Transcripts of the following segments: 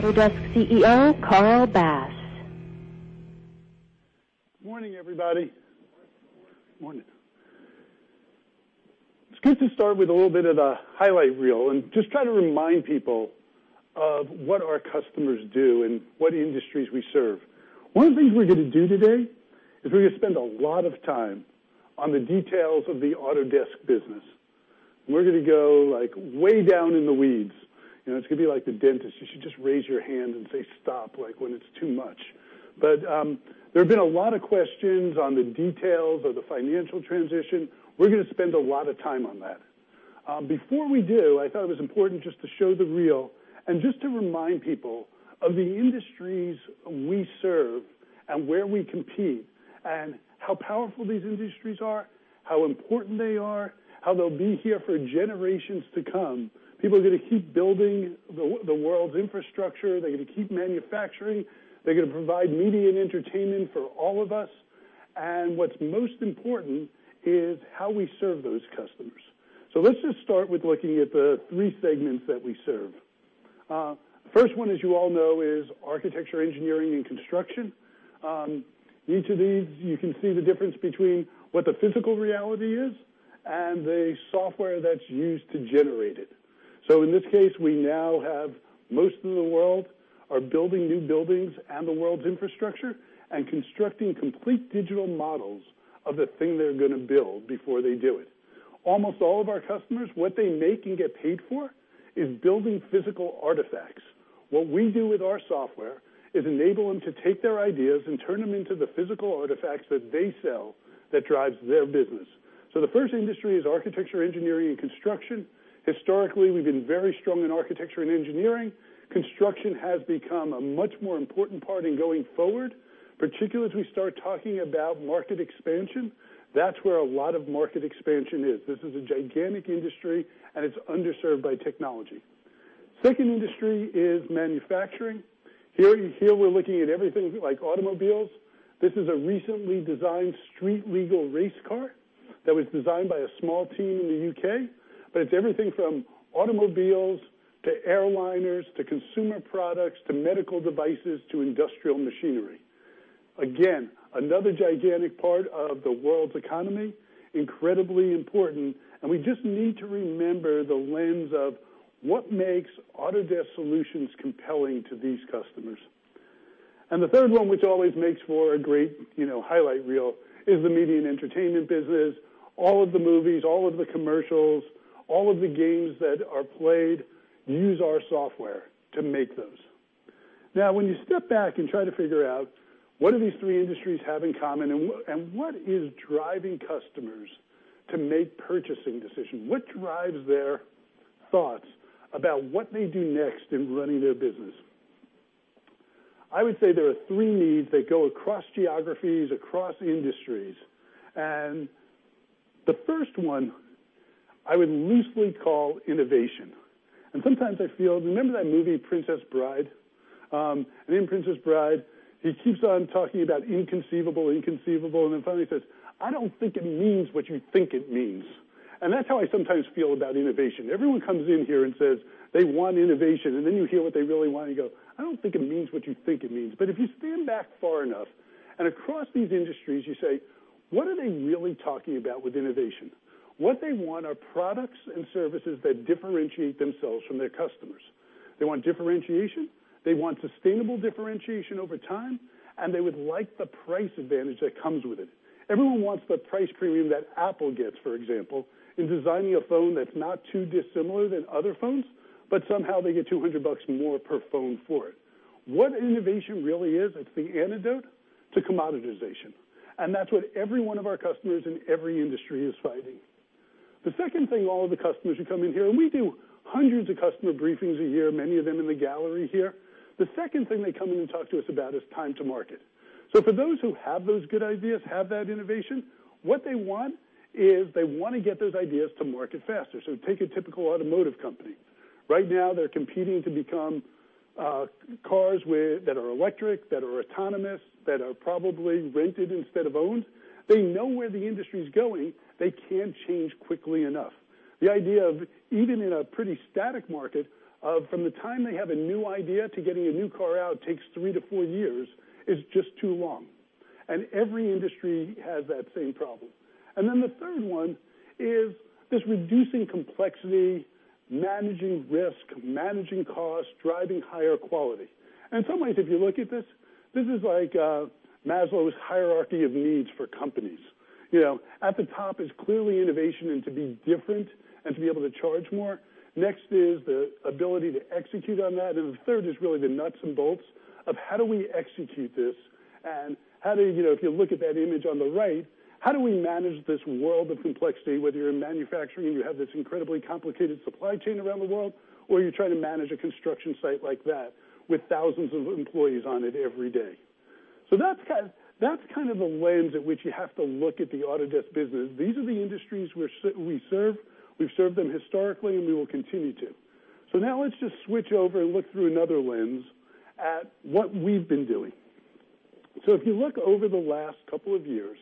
Autodesk CEO, Carl Bass. Morning, everybody. Morning. It's good to start with a little bit of a highlight reel and just try to remind people of what our customers do and what industries we serve. One of the things we're going to do today is we're going to spend a lot of time on the details of the Autodesk business. We're going to go way down in the weeds. It's going to be like the dentist. You should just raise your hand and say stop, when it's too much. There have been a lot of questions on the details of the financial transition. We're going to spend a lot of time on that. Before we do, I thought it was important just to show the reel and just to remind people of the industries we serve and where we compete, and how powerful these industries are, how important they are, how they'll be here for generations to come. People are going to keep building the world's infrastructure. They're going to keep manufacturing. They're going to provide media and entertainment for all of us. What's most important is how we serve those customers. Let's just start with looking at the three segments that we serve. First one, as you all know, is Architecture, Engineering, and Construction. Each of these, you can see the difference between what the physical reality is and the software that's used to generate it. In this case, we now have most of the world are building new buildings and the world's infrastructure and constructing complete digital models of the thing they're going to build before they do it. Almost all of our customers, what they make and get paid for is building physical artifacts. What we do with our software is enable them to take their ideas and turn them into the physical artifacts that they sell that drives their business. The first industry is Architecture, Engineering, and Construction. Historically, we've been very strong in architecture and engineering. Construction has become a much more important part in going forward, particularly as we start talking about market expansion. That's where a lot of market expansion is. This is a gigantic industry, and it's underserved by technology. Second industry is manufacturing. Here, we're looking at everything like automobiles. This is a recently designed street-legal race car that was designed by a small team in the U.K. It's everything from automobiles to airliners, to consumer products, to medical devices, to industrial machinery. Again, another gigantic part of the world's economy, incredibly important, and we just need to remember the lens of what makes Autodesk solutions compelling to these customers. The third one, which always makes for a great highlight reel, is the Media & Entertainment business. All of the movies, all of the commercials, all of the games that are played use our software to make those. When you step back and try to figure out what do these three industries have in common, and what is driving customers to make purchasing decisions? What drives their thoughts about what they do next in running their business? I would say there are three needs that go across geographies, across industries. The first one I would loosely call innovation. And sometimes I feel, remember that movie, "The Princess Bride?" In "The Princess Bride," he keeps on talking about inconceivable, and then finally says, "I don't think it means what you think it means." That's how I sometimes feel about innovation. Everyone comes in here and says they want innovation, and then you hear what they really want, and you go, "I don't think it means what you think it means." If you stand back far enough and across these industries, you say, what are they really talking about with innovation? What they want are products and services that differentiate themselves from their customers. They want differentiation. They want sustainable differentiation over time, and they would like the price advantage that comes with it. Everyone wants the price premium that Apple gets, for example, in designing a phone that's not too dissimilar than other phones, but somehow they get $200 more per phone for it. What innovation really is, it's the antidote to commoditization, and that's what every one of our customers in every industry is fighting. The second thing all of the customers who come in here, and we do hundreds of customer briefings a year, many of them in the gallery here. The second thing they come in and talk to us about is time to market. For those who have those good ideas, have that innovation, what they want is they want to get those ideas to market faster. Take a typical automotive company. Right now, they're competing to become cars that are electric, that are autonomous, that are probably rented instead of owned. They know where the industry's going. They can't change quickly enough. The idea of even in a pretty static market, from the time they have a new idea to getting a new car out takes three to four years is just too long. Every industry has that same problem. The third one is this reducing complexity, managing risk, managing cost, driving higher quality. In some ways, if you look at this is like Maslow's hierarchy of needs for companies. At the top is clearly innovation and to be different and to be able to charge more. Next is the ability to execute on that. The third is really the nuts and bolts of how do we execute this and how do you, if you look at that image on the right, how do we manage this world of complexity, whether you're in manufacturing, you have this incredibly complicated supply chain around the world, or you're trying to manage a construction site like that with thousands of employees on it every day. That's the lens at which you have to look at the Autodesk business. These are the industries we serve. We've served them historically, and we will continue to. Now let's just switch over and look through another lens at what we've been doing. If you look over the last couple of years,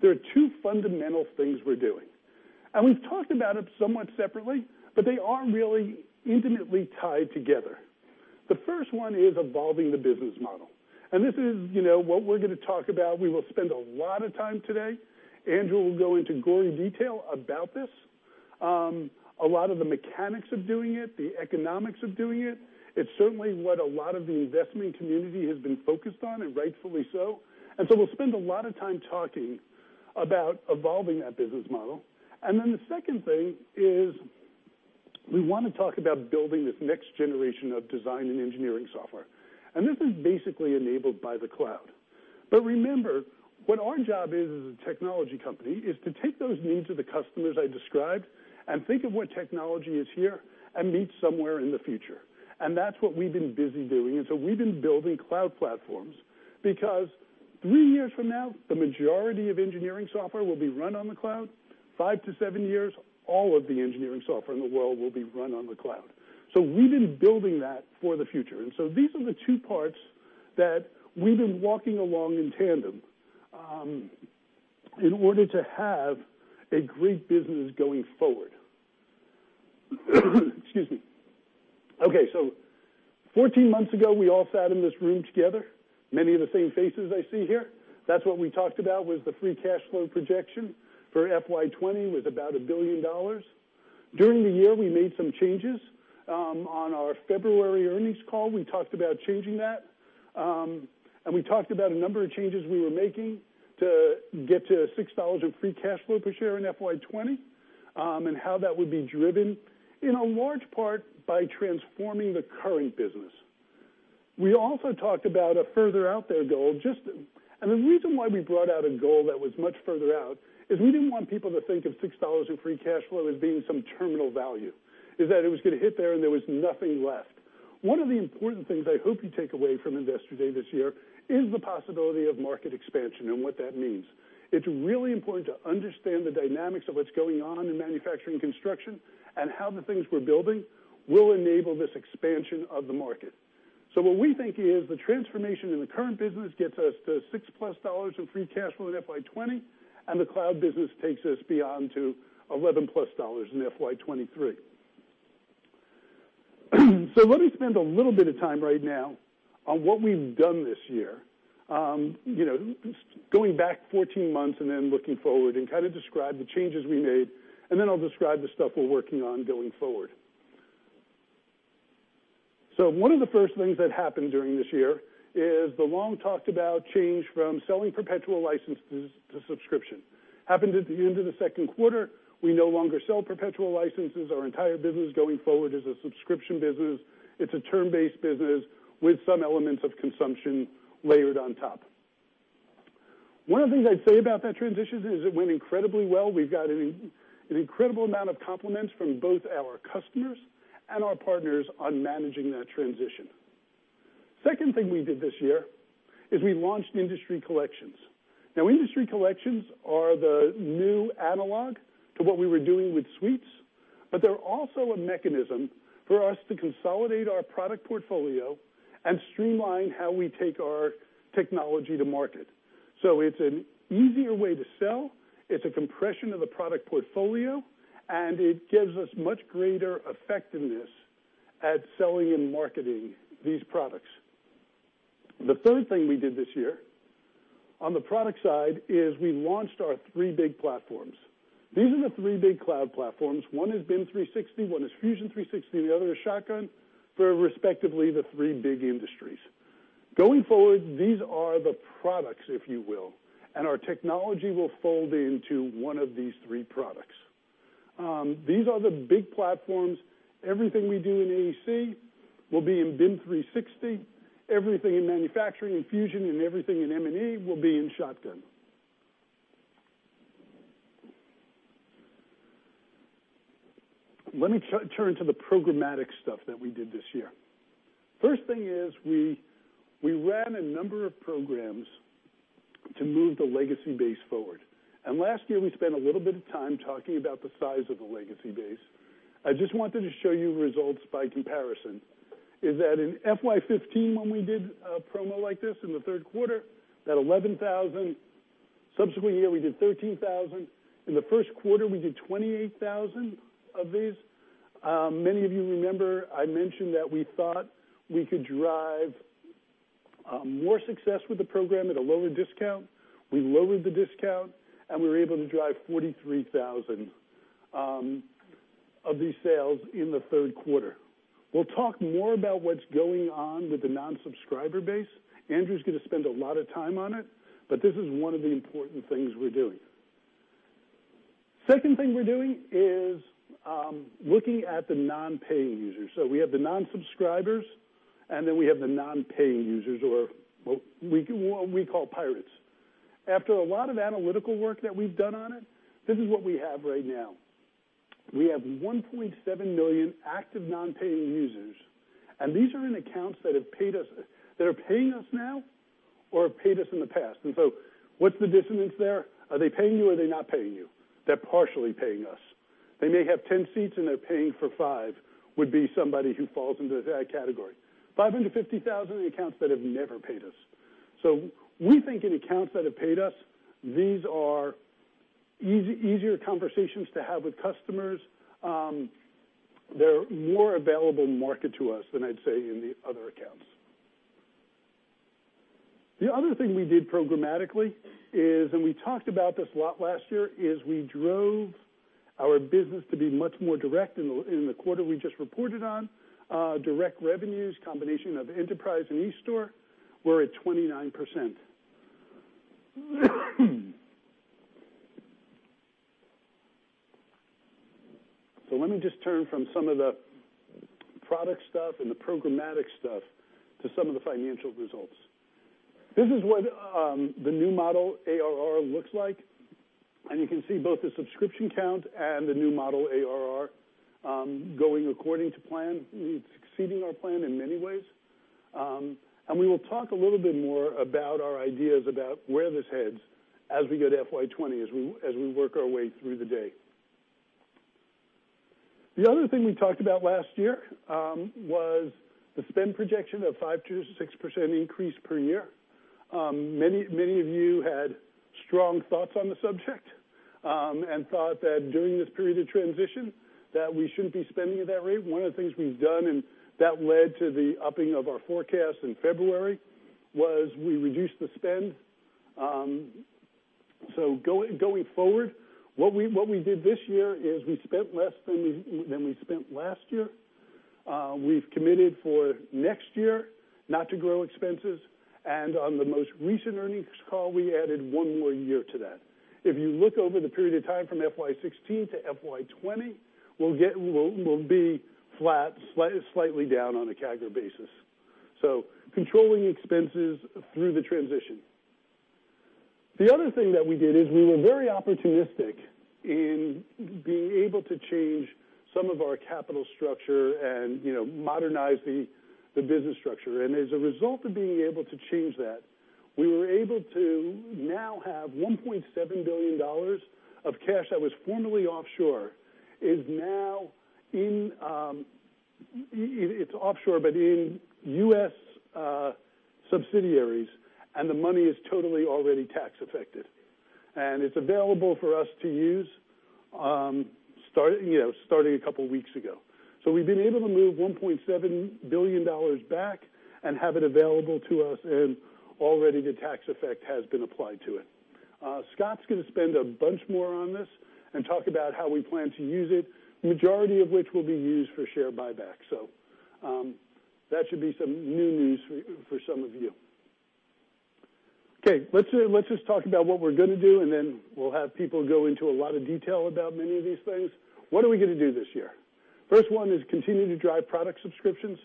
there are two fundamental things we're doing, and we've talked about it somewhat separately, but they are really intimately tied together. The first one is evolving the business model, and this is what we're going to talk about. We will spend a lot of time today. Andrew will go into gory detail about this. A lot of the mechanics of doing it, the economics of doing it. It's certainly what a lot of the investment community has been focused on, and rightfully so. We'll spend a lot of time talking about evolving that business model. Then the second thing is we want to talk about building this next generation of design and engineering software. This is basically enabled by the cloud. Remember, what our job is as a technology company is to take those needs of the customers I described and think of what technology is here and meet somewhere in the future, and that's what we've been busy doing. We've been building cloud platforms because three years from now, the majority of engineering software will be run on the cloud. Five to seven years, all of the engineering software in the world will be run on the cloud. We've been building that for the future. These are the two parts that we've been walking along in tandem, in order to have a great business going forward. Excuse me. Okay, 14 months ago, we all sat in this room together. Many of the same faces I see here. That's what we talked about, was the free cash flow projection for FY 2020 was about $1 billion. During the year, we made some changes. On our February earnings call, we talked about changing that. We talked about a number of changes we were making to get to $6 of free cash flow per share in FY 2020, and how that would be driven, in a large part, by transforming the current business. We also talked about a further-out-there goal. The reason why we brought out a goal that was much further out is we didn't want people to think of $6 in free cash flow as being some terminal value, is that it was going to hit there and there was nothing left. One of the important things I hope you take away from Investor Day this year is the possibility of market expansion and what that means. It's really important to understand the dynamics of what's going on in manufacturing construction, and how the things we're building will enable this expansion of the market. What we think is the transformation in the current business gets us to $6-plus in free cash flow in FY 2020, and the cloud business takes us beyond to $11-plus in FY 2023. Let me spend a little bit of time right now on what we've done this year. Going back 14 months and then looking forward and describe the changes we made, and then I'll describe the stuff we're working on going forward. One of the first things that happened during this year is the long-talked-about change from selling perpetual licenses to subscription. Happened at the end of the second quarter. We no longer sell perpetual licenses. Our entire business going forward is a subscription business. It's a term-based business with some elements of consumption layered on top. One of the things I'd say about that transition is it went incredibly well. We've got an incredible amount of compliments from both our customers and our partners on managing that transition. Second thing we did this year is we launched industry collections. Industry collections are the new analog to what we were doing with suites, but they're also a mechanism for us to consolidate our product portfolio and streamline how we take our technology to market. It's an easier way to sell, it's a compression of the product portfolio, and it gives us much greater effectiveness at selling and marketing these products. The third thing we did this year on the product side is we launched our three big platforms. These are the three big cloud platforms. One is BIM 360, one is Fusion 360, the other is Shotgun for respectively the three big industries. Going forward, these are the products, if you will, and our technology will fold into one of these three products. These are the big platforms. Everything we do in AEC will be in BIM 360, everything in manufacturing in Fusion, and everything in M&E will be in Shotgun. Let me turn to the programmatic stuff that we did this year. First thing is we ran a number of programs to move the legacy base forward. Last year we spent a little bit of time talking about the size of the legacy base. I just wanted to show you results by comparison, is that in FY 2015 when we did a promo like this in the third quarter, that 11,000, subsequent year we did 13,000. In the first quarter, we did 28,000 of these. Many of you remember I mentioned that we thought we could drive more success with the program at a lower discount. We lowered the discount, and we were able to drive 43,000 of these sales in the third quarter. We'll talk more about what's going on with the non-subscriber base. Andrew's going to spend a lot of time on it, but this is one of the important things we're doing. Second thing we're doing is looking at the non-paying users. We have the non-subscribers, and then we have the non-paying users, or what we call pirates. After a lot of analytical work that we've done on it, this is what we have right now. We have 1.7 million active non-paying users, and these are in accounts that are paying us now or have paid us in the past. What's the dissonance there? Are they paying you or are they not paying you? They're partially paying us. They may have 10 seats and they're paying for five, would be somebody who falls into that category. 550,000 are the accounts that have never paid us. We think in accounts that have paid us, these are easier conversations to have with customers. They're more available market to us than I'd say in the other accounts. The other thing we did programmatically, we talked about this a lot last year, we drove our business to be much more direct in the quarter we just reported on. Direct revenues, combination of enterprise and eStore, we're at 29%. Let me just turn from some of the product stuff and the programmatic stuff to some of the financial results. This is what the new model ARR looks like, and you can see both the subscription count and the new model ARR going according to plan. It's exceeding our plan in many ways. We will talk a little bit more about our ideas about where this heads as we go to FY 2020, as we work our way through the day. The other thing we talked about last year was the spend projection of 5%-6% increase per year. Many of you had strong thoughts on the subject, and thought that during this period of transition that we shouldn't be spending at that rate. One of the things we've done, and that led to the upping of our forecast in February, was we reduced the spend. Going forward, what we did this year is we spent less than we spent last year. We've committed for next year not to grow expenses, and on the most recent earnings call, we added one more year to that. If you look over the period of time from FY 2016 to FY 2020, we'll be flat, slightly down on a CAGR basis. Controlling expenses through the transition. The other thing that we did is we were very opportunistic in being able to change some of our capital structure and modernize the business structure. As a result of being able to change that, we were able to now have $1.7 billion of cash that was formerly offshore, it's offshore, but in U.S. subsidiaries, and the money is totally already tax affected. It's available for us to use starting a couple of weeks ago. We've been able to move $1.7 billion back and have it available to us, and already the tax effect has been applied to it. Scott's going to spend a bunch more on this and talk about how we plan to use it, majority of which will be used for share buyback. That should be some new news for some of you. Okay, let's just talk about what we're going to do, and then we'll have people go into a lot of detail about many of these things. What are we going to do this year? First one is continue to drive product subscriptions.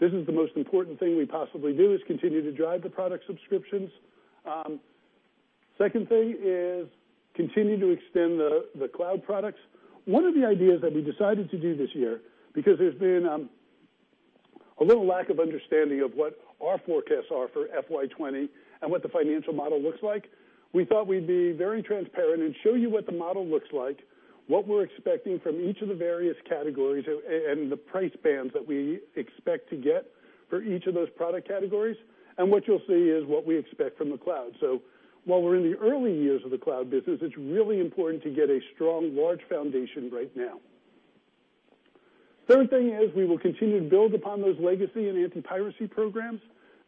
This is the most important thing we possibly do is continue to drive the product subscriptions. Second thing is continue to extend the cloud products. One of the ideas that we decided to do this year, because there's been a little lack of understanding of what our forecasts are for FY 2020 and what the financial model looks like, we thought we'd be very transparent and show you what the model looks like, what we're expecting from each of the various categories and the price bands that we expect to get for each of those product categories. What you'll see is what we expect from the cloud. While we're in the early years of the cloud business, it's really important to get a strong, large foundation right now. Third thing is we will continue to build upon those legacy and anti-piracy programs.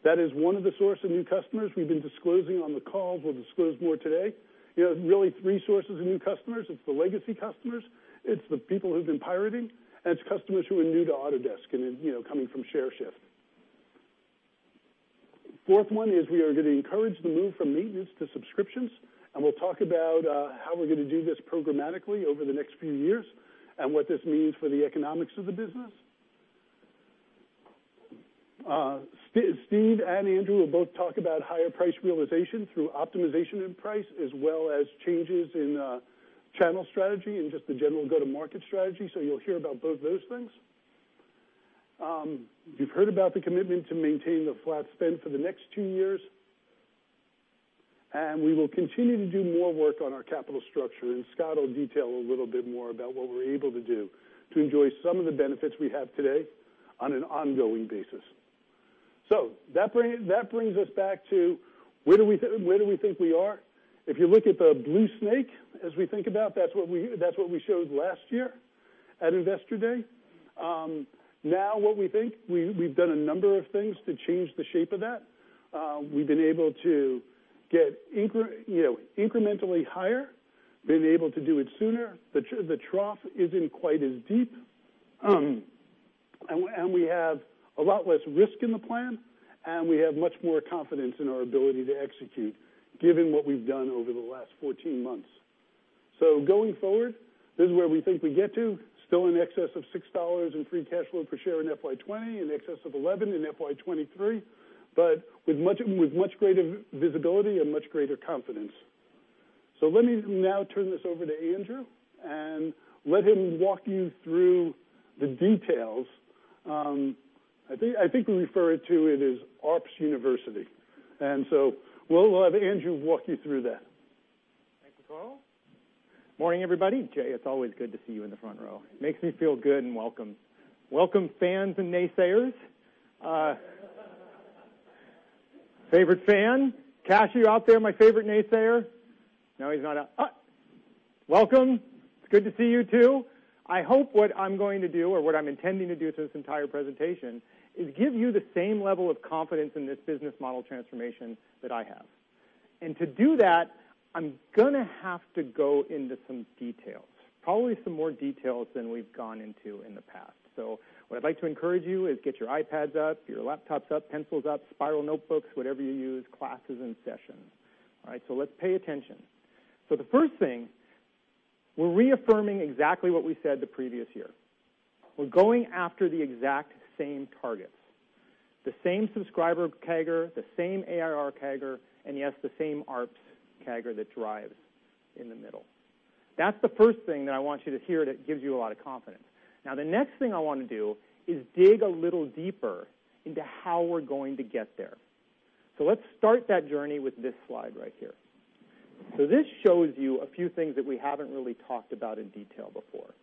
That is one of the source of new customers we've been disclosing on the calls. We'll disclose more today. Really three sources of new customers. It's the legacy customers, it's the people who've been pirating, and it's customers who are new to Autodesk and coming from share shift. Fourth one is we are going to encourage the move from maintenance to subscriptions, and we'll talk about how we're going to do this programmatically over the next few years and what this means for the economics of the business. Steve and Andrew will both talk about higher price realization through optimization in price as well as changes in channel strategy and just the general go-to-market strategy, so you'll hear about both those things. You've heard about the commitment to maintain the flat spend for the next two years. We will continue to do more work on our capital structure, and Scott will detail a little bit more about what we're able to do to enjoy some of the benefits we have today on an ongoing basis. That brings us back to where do we think we are? If you look at the blue snake, as we think about, that's what we showed last year at Investor Day. What we think, we've done a number of things to change the shape of that. We've been able to get incrementally higher, been able to do it sooner. The trough isn't quite as deep. We have a lot less risk in the plan, and we have much more confidence in our ability to execute given what we've done over the last 14 months. Going forward, this is where we think we get to. Still in excess of $6 in free cash flow per share in FY 2020 and excess of $11 in FY 2023, but with much greater visibility and much greater confidence. Let me now turn this over to Andrew and let him walk you through the details. I think we refer to it as Ops University. We'll have Andrew walk you through that. Thank you, Carl. Morning, everybody. Jay, it's always good to see you in the front row. Makes me feel good and welcome. Welcome, fans and naysayers. Favorite fan. Kash, are you out there, my favorite naysayer? No, he's not out. Welcome. It's good to see you, too. I hope what I'm going to do, or what I'm intending to do through this entire presentation, is give you the same level of confidence in this business model transformation that I have. To do that, I'm going to have to go into some details, probably some more details than we've gone into in the past. What I'd like to encourage you is get your iPads up, your laptops up, pencils up, spiral notebooks, whatever you use, class is in session. All right, let's pay attention. The first thing, we're reaffirming exactly what we said the previous year. We're going after the exact same targets, the same subscriber CAGR, the same ARR CAGR, and yes, the same ARPS CAGR that drives in the middle. That's the first thing that I want you to hear that gives you a lot of confidence. The next thing I want to do is dig a little deeper into how we're going to get there. Let's start that journey with this slide right here. This shows you a few things that we haven't really talked about in detail before.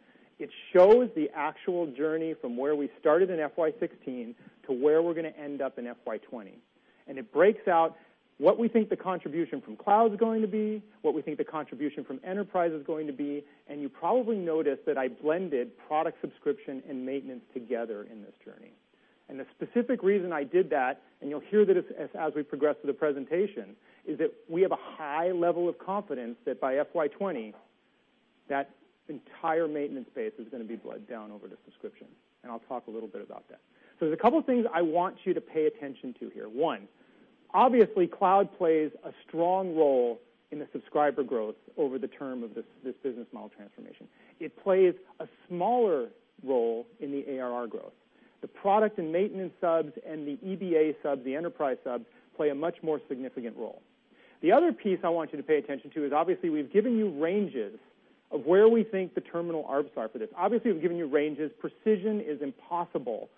It shows the actual journey from where we started in FY 2016 to where we're going to end up in FY 2020. It breaks out what we think the contribution from cloud's going to be, what we think the contribution from enterprise is going to be, and you probably noticed that I blended product subscription and maintenance together in this journey. The specific reason I did that, and you'll hear this as we progress through the presentation, is that we have a high level of confidence that by FY 2020, that entire maintenance space is going to be bled down over to subscription, and I'll talk a little bit about that. There's a couple of things I want you to pay attention to here. One, obviously, cloud plays a strong role in the subscriber growth over the term of this business model transformation. It plays a smaller role in the ARR growth. The product and maintenance subs and the EBA subs, the enterprise subs, play a much more significant role. The other piece I want you to pay attention to is obviously we've given you ranges of where we think the terminal ARPS are for this. Obviously, we've given you ranges. Precision is impossible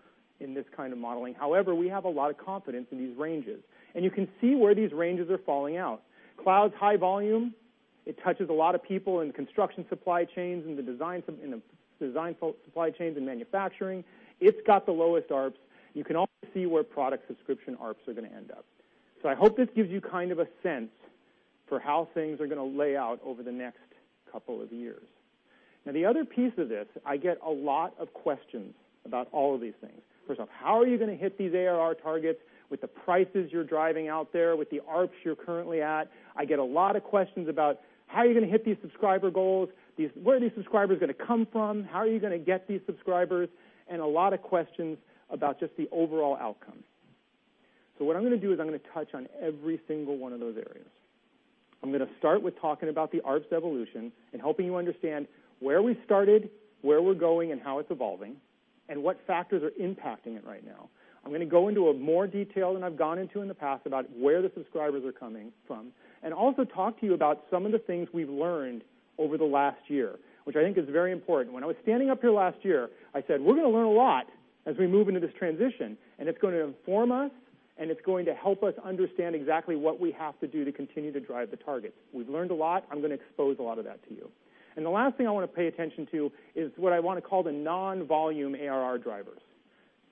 in this kind of modeling. However, we have a lot of confidence in these ranges. You can see where these ranges are falling out. Cloud's high volume, it touches a lot of people in construction supply chains, in the design supply chains, in manufacturing. It's got the lowest ARPS. You can also see where product subscription ARPS are going to end up. I hope this gives you kind of a sense for how things are going to lay out over the next couple of years. The other piece of this, I get a lot of questions about all of these things. First off, how are you going to hit these ARR targets with the prices you're driving out there, with the ARPS you're currently at? I get a lot of questions about how are you going to hit these subscriber goals? Where are these subscribers going to come from? How are you going to get these subscribers? A lot of questions about just the overall outcome. What I'm going to do is I'm going to touch on every single one of those areas. I'm going to start with talking about the ARPS evolution and helping you understand where we started, where we're going, and how it's evolving, and what factors are impacting it right now. I'm going to go into more detail than I've gone into in the past about where the subscribers are coming from, and also talk to you about some of the things we've learned over the last year, which I think is very important. When I was standing up here last year, I said, "We're going to learn a lot as we move into this transition, and it's going to inform us, and it's going to help us understand exactly what we have to do to continue to drive the targets." We've learned a lot. I'm going to expose a lot of that to you. The last thing I want to pay attention to is what I want to call the non-volume ARR drivers,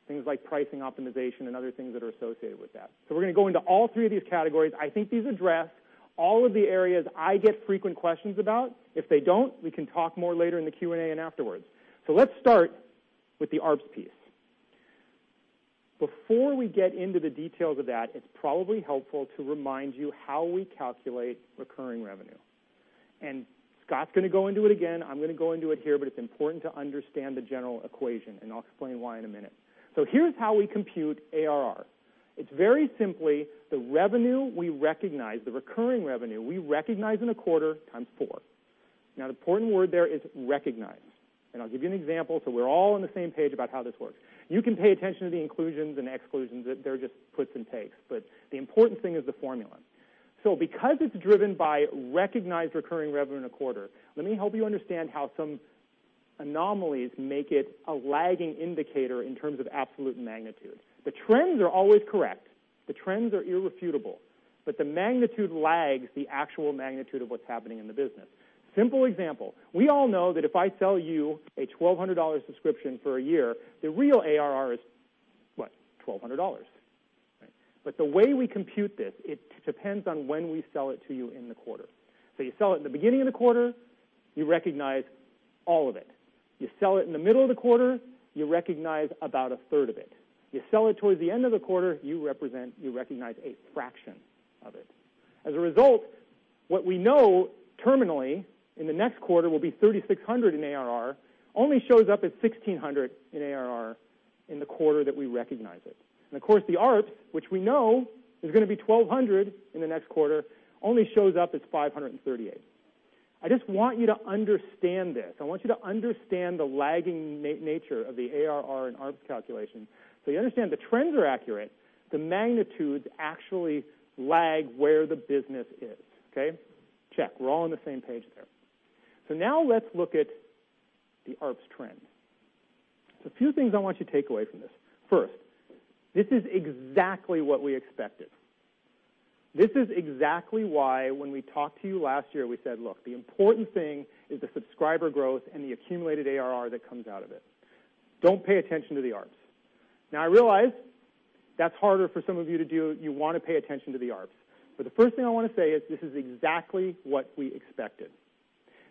things like pricing optimization and other things that are associated with that. We're going to go into all three of these categories. I think these address all of the areas I get frequent questions about. If they don't, we can talk more later in the Q&A and afterwards. Let's start with the ARPS piece. Before we get into the details of that, it's probably helpful to remind you how we calculate recurring revenue. Scott's going to go into it again. I'm going to go into it here, but it's important to understand the general equation, and I'll explain why in a minute. Here's how we compute ARR. It's very simply the revenue we recognize, the recurring revenue we recognize in a quarter times four. Now, the important word there is recognize. I'll give you an example so we're all on the same page about how this works. You can pay attention to the inclusions and exclusions. They're just puts and takes, but the important thing is the formula. Because it's driven by recognized recurring revenue in a quarter, let me help you understand how some anomalies make it a lagging indicator in terms of absolute magnitude. The trends are always correct, the trends are irrefutable, but the magnitude lags the actual magnitude of what's happening in the business. Simple example. We all know that if I sell you a $1,200 subscription for a year, the real ARR is, what, $1,200, right? The way we compute this, it depends on when we sell it to you in the quarter. You sell it in the beginning of the quarter, you recognize all of it. You sell it in the middle of the quarter, you recognize about a third of it. You sell it towards the end of the quarter, you recognize a fraction of it. As a result, what we know terminally in the next quarter will be $3,600 in ARR only shows up as $1,600 in ARR in the quarter that we recognize it. Of course, the ARPS, which we know is going to be 1,200 in the next quarter, only shows up as 538. I just want you to understand this. I want you to understand the lagging nature of the ARR and ARPS calculation, so you understand the trends are accurate. The magnitudes actually lag where the business is. Okay? Check. We're all on the same page there. Now let's look at the ARPS trend. A few things I want you to take away from this. First, this is exactly what we expected. This is exactly why when we talked to you last year, we said, "Look, the important thing is the subscriber growth and the accumulated ARR that comes out of it. Don't pay attention to the ARPS." Now, I realize that's harder for some of you to do. You want to pay attention to the ARPS. The first thing I want to say is this is exactly what we expected.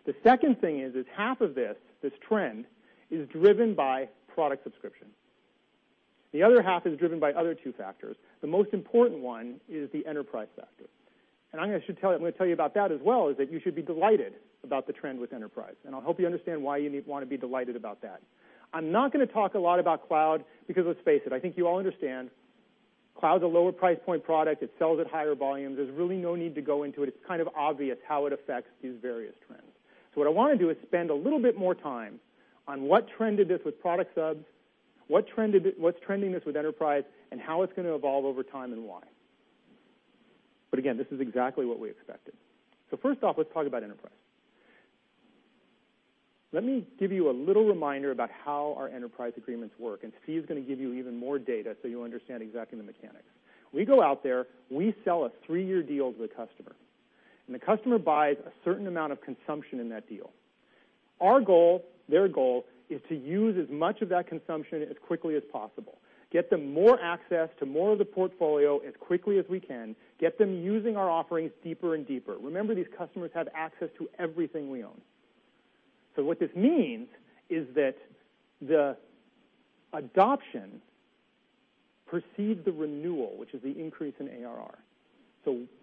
The second thing is that half of this trend, is driven by product subscription. The other half is driven by other two factors. The most important one is the enterprise factor. I'm going to tell you about that as well, is that you should be delighted about the trend with enterprise, and I hope you understand why you want to be delighted about that. I'm not going to talk a lot about cloud because let's face it, I think you all understand cloud's a lower price point product. It sells at higher volumes. There's really no need to go into it. It's kind of obvious how it affects these various trends. What I want to do is spend a little bit more time on what trend did this with product subs, what's trending this with enterprise, and how it's going to evolve over time and why. Again, this is exactly what we expected. First off, let's talk about enterprise. Let me give you a little reminder about how our enterprise agreements work, and Steve's going to give you even more data so you'll understand exactly the mechanics. We go out there, we sell a three-year deal to the customer, and the customer buys a certain amount of consumption in that deal. Our goal, their goal, is to use as much of that consumption as quickly as possible, get them more access to more of the portfolio as quickly as we can, get them using our offerings deeper and deeper. Remember, these customers have access to everything we own. What this means is that the adoption precedes the renewal, which is the increase in ARR.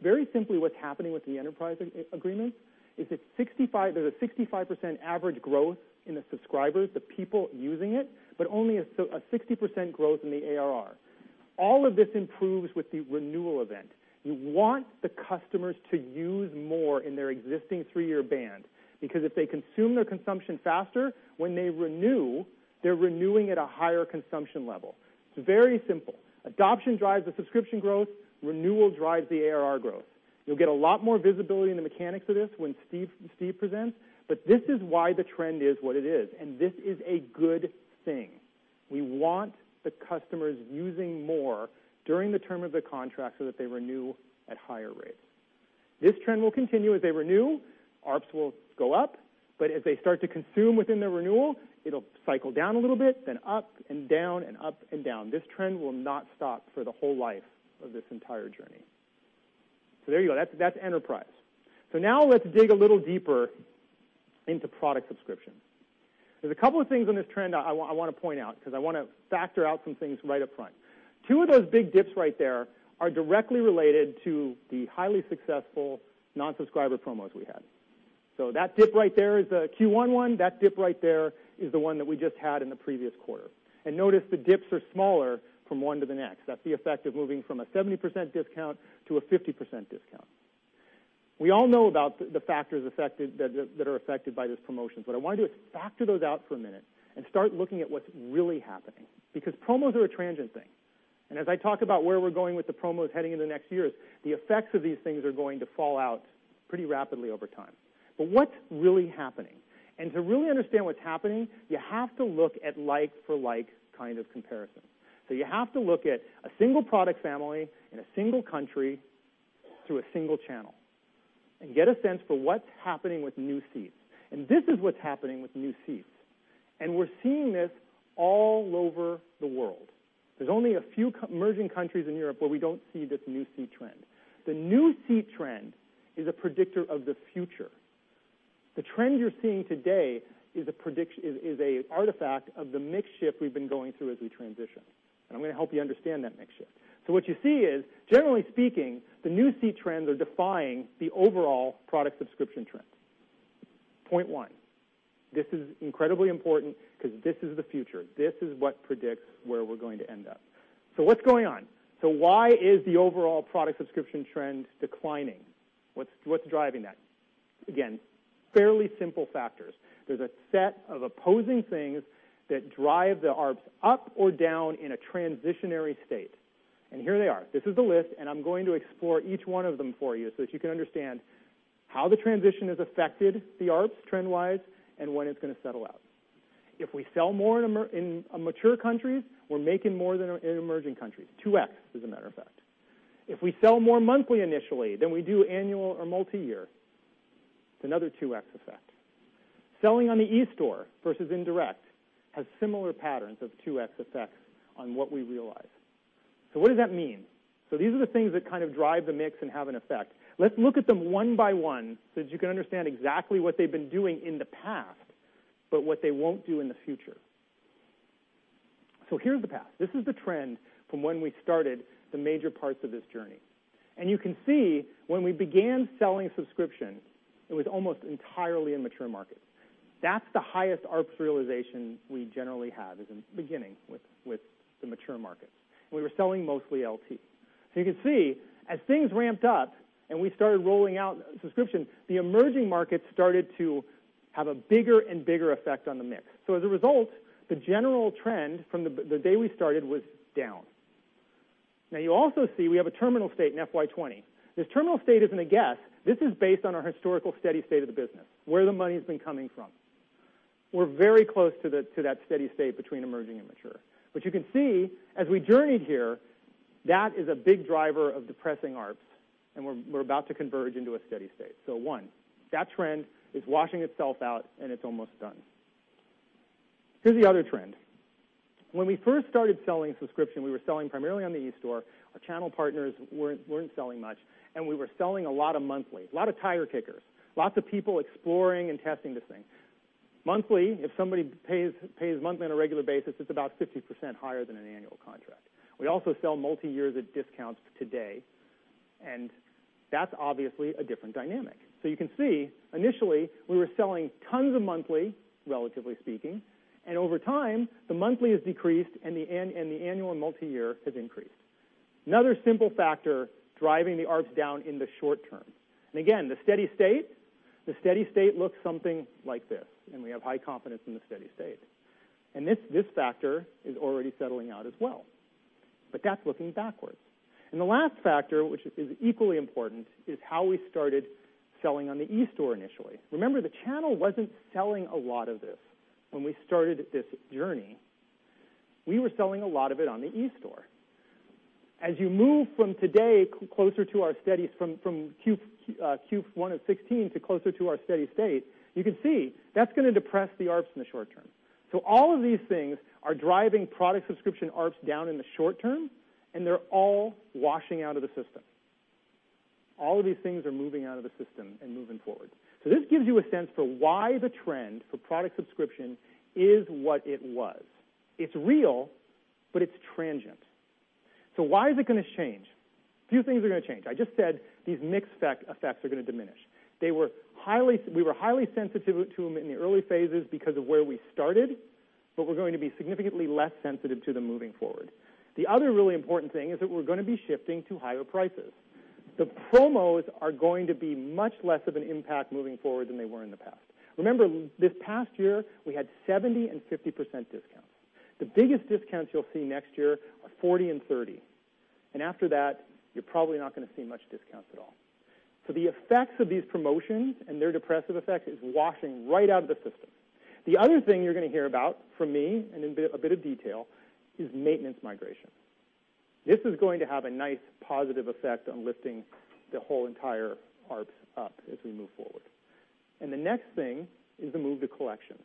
Very simply, what's happening with the enterprise agreements is there's a 65% average growth in the subscribers, the people using it, but only a 60% growth in the ARR. All of this improves with the renewal event. You want the customers to use more in their existing three-year band, because if they consume their consumption faster, when they renew, they're renewing at a higher consumption level. It's very simple. Adoption drives the subscription growth, renewal drives the ARR growth. You'll get a lot more visibility in the mechanics of this when Steve presents, but this is why the trend is what it is, and this is a good thing. We want the customers using more during the term of the contract so that they renew at higher rates. This trend will continue. As they renew, ARPS will go up, but as they start to consume within the renewal, it'll cycle down a little bit, then up and down and up and down. This trend will not stop for the whole life of this entire journey. There you go. That's enterprise. Now let's dig a little deeper into product subscription. There's a couple of things in this trend I want to point out, because I want to factor out some things right up front. Two of those big dips right there are directly related to the highly successful non-subscriber promos we had. That dip right there is the Q1 one. That dip right there is the one that we just had in the previous quarter. And notice the dips are smaller from one to the next. That's the effect of moving from a 70% discount to a 50% discount. We all know about the factors that are affected by this promotion. What I want to do is factor those out for a minute and start looking at what's really happening, because promos are a transient thing. As I talk about where we're going with the promos heading into next year's, the effects of these things are going to fall out pretty rapidly over time. What's really happening? To really understand what's happening, you have to look at like for like kind of comparison. You have to look at a single product family in a single country through a single channel and get a sense for what's happening with new seats. This is what's happening with new seats, and we're seeing this all over the world. There's only a few emerging countries in Europe where we don't see this new seat trend. The new seat trend is a predictor of the future. The trend you're seeing today is an artifact of the mix shift we've been going through as we transition, and I'm going to help you understand that mix shift. What you see is, generally speaking, the new seat trends are defying the overall product subscription trends. Point one, this is incredibly important because this is the future. This is what predicts where we're going to end up. What's going on? Why is the overall product subscription trend declining? What's driving that? Again, fairly simple factors. There's a set of opposing things that drive the ARPS up or down in a transitionary state, and here they are. This is the list, I'm going to explore each one of them for you so that you can understand how the transition has affected the ARPS trend-wise and when it's going to settle out. If we sell more in mature countries, we're making more than in emerging countries, 2X as a matter of fact. If we sell more monthly initially than we do annual or multi-year, it's another 2X effect. Selling on the e-store versus indirect has similar patterns of 2X effects on what we realize. What does that mean? These are the things that kind of drive the mix and have an effect. Let's look at them one by one so that you can understand exactly what they've been doing in the past, but what they won't do in the future. Here's the past. This is the trend from when we started the major parts of this journey. You can see when we began selling subscriptions, it was almost entirely in mature markets. That's the highest ARPS realization we generally have is in the beginning with the mature markets. We were selling mostly LT. You can see as things ramped up and we started rolling out subscriptions, the emerging markets started to have a bigger and bigger effect on the mix. As a result, the general trend from the day we started was down. You also see we have a terminal state in FY 2020. This terminal state isn't a guess. This is based on our historical steady state of the business, where the money's been coming from. We're very close to that steady state between emerging and mature. You can see as we journeyed here, that is a big driver of depressing ARPS, and we're about to converge into a steady state. One, that trend is washing itself out and it's almost done. Here's the other trend. When we first started selling subscription, we were selling primarily on the e-store. Our channel partners weren't selling much, and we were selling a lot of monthly, a lot of tire kickers, lots of people exploring and testing this thing. Monthly, if somebody pays monthly on a regular basis, it's about 50% higher than an annual contract. We also sell multi-year at discounts today, and that's obviously a different dynamic. You can see initially we were selling tons of monthly, relatively speaking, and over time the monthly has decreased and the annual and multi-year has increased. Another simple factor driving the ARPS down in the short term. Again, the steady state looks something like this, and we have high confidence in the steady state. This factor is already settling out as well. That's looking backwards. The last factor, which is equally important, is how we started selling on the e-store initially. Remember, the channel wasn't selling a lot of this when we started this journey. We were selling a lot of it on the e-store. As you move from today closer to our steady from Q1 of 2016 to closer to our steady state, you can see that's going to depress the ARPS in the short term. All of these things are driving product subscription ARPS down in the short term, and they're all washing out of the system. All of these things are moving out of the system and moving forward. This gives you a sense for why the trend for product subscription is what it was. It's real, but it's transient. Why is it going to change? A few things are going to change. I just said these mixed effects are going to diminish. We were highly sensitive to them in the early phases because of where we started, but we're going to be significantly less sensitive to them moving forward. The other really important thing is that we're going to be shifting to higher prices. The promos are going to be much less of an impact moving forward than they were in the past. Remember, this past year, we had 70% and 50% discounts. The biggest discounts you'll see next year are 40% and 30%. After that, you're probably not going to see much discounts at all. The effects of these promotions and their depressive effect is washing right out of the system. The other thing you're going to hear about from me, and in a bit of detail, is maintenance migration. This is going to have a nice positive effect on lifting the whole entire ARPS up as we move forward. The next thing is the move to collection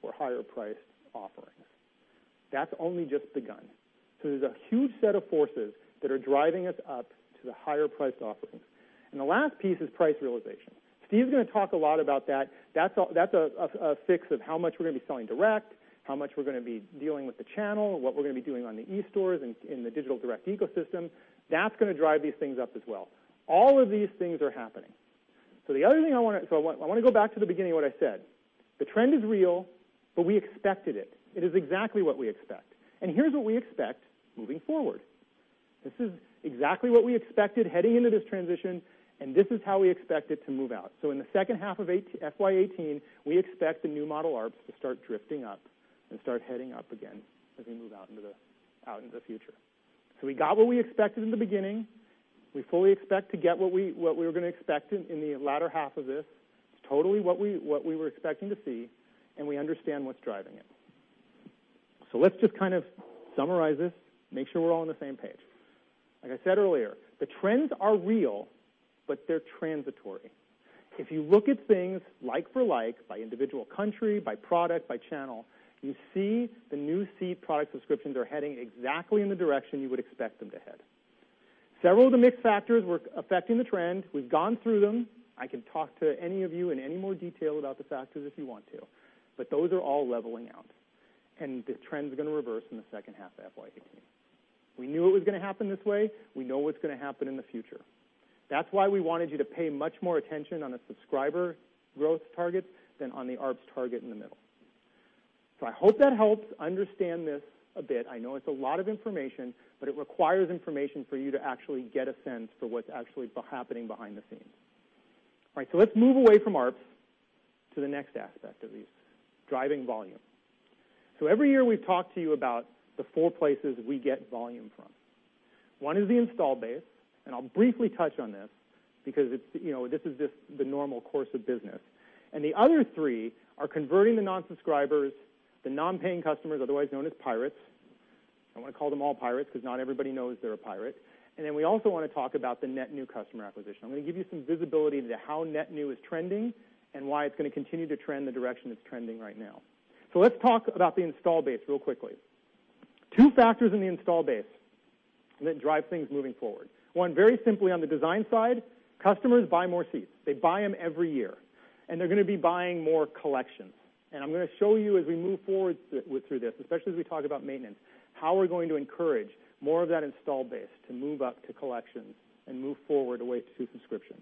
for higher-priced offerings. That's only just begun. There's a huge set of forces that are driving us up to the higher-priced offerings. The last piece is price realization. Steve's going to talk a lot about that. That's a fix of how much we're going to be selling direct, how much we're going to be dealing with the channel, what we're going to be doing on the e-stores and in the digital direct ecosystem. That's going to drive these things up as well. All of these things are happening. I want to go back to the beginning of what I said. The trend is real, but we expected it. It is exactly what we expect. Here's what we expect moving forward. This is exactly what we expected heading into this transition, and this is how we expect it to move out. In the second half of FY 2018, we expect the new model ARPS to start drifting up and start heading up again as we move out into the future. We got what we expected in the beginning. We fully expect to get what we were going to expect in the latter half of this. It's totally what we were expecting to see, and we understand what's driving it. Let's just kind of summarize this, make sure we're all on the same page. Like I said earlier, the trends are real, but they're transitory. If you look at things like for like by individual country, by product, by channel, you see the new seat product subscriptions are heading exactly in the direction you would expect them to head. Several of the mixed factors were affecting the trend. We've gone through them. I can talk to any of you in any more detail about the factors if you want to, but those are all leveling out, and the trend's going to reverse in the second half of FY 2018. We knew it was going to happen this way. We know what's going to happen in the future. That's why we wanted you to pay much more attention on the subscriber growth targets than on the ARPS target in the middle. I hope that helps understand this a bit. I know it's a lot of information, but it requires information for you to actually get a sense for what's actually happening behind the scenes. All right. Let's move away from ARPS to the next aspect of these, driving volume. Every year we've talked to you about the four places we get volume from. One is the install base, and I'll briefly touch on this because this is just the normal course of business. The other three are converting the non-subscribers, the non-paying customers, otherwise known as pirates. I want to call them all pirates because not everybody knows they're a pirate. Then we also want to talk about the net new customer acquisition. I'm going to give you some visibility into how net new is trending and why it's going to continue to trend the direction it's trending right now. Let's talk about the install base real quickly. Two factors in the install base that drive things moving forward. One, very simply on the design side, customers buy more seats. They buy them every year, and they're going to be buying more collections. I'm going to show you as we move forward through this, especially as we talk about maintenance, how we're going to encourage more of that install base to move up to collections and move forward the way to subscription.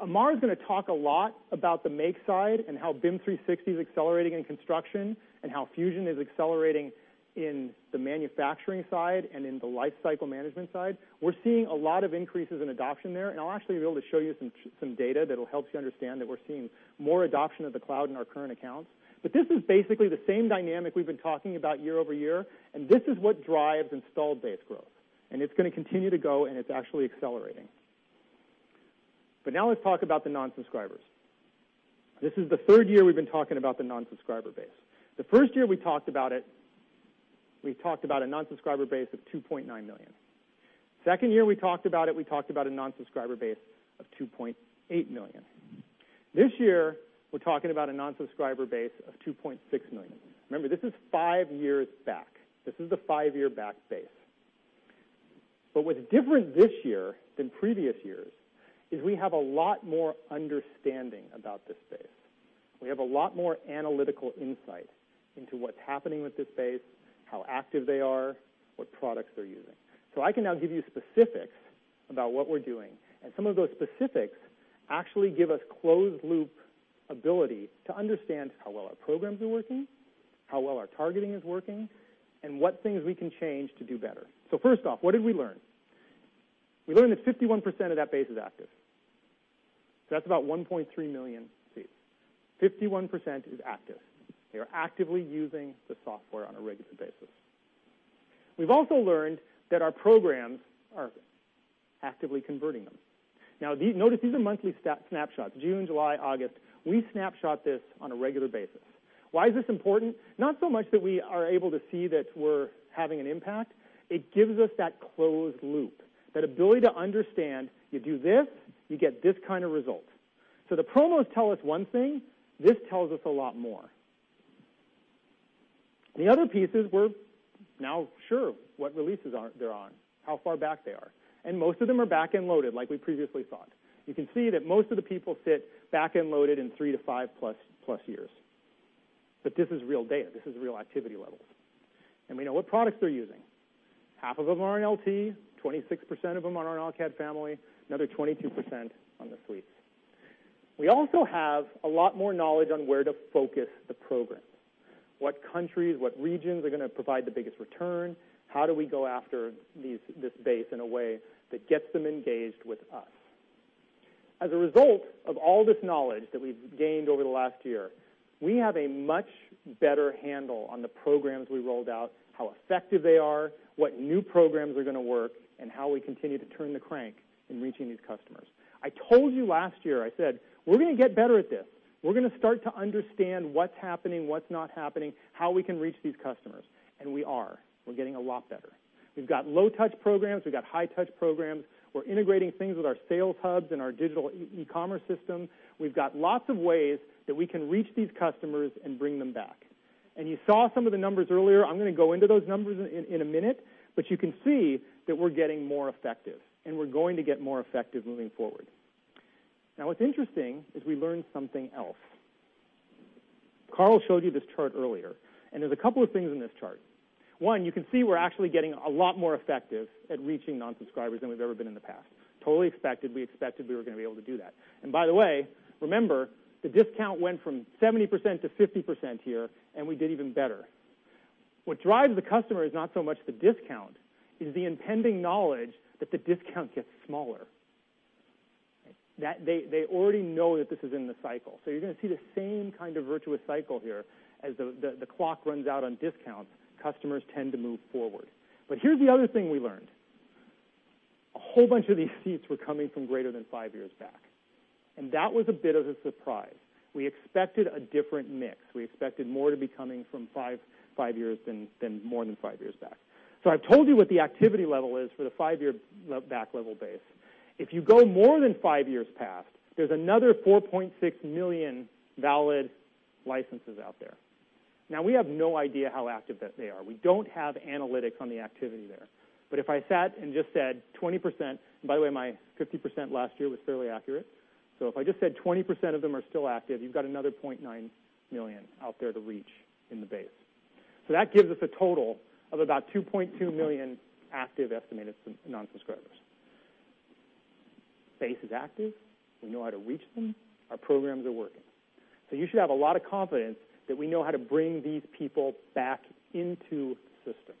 Amar is going to talk a lot about the make side and how BIM 360 is accelerating in construction and how Fusion is accelerating in the manufacturing side and in the lifecycle management side. We're seeing a lot of increases in adoption there, and I'll actually be able to show you some data that'll help you understand that we're seeing more adoption of the cloud in our current accounts. This is basically the same dynamic we've been talking about year-over-year, and this is what drives installed base growth, and it's going to continue to go, and it's actually accelerating. Now let's talk about the non-subscribers. This is the third year we've been talking about the non-subscriber base. The first year we talked about it, we talked about a non-subscriber base of 2.9 million. Second year we talked about it, we talked about a non-subscriber base of 2.8 million. This year, we're talking about a non-subscriber base of 2.6 million. Remember, this is five years back. This is the five-year back base. What's different this year than previous years is we have a lot more understanding about this base. We have a lot more analytical insight into what's happening with this base, how active they are, what products they're using. I can now give you specifics about what we're doing, and some of those specifics actually give us closed-loop ability to understand how well our programs are working, how well our targeting is working, and what things we can change to do better. First off, what did we learn? We learned that 51% of that base is active. That's about 1.3 million seats. 51% is active. They are actively using the software on a regular basis. We've also learned that our programs are actively converting them. Notice these are monthly snapshots, June, July, August. We snapshot this on a regular basis. Why is this important? Not so much that we are able to see that we're having an impact. It gives us that closed loop, that ability to understand you do this, you get this kind of result. The promos tell us one thing. This tells us a lot more. The other piece is we're now sure what releases they're on, how far back they are, and most of them are back-end loaded like we previously thought. You can see that most of the people sit back-end loaded in three to five plus years. This is real data. This is real activity levels. We know what products they're using. Half of them are on LT, 26% of them are on our AutoCAD family, another 22% on the suites. We also have a lot more knowledge on where to focus the programs. What countries, what regions are going to provide the biggest return? How do we go after this base in a way that gets them engaged with us? As a result of all this knowledge that we've gained over the last year, we have a much better handle on the programs we rolled out, how effective they are, what new programs are going to work, and how we continue to turn the crank in reaching these customers. I told you last year, I said, "We're going to get better at this. We're going to start to understand what's happening, what's not happening, how we can reach these customers." We are. We're getting a lot better. We've got low-touch programs. We've got high-touch programs. We're integrating things with our sales hubs and our digital e-commerce system. We've got lots of ways that we can reach these customers and bring them back. You saw some of the numbers earlier. I'm going to go into those numbers in a minute, but you can see that we're getting more effective, and we're going to get more effective moving forward. What's interesting is we learned something else. Carl showed you this chart earlier, and there's a couple of things in this chart. One, you can see we're actually getting a lot more effective at reaching non-subscribers than we've ever been in the past. Totally expected. We expected we were going to be able to do that. By the way, remember, the discount went from 70% to 50% here, and we did even better. What drives the customer is not so much the discount. It is the impending knowledge that the discount gets smaller. They already know that this is in the cycle. You're going to see the same kind of virtuous cycle here. As the clock runs out on discounts, customers tend to move forward. Here's the other thing we learned. A whole bunch of these seats were coming from greater than five years back, and that was a bit of a surprise. We expected a different mix. We expected more to be coming from five years than more than five years back. I've told you what the activity level is for the five-year back level base. If you go more than five years past, there's another 4.6 million valid licenses out there. We have no idea how active they are. We don't have analytics on the activity there. If I sat and just said 20%-- by the way, my 50% last year was fairly accurate. If I just said 20% of them are still active, you've got another 0.9 million out there to reach in the base. That gives us a total of about 2.2 million active estimated non-subscribers. Base is active. We know how to reach them. Our programs are working. You should have a lot of confidence that we know how to bring these people back into the system.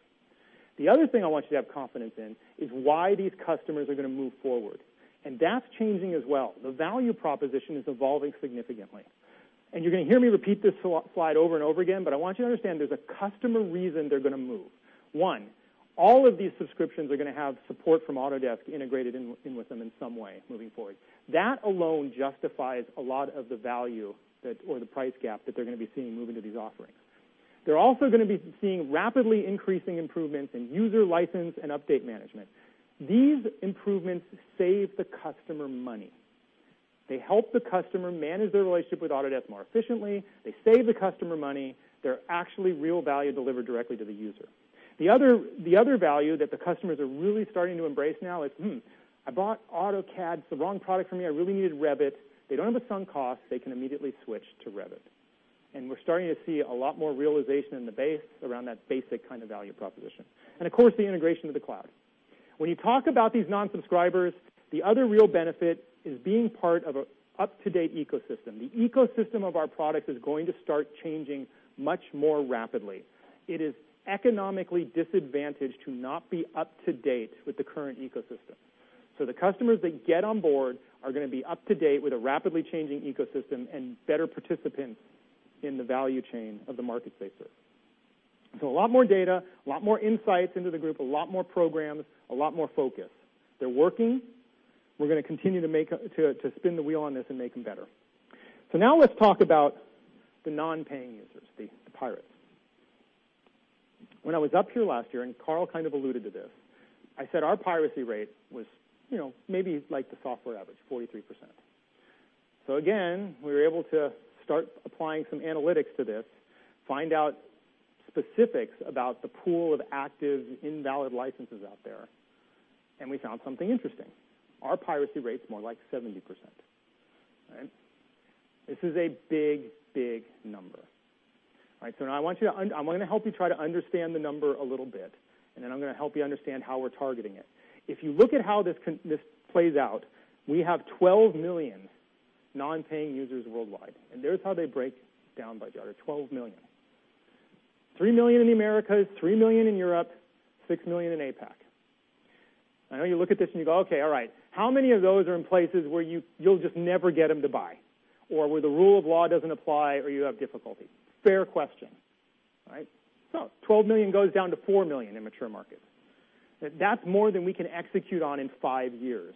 The other thing I want you to have confidence in is why these customers are going to move forward. That's changing as well. The value proposition is evolving significantly. You're going to hear me repeat this slide over and over again, but I want you to understand there's a customer reason they're going to move. One, all of these subscriptions are going to have support from Autodesk integrated in with them in some way moving forward. That alone justifies a lot of the value or the price gap that they're going to be seeing moving to these offerings. They're also going to be seeing rapidly increasing improvements in user license and update management. These improvements save the customer money. They help the customer manage their relationship with Autodesk more efficiently. They save the customer money. They're actually real value delivered directly to the user. The other value that the customers are really starting to embrace now is, "Hmm, I bought AutoCAD. It's the wrong product for me. I really needed Revit." They don't have a sunk cost. They can immediately switch to Revit. We're starting to see a lot more realization in the base around that basic kind of value proposition. Of course, the integration of the cloud. When you talk about these non-subscribers, the other real benefit is being part of an up-to-date ecosystem. The ecosystem of our products is going to start changing much more rapidly. It is economically disadvantaged to not be up to date with the current ecosystem. The customers that get on board are going to be up to date with a rapidly changing ecosystem and better participants in the value chain of the market spaces. A lot more data, a lot more insights into the group, a lot more programs, a lot more focus. They're working. We're going to continue to spin the wheel on this and make them better. Now let's talk about the non-paying users, the pirates. When I was up here last year, and Carl kind of alluded to this, I said our piracy rate was maybe like the software average, 43%. Again, we were able to start applying some analytics to this, find out specifics about the pool of active invalid licenses out there, and we found something interesting. Our piracy rate's more like 70%. This is a big number. Now I'm going to help you try to understand the number a little bit, then I'm going to help you understand how we're targeting it. If you look at how this plays out, we have 12 million non-paying users worldwide, and there's how they break down by charter, 12 million. Three million in the Americas, three million in Europe, six million in APAC. I know you look at this and you go, "Okay, all right. How many of those are in places where you'll just never get them to buy? Or where the rule of law doesn't apply or you have difficulty?" Fair question. 12 million goes down to four million in mature markets. That's more than we can execute on in five years.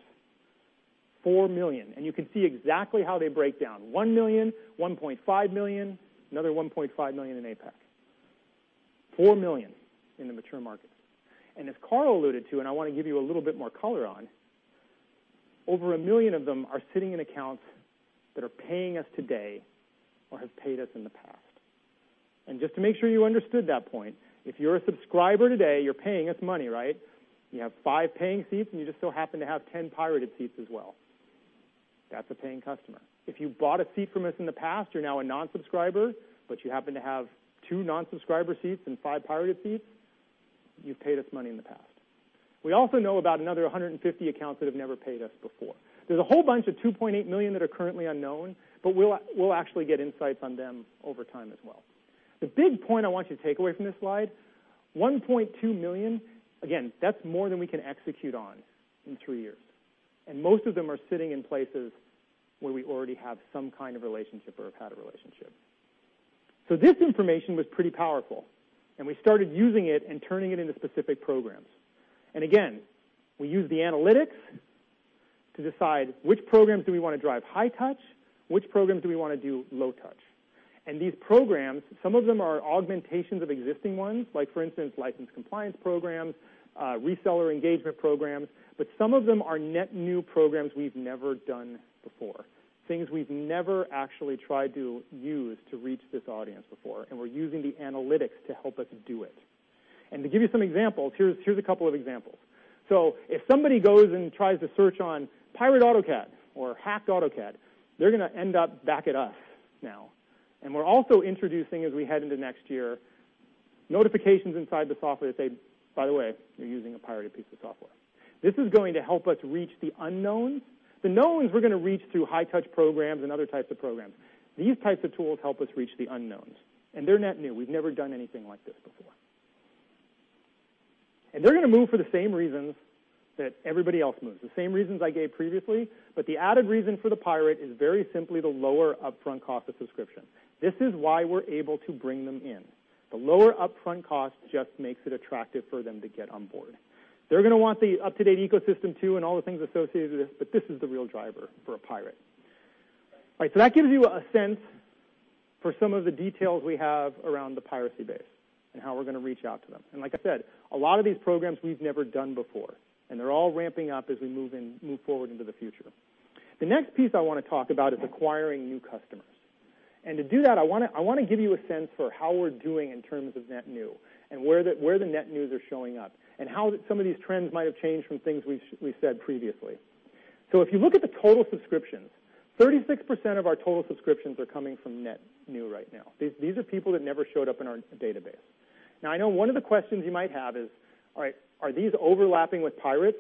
Four million, you can see exactly how they break down. One million, 1.5 million, another 1.5 million in APAC. Four million in the mature markets. As Carl alluded to, and I want to give you a little bit more color on, over a million of them are sitting in accounts that are paying us today or have paid us in the past. Just to make sure you understood that point, if you're a subscriber today, you're paying us money. You have five paying seats, and you just so happen to have 10 pirated seats as well. That's a paying customer. If you bought a seat from us in the past, you're now a non-subscriber, but you happen to have two non-subscriber seats and five pirated seats, you've paid us money in the past. We also know about another 150 accounts that have never paid us before. There's a whole bunch of $2.8 million that are currently unknown, but we'll actually get insights on them over time as well. The big point I want you to take away from this slide, $1.2 million, again, that's more than we can execute on in 3 years. Most of them are sitting in places where we already have some kind of relationship or have had a relationship. This information was pretty powerful, and we started using it and turning it into specific programs. Again, we use the analytics to decide which programs do we want to drive high touch, which programs do we want to do low touch? These programs, some of them are augmentations of existing ones, like for instance, license compliance programs, reseller engagement programs, some of them are net new programs we've never done before, things we've never actually tried to use to reach this audience before. We're using the analytics to help us do it. To give you some examples, here's a couple of examples. If somebody goes and tries to search on pirate AutoCAD or hacked AutoCAD, they're going to end up back at us now. We're also introducing, as we head into next year, notifications inside the software that say, "By the way, you're using a pirated piece of software." This is going to help us reach the unknowns. The knowns we're going to reach through high touch programs and other types of programs. These types of tools help us reach the unknowns, they're net new. We've never done anything like this before. They're going to move for the same reasons that everybody else moves, the same reasons I gave previously, but the added reason for the pirate is very simply the lower upfront cost of subscription. This is why we're able to bring them in. The lower upfront cost just makes it attractive for them to get on board. They're going to want the up-to-date ecosystem too, and all the things associated with this, but this is the real driver for a pirate. That gives you a sense for some of the details we have around the piracy base and how we're going to reach out to them. Like I said, a lot of these programs we've never done before, they're all ramping up as we move forward into the future. The next piece I want to talk about is acquiring new customers. To do that, I want to give you a sense for how we're doing in terms of net new, where the net news are showing up, how some of these trends might have changed from things we said previously. If you look at the total subscriptions, 36% of our total subscriptions are coming from net new right now. These are people that never showed up in our database. I know one of the questions you might have is, are these overlapping with pirates?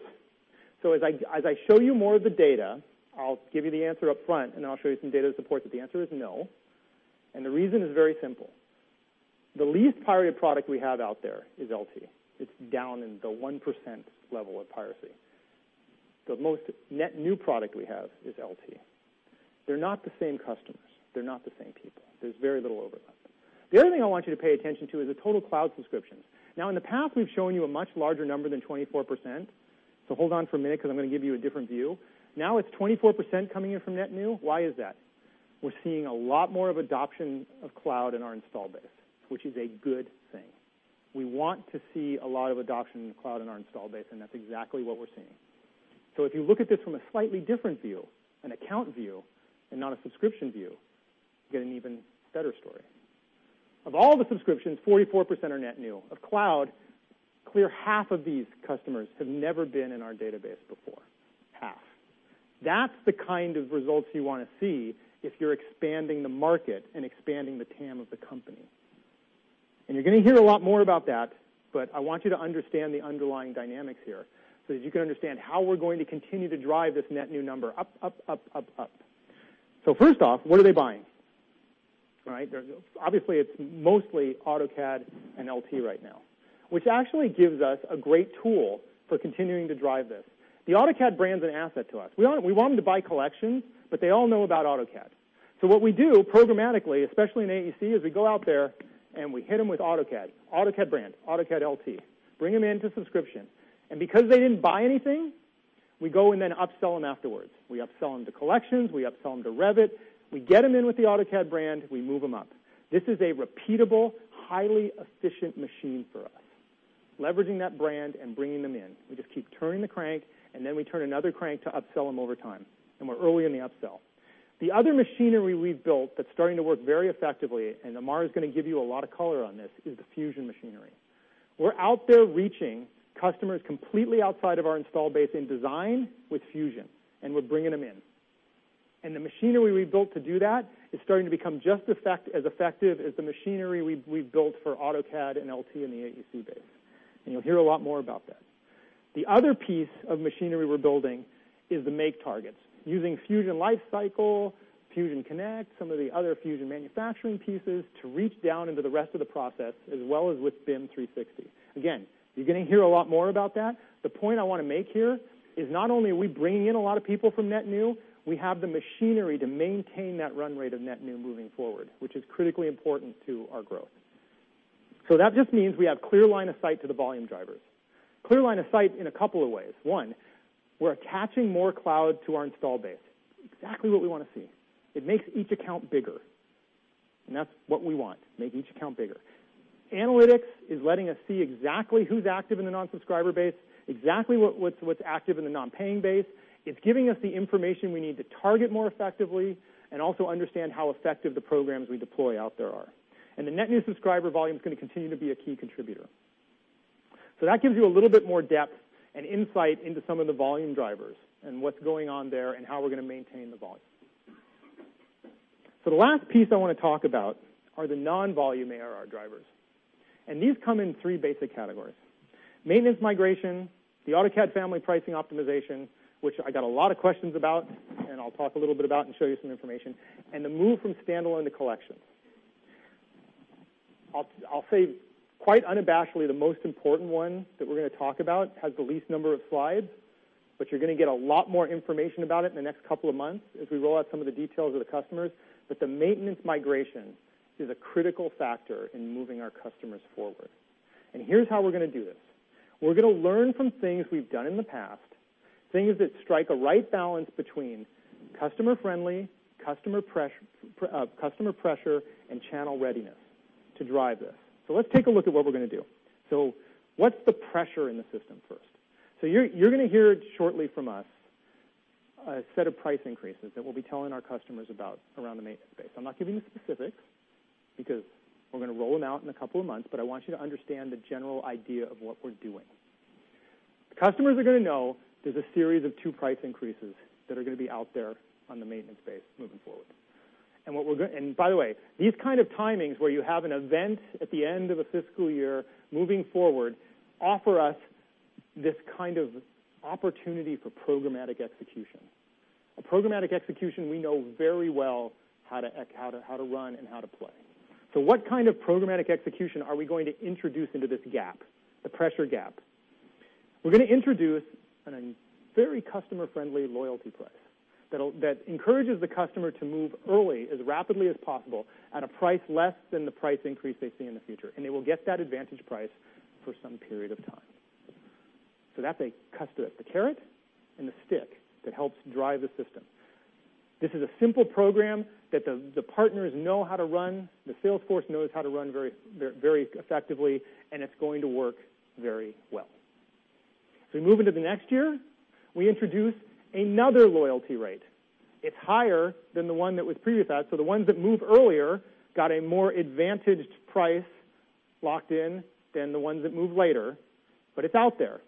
As I show you more of the data, I'll give you the answer up front, and then I'll show you some data that supports it. The answer is no, and the reason is very simple. The least pirated product we have out there is LT. It's down in the 1% level of piracy. The most net new product we have is LT. They're not the same customers. They're not the same people. There's very little overlap. The other thing I want you to pay attention to is the total cloud subscriptions. In the past, we've shown you a much larger number than 24%, so hold on for a minute because I'm going to give you a different view. It's 24% coming in from net new. Why is that? We're seeing a lot more of adoption of cloud in our install base, which is a good thing. We want to see a lot of adoption in the cloud in our install base, and that's exactly what we're seeing. If you look at this from a slightly different view, an account view and not a subscription view, you get an even better story. Of all the subscriptions, 44% are net new. Of cloud, clear half of these customers have never been in our database before. Half. That's the kind of results you want to see if you're expanding the market and expanding the TAM of the company. You're going to hear a lot more about that, but I want you to understand the underlying dynamics here, so that you can understand how we're going to continue to drive this net new number up. First off, what are they buying? Obviously, it's mostly AutoCAD and LT right now, which actually gives us a great tool for continuing to drive this. The AutoCAD brand's an asset to us. We want them to buy collections, but they all know about AutoCAD. What we do programmatically, especially in AEC, is we go out there and we hit them with AutoCAD. AutoCAD brand, AutoCAD LT. Bring them into subscription. Because they didn't buy anything, we go and then upsell them afterwards. We upsell them to Collections, we upsell them to Revit. We get them in with the AutoCAD brand, we move them up. This is a repeatable, highly efficient machine for us, leveraging that brand and bringing them in. We just keep turning the crank, and then we turn another crank to upsell them over time. We're early in the upsell. The other machinery we've built that's starting to work very effectively, and Amar is going to give you a lot of color on this, is the Fusion machinery. We're out there reaching customers completely outside of our install base in design with Fusion, and we're bringing them in. The machinery we've built to do that is starting to become just as effective as the machinery we've built for AutoCAD and LT in the AEC base. You'll hear a lot more about that. The other piece of machinery we're building is the Make targets. Using Fusion Lifecycle, Fusion Connect, some of the other Fusion manufacturing pieces to reach down into the rest of the process, as well as with BIM 360. You're going to hear a lot more about that. The point I want to make here is not only are we bringing in a lot of people from net new, we have the machinery to maintain that run rate of net new moving forward, which is critically important to our growth. That just means we have clear line of sight to the volume drivers. Clear line of sight in a couple of ways. One, we're attaching more cloud to our install base. Exactly what we want to see. It makes each account bigger, and that's what we want, make each account bigger. Analytics is letting us see exactly who's active in the non-subscriber base, exactly what's active in the non-paying base. It's giving us the information we need to target more effectively and also understand how effective the programs we deploy out there are. The net new subscriber volume is going to continue to be a key contributor. That gives you a little bit more depth and insight into some of the volume drivers and what's going on there and how we're going to maintain the volume. The last piece I want to talk about are the non-volume ARR drivers. These come in three basic categories. Maintenance migration, the AutoCAD family pricing optimization, which I got a lot of questions about, and I'll talk a little bit about and show you some information, and the move from standalone to collections. I'll say quite unabashedly, the most important one that we're going to talk about has the least number of slides, but you're going to get a lot more information about it in the next couple of months as we roll out some of the details with the customers. The maintenance migration is a critical factor in moving our customers forward. Here's how we're going to do this. We're going to learn from things we've done in the past, things that strike a right balance between customer friendly, customer pressure, and channel readiness to drive this. Let's take a look at what we're going to do. What's the pressure in the system first? You're going to hear shortly from us a set of price increases that we'll be telling our customers about around the maintenance base. I'm not giving you specifics because we're going to roll them out in a couple of months, but I want you to understand the general idea of what we're doing. The customers are going to know there's a series of two price increases that are going to be out there on the maintenance base moving forward. By the way, these kind of timings where you have an event at the end of a fiscal year moving forward offer us this kind of opportunity for programmatic execution. A programmatic execution we know very well how to run and how to play. What kind of programmatic execution are we going to introduce into this gap, the pressure gap? We're going to introduce a very customer-friendly loyalty price that encourages the customer to move early as rapidly as possible at a price less than the price increase they see in the future, and they will get that advantage price for some period of time. That's the carrot and the stick that helps drive the system. This is a simple program that the partners know how to run, the sales force knows how to run very effectively, and it's going to work very well. We move into the next year, we introduce another loyalty rate. It's higher than the one that was previously. The ones that moved earlier got a more advantaged price locked in than the ones that moved later, but it's out there.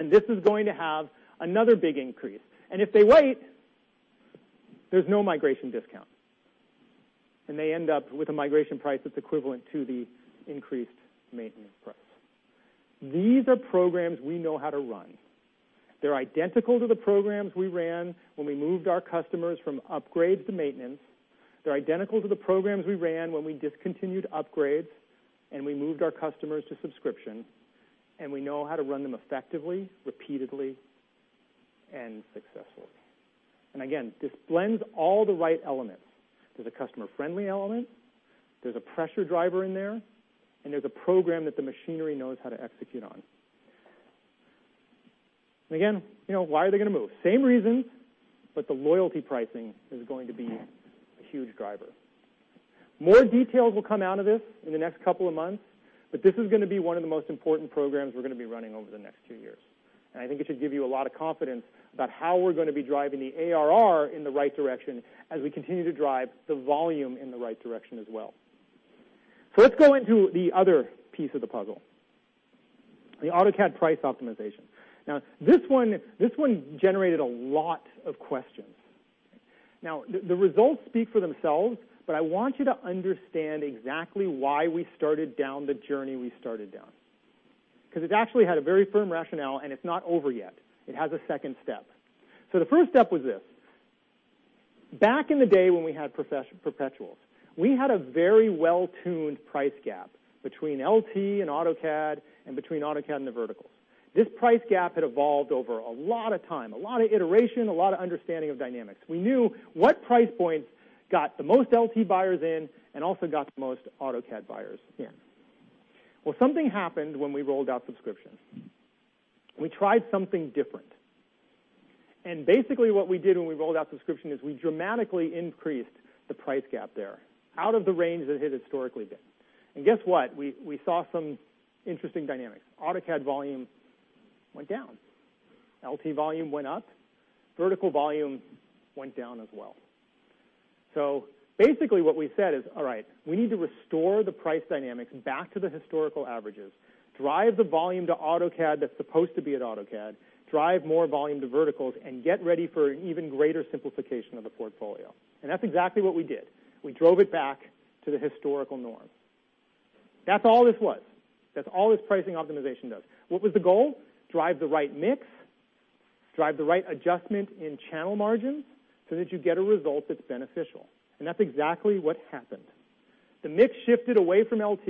This is going to have another big increase. If they wait, there's no migration discount. They end up with a migration price that's equivalent to the increased maintenance price. These are programs we know how to run. They're identical to the programs we ran when we moved our customers from upgrades to maintenance. They're identical to the programs we ran when we discontinued upgrades and we moved our customers to subscription, and we know how to run them effectively, repeatedly, and successfully. Again, this blends all the right elements. There's a customer-friendly element, there's a pressure driver in there's a program that the machinery knows how to execute on. Again, why are they going to move? Same reasons, the loyalty pricing is going to be a huge driver. More details will come out of this in the next couple of months, this is going to be one of the most important programs we're going to be running over the next few years. I think it should give you a lot of confidence about how we're going to be driving the ARR in the right direction as we continue to drive the volume in the right direction as well. Let's go into the other piece of the puzzle, the AutoCAD price optimization. This one generated a lot of questions. The results speak for themselves, I want you to understand exactly why we started down the journey we started down. It actually had a very firm rationale, it's not over yet. It has a second step. The first step was this. Back in the day when we had perpetuals, we had a very well-tuned price gap between LT and AutoCAD and between AutoCAD and the verticals. This price gap had evolved over a lot of time, a lot of iteration, a lot of understanding of dynamics. We knew what price points got the most LT buyers in and also got the most AutoCAD buyers in. Something happened when we rolled out subscriptions. We tried something different. Basically what we did when we rolled out subscription is we dramatically increased the price gap there, out of the range that it had historically been. Guess what? We saw some interesting dynamics. AutoCAD volume went down, LT volume went up, vertical volume went down as well. Basically what we said is, all right, we need to restore the price dynamics back to the historical averages, drive the volume to AutoCAD that's supposed to be at AutoCAD, drive more volume to verticals, get ready for an even greater simplification of the portfolio. That's exactly what we did. We drove it back to the historical norm. That's all this was. That's all this pricing optimization does. What was the goal? Drive the right mix, drive the right adjustment in channel margins, that you get a result that's beneficial. That's exactly what happened. The mix shifted away from LT.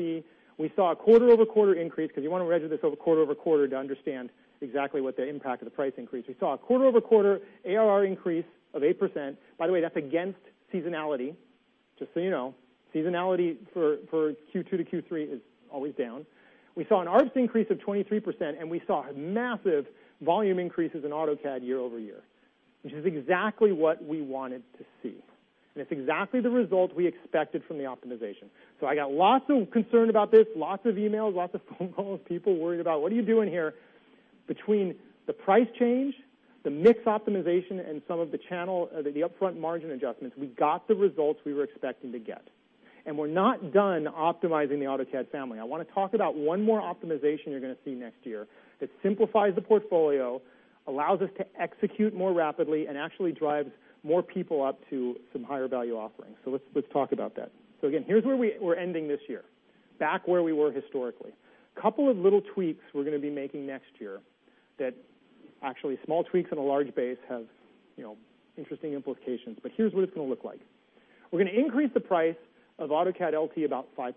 We saw a quarter-over-quarter increase, because you want to measure this over quarter-over-quarter to understand exactly what the impact of the price increase is. We saw a quarter-over-quarter ARR increase of 8%. By the way, that's against seasonality, just so you know. Seasonality for Q2 to Q3 is always down. We saw an ARPS increase of 23%, and we saw massive volume increases in AutoCAD year-over-year, which is exactly what we wanted to see. It's exactly the result we expected from the optimization. I got lots of concern about this, lots of emails, lots of phone calls, people worried about, "What are you doing here?" Between the price change, the mix optimization, and some of the upfront margin adjustments, we got the results we were expecting to get. We're not done optimizing the AutoCAD family. I want to talk about one more optimization you're going to see next year that simplifies the portfolio, allows us to execute more rapidly, and actually drives more people up to some higher value offerings. Let's talk about that. Again, here's where we're ending this year, back where we were historically. A couple of little tweaks we're going to be making next year, that actually small tweaks on a large base have interesting implications, but here's what it's going to look like. We're going to increase the price of AutoCAD LT about 5%.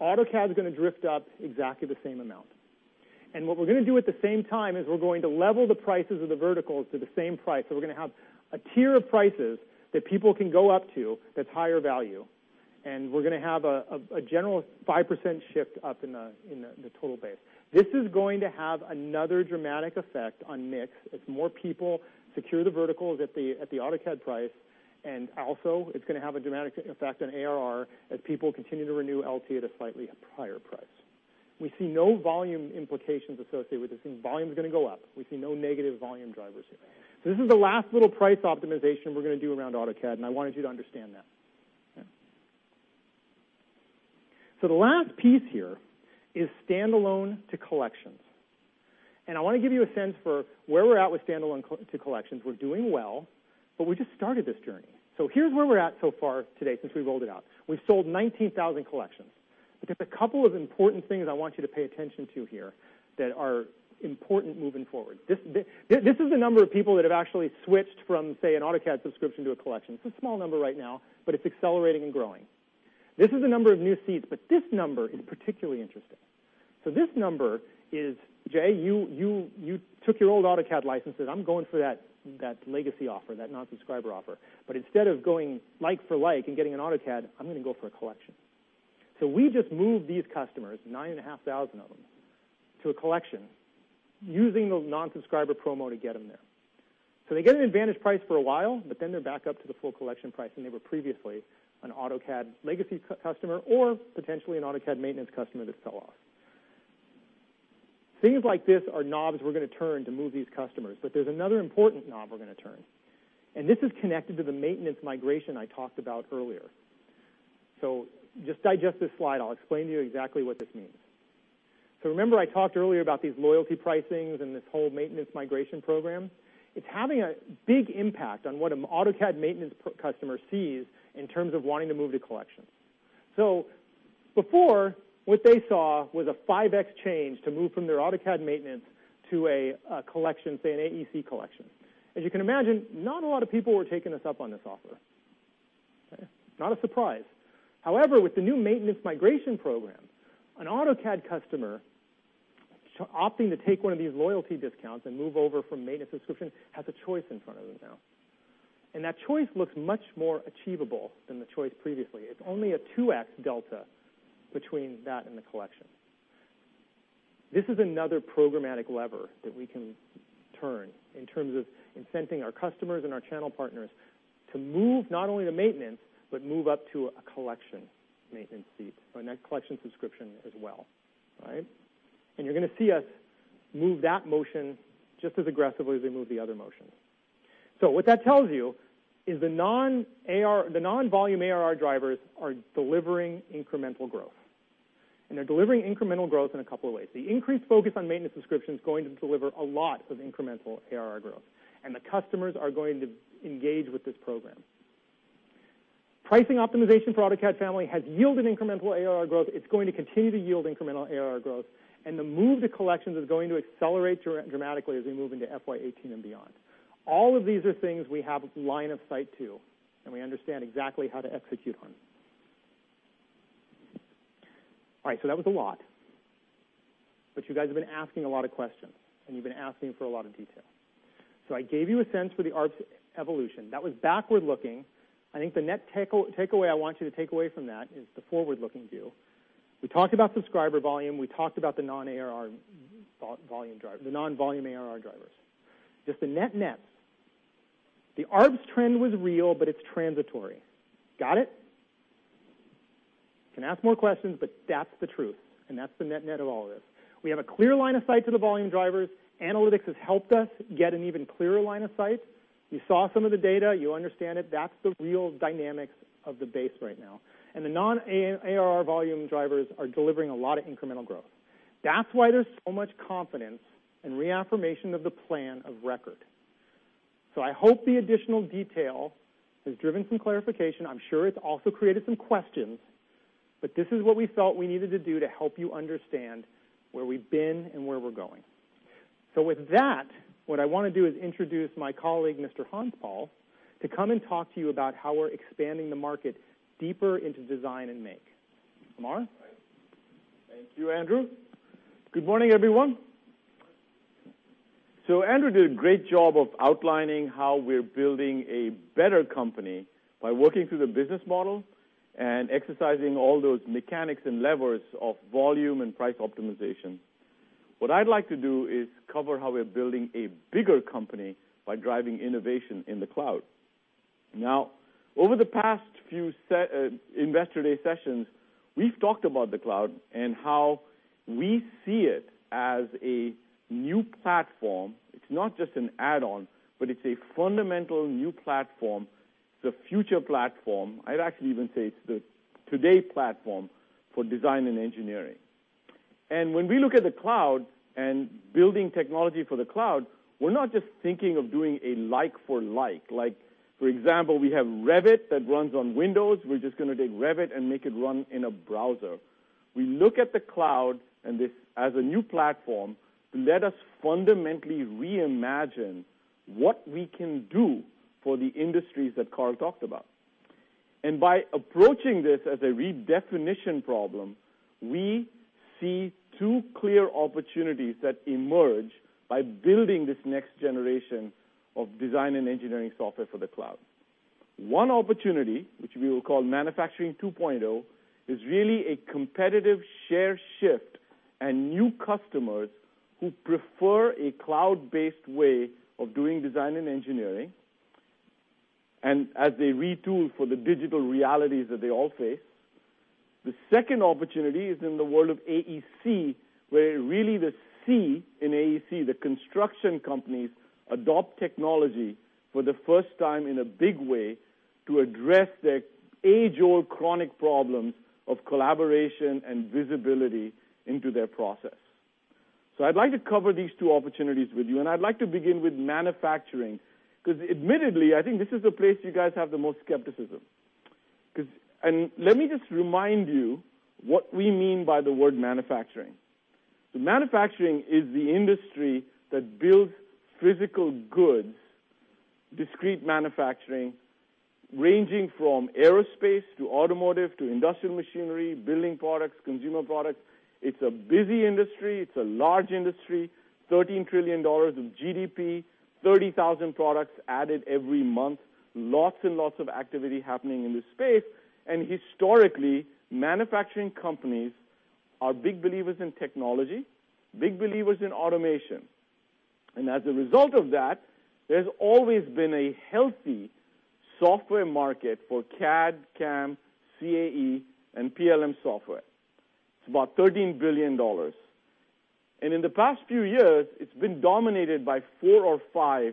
AutoCAD is going to drift up exactly the same amount. What we're going to do at the same time is we're going to level the prices of the verticals to the same price. We're going to have a tier of prices that people can go up to that's higher value, and we're going to have a general 5% shift up in the total base. This is going to have another dramatic effect on mix as more people secure the verticals at the AutoCAD price. Also, it's going to have a dramatic effect on ARR as people continue to renew LT at a slightly higher price. We see no volume implications associated with this. Volume's going to go up. We see no negative volume drivers here. This is the last little price optimization we're going to do around AutoCAD, and I wanted you to understand that. Okay. The last piece here is standalone to collections. I want to give you a sense for where we're at with standalone to collections. We're doing well, but we just started this journey. Here's where we're at so far today since we rolled it out. We've sold 19,000 collections. There's a couple of important things I want you to pay attention to here that are important moving forward. This is the number of people that have actually switched from, say, an AutoCAD subscription to a collection. It's a small number right now, but it's accelerating and growing. This is the number of new seats, but this number is particularly interesting. This number is, Jay, you took your old AutoCAD licenses. I'm going for that legacy offer, that non-subscriber offer. Instead of going like for like and getting an AutoCAD, I'm going to go for a collection. We just moved these customers, 9,500 of them, to a collection using the non-subscriber promo to get them there. They get an advantage price for a while, but then they're back up to the full collection price, and they were previously an AutoCAD legacy customer or potentially an AutoCAD maintenance customer that fell off. Things like this are knobs we're going to turn to move these customers. There's another important knob we're going to turn, and this is connected to the maintenance migration I talked about earlier. Just digest this slide. I'll explain to you exactly what this means. Remember I talked earlier about these loyalty pricings and this whole maintenance migration program? It's having a big impact on what an AutoCAD maintenance customer sees in terms of wanting to move to collections. Before, what they saw was a 5X change to move from their AutoCAD maintenance to a collection, say an AEC collection. As you can imagine, not a lot of people were taking us up on this offer. Okay? Not a surprise. However, with the new maintenance migration program, an AutoCAD customer opting to take one of these loyalty discounts and move over from maintenance subscription has a choice in front of them now. That choice looks much more achievable than the choice previously. It's only a 2X delta between that and the collection. This is another programmatic lever that we can turn in terms of incenting our customers and our channel partners to move not only to maintenance, but move up to a collection maintenance seat, or net collection subscription as well. All right. You're going to see us move that motion just as aggressively as we move the other motions. What that tells you is the non-volume ARR drivers are delivering incremental growth. They're delivering incremental growth in a couple of ways. The increased focus on maintenance subscription is going to deliver a lot of incremental ARR growth, and the customers are going to engage with this program. Pricing optimization for AutoCAD family has yielded incremental ARR growth. It's going to continue to yield incremental ARR growth, and the move to collections is going to accelerate dramatically as we move into FY 2018 and beyond. All of these are things we have line of sight to, and we understand exactly how to execute on. All right. That was a lot. You guys have been asking a lot of questions, and you've been asking for a lot of detail. I gave you a sense for the ARPS evolution. That was backward-looking. I think the net takeaway I want you to take away from that is the forward-looking view. We talked about subscriber volume. We talked about the non-volume ARR drivers. Just the net-net. The ARPS trend was real, but it's transitory. Got it. You can ask more questions, but that's the truth, and that's the net-net of all this. We have a clear line of sight to the volume drivers. Analytics has helped us get an even clearer line of sight. You saw some of the data. You understand it. That's the real dynamics of the base right now. The non-ARR volume drivers are delivering a lot of incremental growth. That's why there's so much confidence and reaffirmation of the plan of record. I hope the additional detail has driven some clarification. I'm sure it's also created some questions, but this is what we felt we needed to do to help you understand where we've been and where we're going. What I want to do is introduce my colleague, Mr. Hanspal, to come and talk to you about how we're expanding the market deeper into design and make. Amar? Thank you, Andrew. Good morning, everyone. Andrew did a great job of outlining how we're building a better company by working through the business model and exercising all those mechanics and levers of volume and price optimization. What I'd like to do is cover how we're building a bigger company by driving innovation in the cloud. Over the past few investor day sessions, we've talked about the cloud and how we see it as a new platform. It's not just an add-on, but it's a fundamental new platform, the future platform. I'd actually even say it's the today platform for design and engineering. When we look at the cloud and building technology for the cloud, we're not just thinking of doing a like for like. For example, we have Revit that runs on Windows. We're just going to take Revit and make it run in a browser. We look at the cloud as a new platform to let us fundamentally reimagine what we can do for the industries that Carl talked about. By approaching this as a redefinition problem, we see two clear opportunities that emerge by building this next generation of design and engineering software for the cloud. One opportunity, which we will call Manufacturing 2.0, is really a competitive share shift and new customers who prefer a cloud-based way of doing design and engineering and as they retool for the digital realities that they all face. The second opportunity is in the world of AEC, where really the C in AEC, the construction companies, adopt technology for the first time in a big way to address their age-old chronic problems of collaboration and visibility into their process. I'd like to cover these two opportunities with you, and I'd like to begin with manufacturing, because admittedly, I think this is the place you guys have the most skepticism. Let me just remind you what we mean by the word manufacturing. Manufacturing is the industry that builds physical goods, discrete manufacturing, ranging from aerospace to automotive to industrial machinery, building products, consumer products. It's a busy industry. It's a large industry, $13 trillion of GDP, 30,000 products added every month, lots and lots of activity happening in this space. Historically, manufacturing companies are big believers in technology, big believers in automation. As a result of that, there's always been a healthy software market for CAD, CAM, CAE, and PLM software. It's about $13 billion. In the past few years, it's been dominated by four or five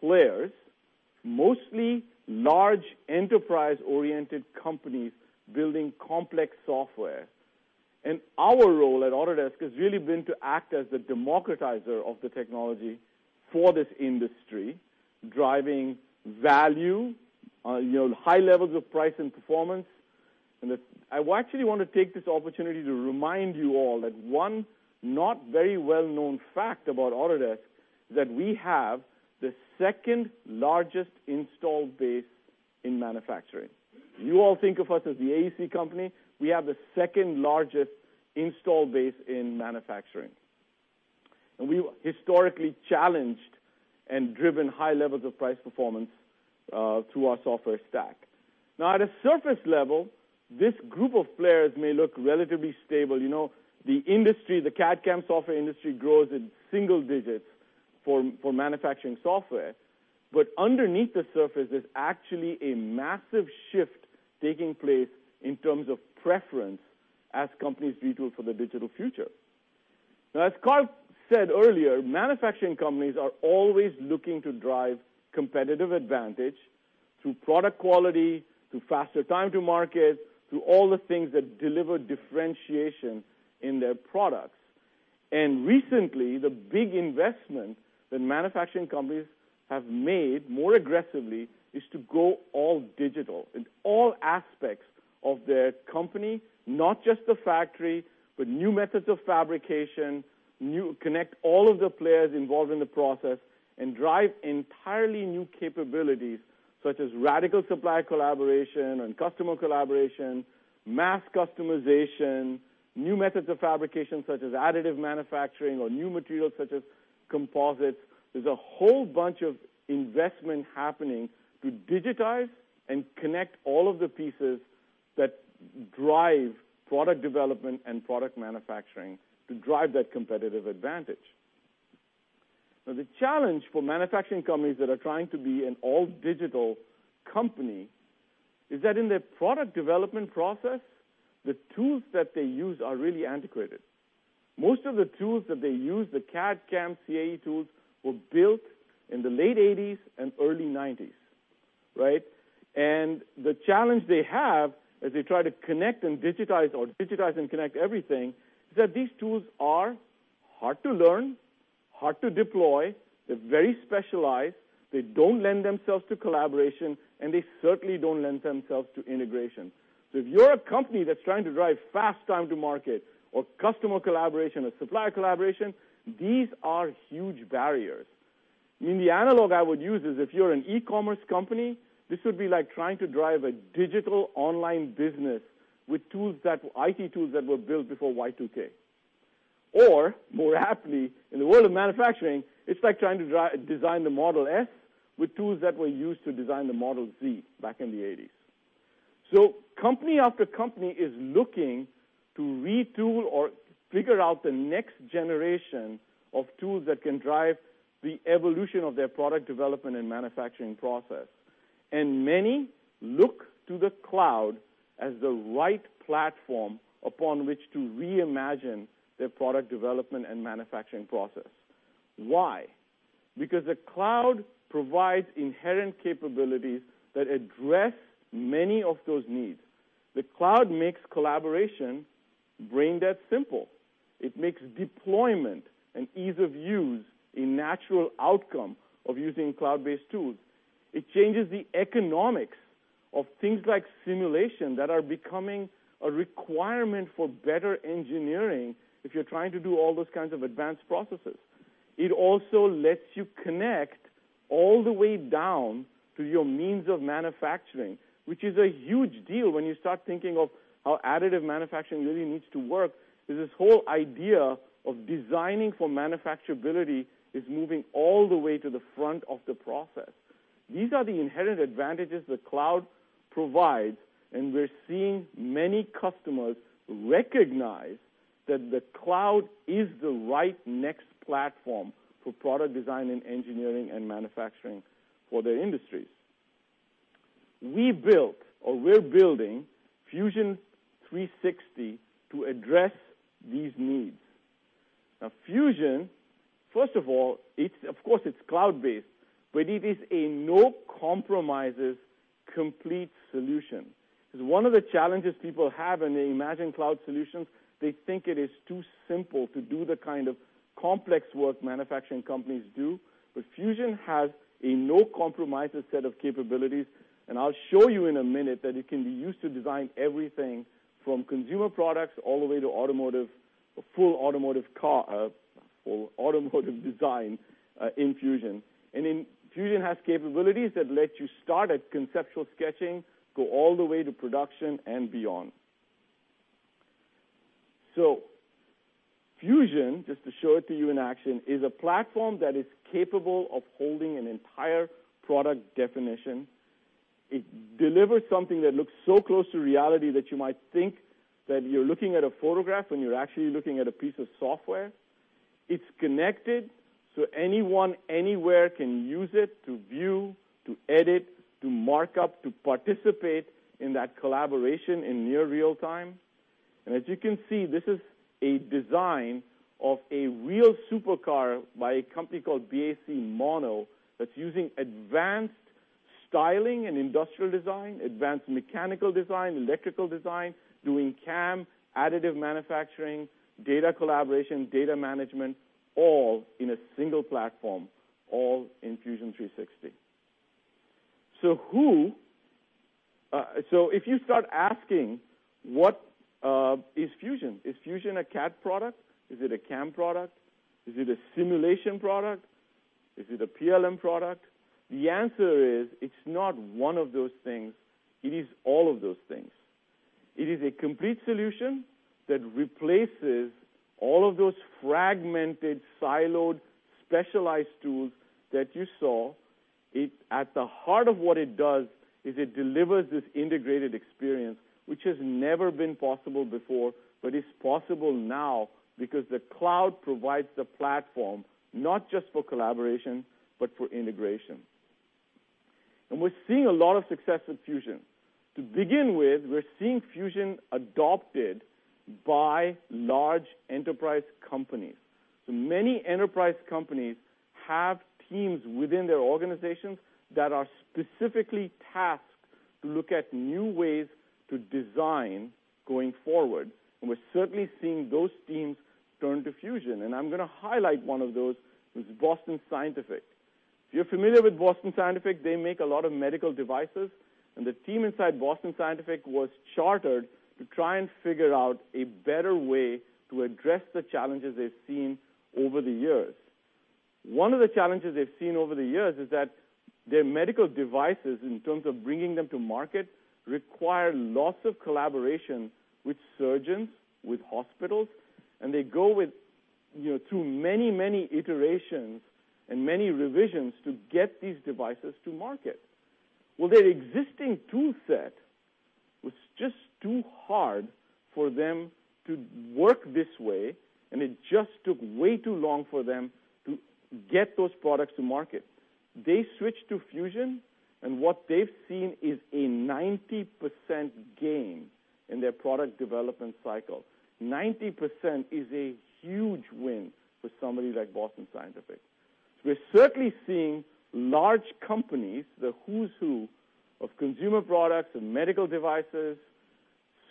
players, mostly large enterprise-oriented companies building complex software. Our role at Autodesk has really been to act as the democratizer of the technology for this industry, driving value, high levels of price and performance. I actually want to take this opportunity to remind you all that one not very well-known fact about Autodesk is that we have the second-largest install base in manufacturing. You all think of us as the AEC company. We have the second-largest install base in manufacturing. We historically challenged and driven high levels of price performance through our software stack. At a surface level, this group of players may look relatively stable. The industry, the CAD/CAM software industry grows in single digits for manufacturing software. Underneath the surface, there's actually a massive shift taking place in terms of preference as companies retool for the digital future. As Carl said earlier, manufacturing companies are always looking to drive competitive advantage through product quality, through faster time to market, through all the things that deliver differentiation in their products. Recently, the big investment that manufacturing companies have made more aggressively is to go all digital in all aspects of their company, not just the factory, but new methods of fabrication, connect all of the players involved in the process, and drive entirely new capabilities, such as radical supply collaboration and customer collaboration, mass customization, new methods of fabrication such as additive manufacturing or new materials such as composites. There's a whole bunch of investment happening to digitize and connect all of the pieces that drive product development and product manufacturing to drive that competitive advantage. The challenge for manufacturing companies that are trying to be an all-digital company is that in their product development process, the tools that they use are really antiquated. Most of the tools that they use, the CAD/CAM/CAE tools, were built in the late '80s and early '90s. The challenge they have as they try to connect and digitize or digitize and connect everything, is that these tools are hard to learn, hard to deploy, they're very specialized, they don't lend themselves to collaboration, and they certainly don't lend themselves to integration. If you're a company that's trying to drive fast time to market or customer collaboration or supplier collaboration, these are huge barriers. I mean, the analog I would use is if you're an e-commerce company, this would be like trying to drive a digital online business with IT tools that were built before Y2K. More aptly, in the world of manufacturing, it's like trying to design the Model S with tools that were used to design the Model T back in the '80s. Company after company is looking to retool or figure out the next generation of tools that can drive the evolution of their product development and manufacturing process. Many look to the cloud as the right platform upon which to reimagine their product development and manufacturing process. Why? The cloud provides inherent capabilities that address many of those needs. The cloud makes collaboration brain-dead simple. It makes deployment and ease of use a natural outcome of using cloud-based tools. It changes the economics of things like simulation that are becoming a requirement for better engineering if you're trying to do all those kinds of advanced processes. It also lets you connect all the way down to your means of manufacturing, which is a huge deal when you start thinking of how additive manufacturing really needs to work, because this whole idea of designing for manufacturability is moving all the way to the front of the process. These are the inherent advantages the cloud provides, and we're seeing many customers recognize that the cloud is the right next platform for product design and engineering and manufacturing for their industries. We're building Fusion 360 to address these needs. Fusion, first of all, of course, it's cloud-based, but it is a no-compromises, complete solution. One of the challenges people have when they imagine cloud solutions, they think it is too simple to do the kind of complex work manufacturing companies do. Fusion has a no-compromises set of capabilities, and I'll show you in a minute that it can be used to design everything from consumer products all the way to automotive, a full automotive car or automotive design in Fusion. Fusion has capabilities that let you start at conceptual sketching, go all the way to production and beyond. Fusion, just to show it to you in action, is a platform that is capable of holding an entire product definition. It delivers something that looks so close to reality that you might think that you're looking at a photograph, when you're actually looking at a piece of software. It's connected, anyone, anywhere can use it to view, to edit, to mark up, to participate in that collaboration in near real time. As you can see, this is a design of a real supercar by a company called BAC Mono, that's using advanced styling and industrial design, advanced mechanical design, electrical design, doing CAM, additive manufacturing, data collaboration, data management, all in a single platform, all in Fusion 360. If you start asking, "What is Fusion? Is Fusion a CAD product? Is it a CAM product? Is it a simulation product? Is it a PLM product?" The answer is it's not one of those things, it is all of those things. It is a complete solution that replaces all of those fragmented, siloed, specialized tools that you saw. At the heart of what it does is it delivers this integrated experience, which has never been possible before, but is possible now because the cloud provides the platform, not just for collaboration, but for integration. We're seeing a lot of success with Fusion. To begin with, we're seeing Fusion adopted by large enterprise companies. Many enterprise companies have teams within their organizations that are specifically tasked to look at new ways to design going forward. We're certainly seeing those teams turn to Fusion. I'm going to highlight one of those, which is Boston Scientific. If you're familiar with Boston Scientific, they make a lot of medical devices, and the team inside Boston Scientific was chartered to try and figure out a better way to address the challenges they've seen over the years. One of the challenges they've seen over the years is that their medical devices, in terms of bringing them to market, require lots of collaboration with surgeons, with hospitals, and they go through many iterations and many revisions to get these devices to market. Their existing tool set was just too hard for them to work this way, and it just took way too long for them to get those products to market. They switched to Fusion, what they've seen is a 90% gain in their product development cycle. 90% is a huge win for somebody like Boston Scientific. We're certainly seeing large companies, the who's who of consumer products and medical devices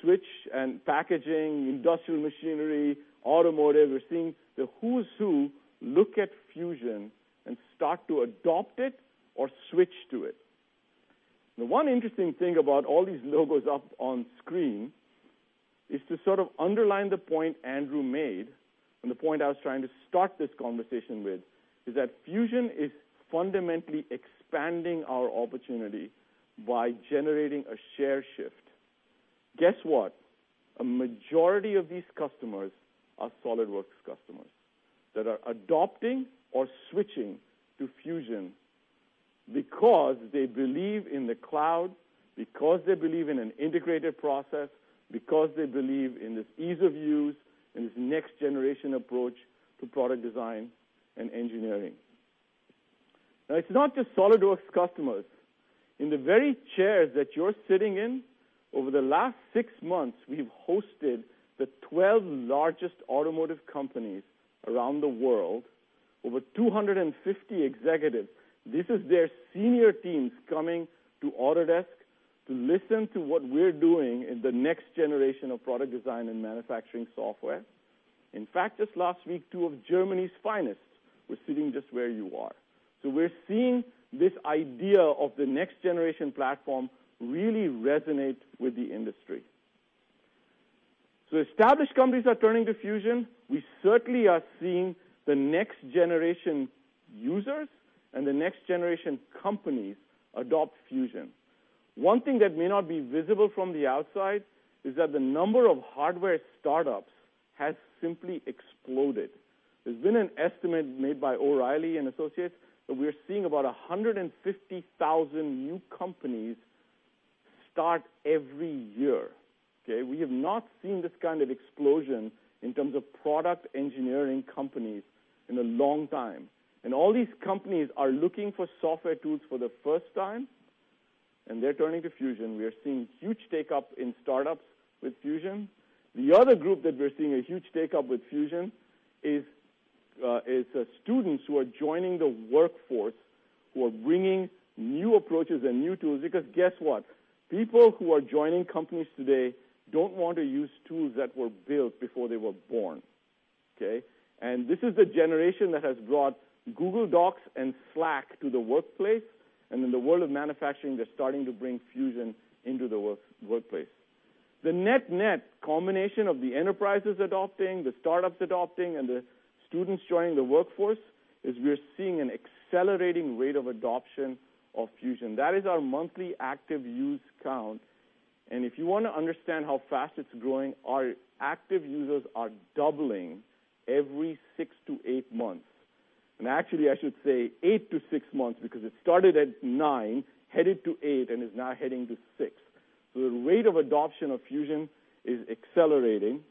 switch, and packaging, industrial machinery, automotive. We're seeing the who's who look at Fusion and start to adopt it or switch to it. The one interesting thing about all these logos up on screen is to sort of underline the point Andrew made and the point I was trying to start this conversation with, is that Fusion is fundamentally expanding our opportunity by generating a share shift. Guess what? A majority of these customers are SOLIDWORKS customers that are adopting or switching to Fusion because they believe in the cloud, because they believe in an integrated process, because they believe in this ease of use, and this next-generation approach to product design and engineering. It's not just SOLIDWORKS customers. In the very chairs that you're sitting in, over the last six months, we've hosted the 12 largest automotive companies around the world, over 250 executives. This is their senior teams coming to Autodesk to listen to what we're doing in the next generation of product design and manufacturing software. In fact, just last week, two of Germany's finest were sitting just where you are. We're seeing this idea of the next-generation platform really resonate with the industry. Established companies are turning to Fusion. We certainly are seeing the next-generation users and the next-generation companies adopt Fusion. One thing that may not be visible from the outside is that the number of hardware startups has simply exploded. There's been an estimate made by O'Reilly & Associates, that we're seeing about 150,000 new companies start every year. Okay? We have not seen this kind of explosion in terms of product engineering companies in a long time. All these companies are looking for software tools for the first time, and they're turning to Fusion. We are seeing huge take-up in startups with Fusion. The other group that we're seeing a huge take-up with Fusion is students who are joining the workforce who are bringing new approaches and new tools. Because guess what? People who are joining companies today don't want to use tools that were built before they were born. Okay? This is the generation that has brought Google Docs and Slack to the workplace. In the world of manufacturing, they're starting to bring Fusion into the workplace. The net-net combination of the enterprises adopting, the startups adopting, and the students joining the workforce is we're seeing an accelerating rate of adoption of Fusion. That is our monthly active use count. If you want to understand how fast it's growing, our active users are doubling every six to eight months. Actually, I should say eight to six months because it started at nine, headed to eight, and is now heading to six. The rate of adoption of Fusion is accelerating,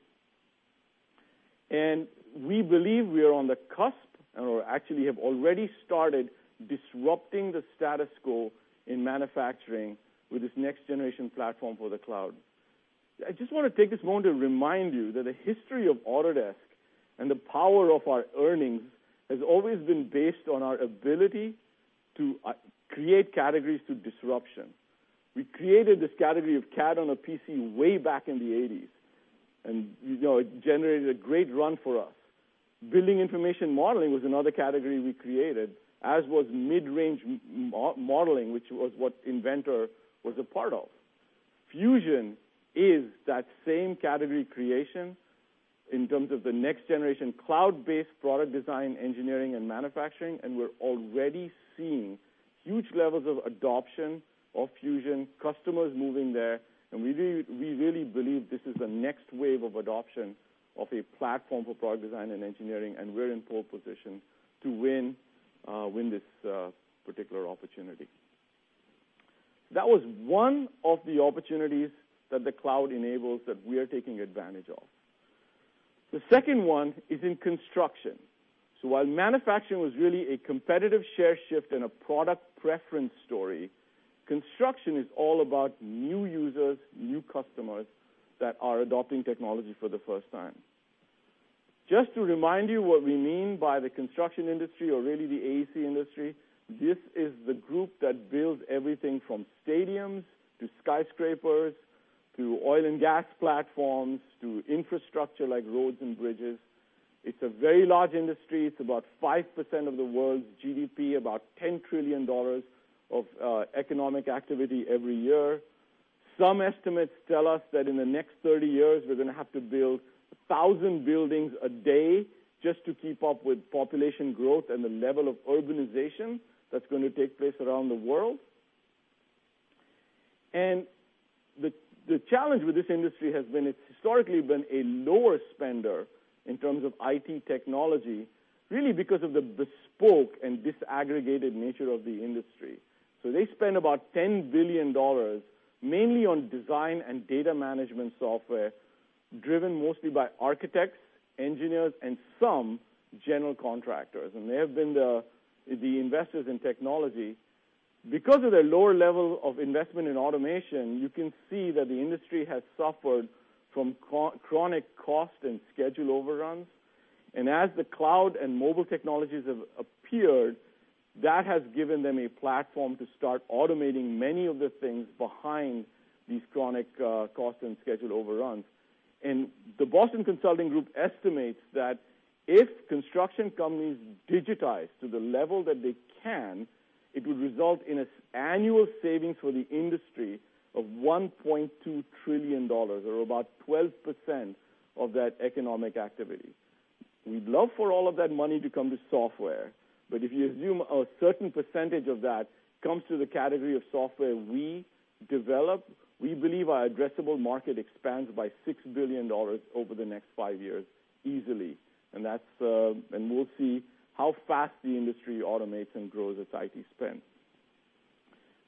and we believe we are on the cusp, and we actually have already started disrupting the status quo in manufacturing with this next-generation platform for the cloud. I just want to take this moment to remind you that the history of Autodesk and the power of our earnings has always been based on our ability to create categories through disruption. We created this category of CAD on a PC way back in the '80s, and it generated a great run for us. Building information modeling was another category we created, as was mid-range modeling, which was what Inventor was a part of. Fusion is that same category creation in terms of the next-generation cloud-based product design, engineering, and manufacturing. We're already seeing huge levels of adoption of Fusion, customers moving there. We really believe this is the next wave of adoption of a platform for product design and engineering, and we're in pole position to win this particular opportunity. That was one of the opportunities that the cloud enables that we are taking advantage of. The second one is in construction. While manufacturing was really a competitive share shift and a product preference story, construction is all about new users, new customers that are adopting technology for the first time. Just to remind you what we mean by the construction industry or really the AEC industry, this is the group that builds everything from stadiums to skyscrapers, to oil and gas platforms, to infrastructure like roads and bridges. It's a very large industry. It's about 5% of the world's GDP, about $10 trillion of economic activity every year. Some estimates tell us that in the next 30 years, we're going to have to build 1,000 buildings a day just to keep up with population growth and the level of urbanization that's going to take place around the world. The challenge with this industry has been it's historically been a lower spender in terms of IT technology, really because of the bespoke and disaggregated nature of the industry. They spend about $10 billion, mainly on design and data management software, driven mostly by architects, engineers, and some general contractors. They have been the investors in technology. Because of their lower level of investment in automation, you can see that the industry has suffered from chronic cost and schedule overruns. As the cloud and mobile technologies have appeared, that has given them a platform to start automating many of the things behind these chronic cost and schedule overruns. The Boston Consulting Group estimates that if construction companies digitize to the level that they can, it would result in an annual savings for the industry of $1.2 trillion, or about 12% of that economic activity. We'd love for all of that money to come to software, but if you assume a certain percentage of that comes to the category of software we develop, we believe our addressable market expands by $6 billion over the next five years easily. We'll see how fast the industry automates and grows its IT spend.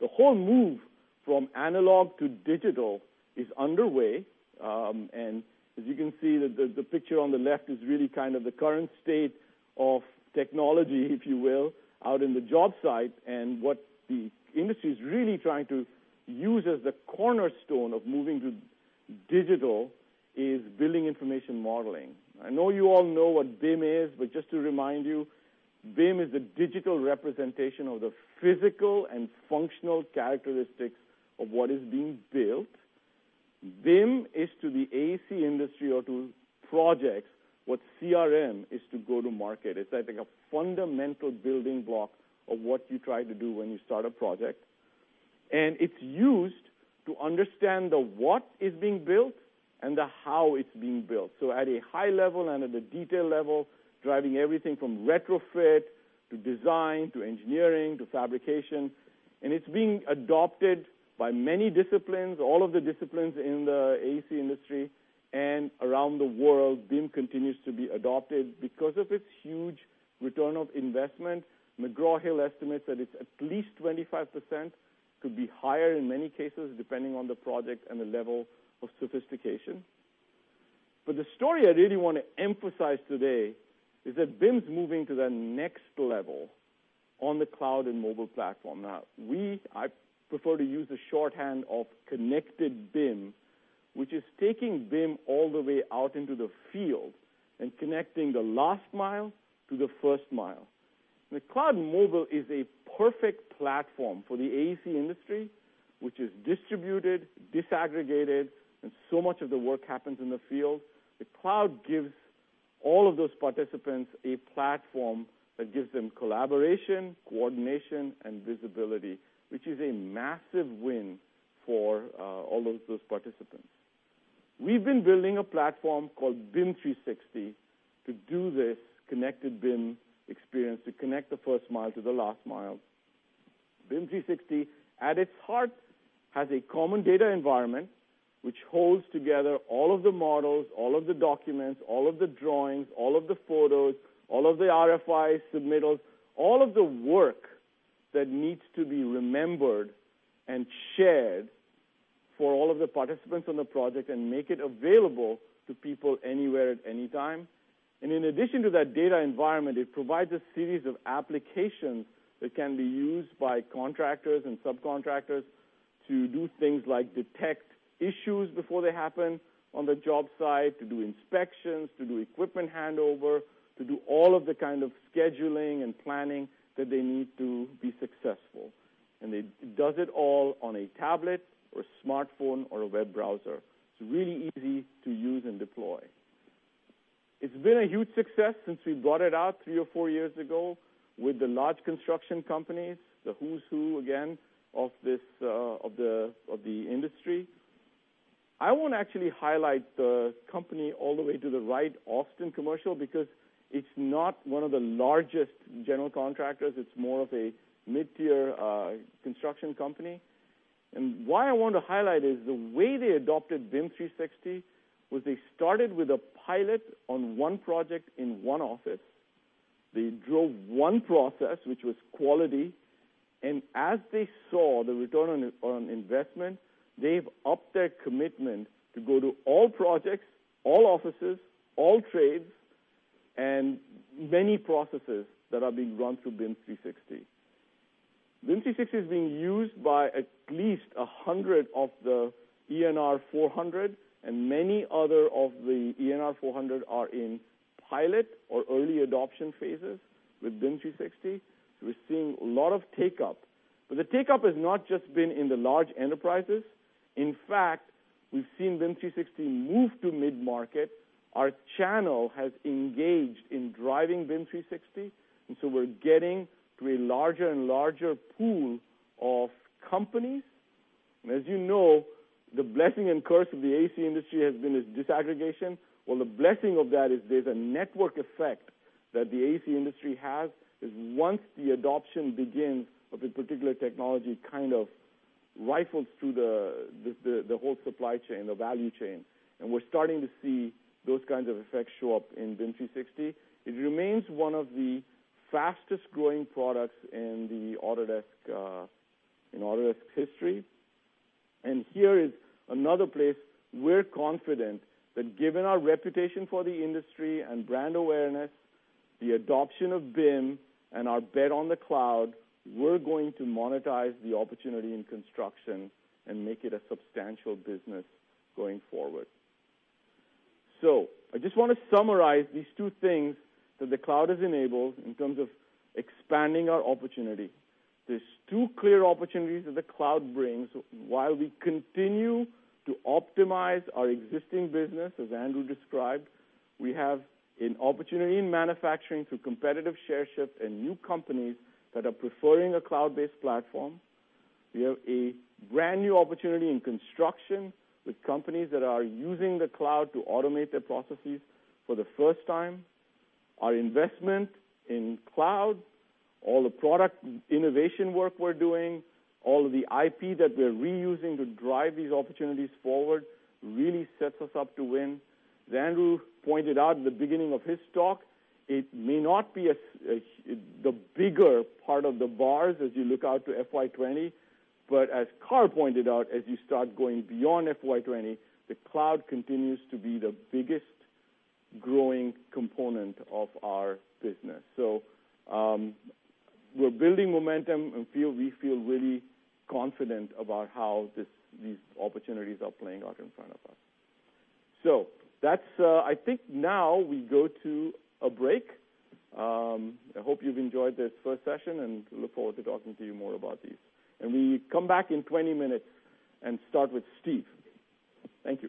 The whole move from analog to digital is underway. As you can see, the picture on the left is really the current state of technology, if you will, out in the job site. What the industry's really trying to use as the cornerstone of moving to digital is building information modeling. I know you all know what BIM is, but just to remind you, BIM is the digital representation of the physical and functional characteristics of what is being built. BIM is to the AEC industry or to projects, what CRM is to go-to-market. It's I think a fundamental building block of what you try to do when you start a project. It's used to understand the what is being built and the how it's being built. At a high level and at a detail level, driving everything from retrofit to design, to engineering, to fabrication. It's being adopted by many disciplines, all of the disciplines in the AEC industry. Around the world, BIM continues to be adopted because of its huge return of investment. McGraw Hill estimates that it's at least 25%, could be higher in many cases, depending on the project and the level of sophistication. The story I really want to emphasize today is that BIM's moving to the next level on the cloud and mobile platform. We, I prefer to use the shorthand of connected BIM, which is taking BIM all the way out into the field and connecting the last mile to the first mile. The cloud mobile is a perfect platform for the AEC industry, which is distributed, disaggregated, and so much of the work happens in the field. The cloud gives all of those participants a platform that gives them collaboration, coordination, and visibility, which is a massive win for all of those participants. We've been building a platform called BIM 360 to do this connected BIM experience, to connect the first mile to the last mile. BIM 360, at its heart, has a common data environment, which holds together all of the models, all of the documents, all of the drawings, all of the photos, all of the RFI submittals, all of the work that needs to be remembered and shared for all of the participants on the project and make it available to people anywhere at any time. In addition to that data environment, it provides a series of applications that can be used by contractors and subcontractors to do things like detect issues before they happen on the job site, to do inspections, to do equipment handover, to do all of the kind of scheduling and planning that they need to be successful. It does it all on a tablet or a smartphone or a web browser. It's really easy to use and deploy. It's been a huge success since we brought it out three or four years ago with the large construction companies, the who's who, again, of the industry. I want to actually highlight the company all the way to the right, Austin Commercial, because it's not one of the largest general contractors. It's more of a mid-tier construction company. Why I want to highlight is the way they adopted BIM 360 was they started with a pilot on one project in one office. They drove one process, which was quality. As they saw the return on investment, they've upped their commitment to go to all projects, all offices, all trades, and many processes that are being run through BIM 360. BIM 360 is being used by at least 100 of the ENR 400 and many other of the ENR 400 are in pilot or early adoption phases with BIM 360. We're seeing a lot of take-up. The take-up has not just been in the large enterprises. In fact, we've seen BIM 360 move to mid-market. Our channel has engaged in driving BIM 360, we're getting to a larger and larger pool of companies. As you know. The blessing and curse of the AEC industry has been its disaggregation. Well, the blessing of that is there's a network effect that the AEC industry has, is once the adoption begins of a particular technology, it kind of rifles through the whole supply chain, the value chain. We're starting to see those kinds of effects show up in BIM 360. It remains one of the fastest-growing products in Autodesk history. Here is another place we're confident that given our reputation for the industry and brand awareness, the adoption of BIM, and our bet on the cloud, we're going to monetize the opportunity in construction and make it a substantial business going forward. I just want to summarize these two things that the cloud has enabled in terms of expanding our opportunity. There's two clear opportunities that the cloud brings while we continue to optimize our existing business, as Andrew described. We have an opportunity in manufacturing through competitive share shift and new companies that are preferring a cloud-based platform. We have a brand new opportunity in construction with companies that are using the cloud to automate their processes for the first time. Our investment in cloud, all the product innovation work we're doing, all the IP that we're reusing to drive these opportunities forward really sets us up to win. As Andrew pointed out at the beginning of his talk, it may not be the bigger part of the bars as you look out to FY 2020, but as Carl pointed out, as you start going beyond FY 2020, the cloud continues to be the biggest growing component of our business. We're building momentum and we feel really confident about how these opportunities are playing out in front of us. I think now we go to a break. I hope you've enjoyed this first session and look forward to talking to you more about these. We come back in 20 minutes and start with Steve. Thank you.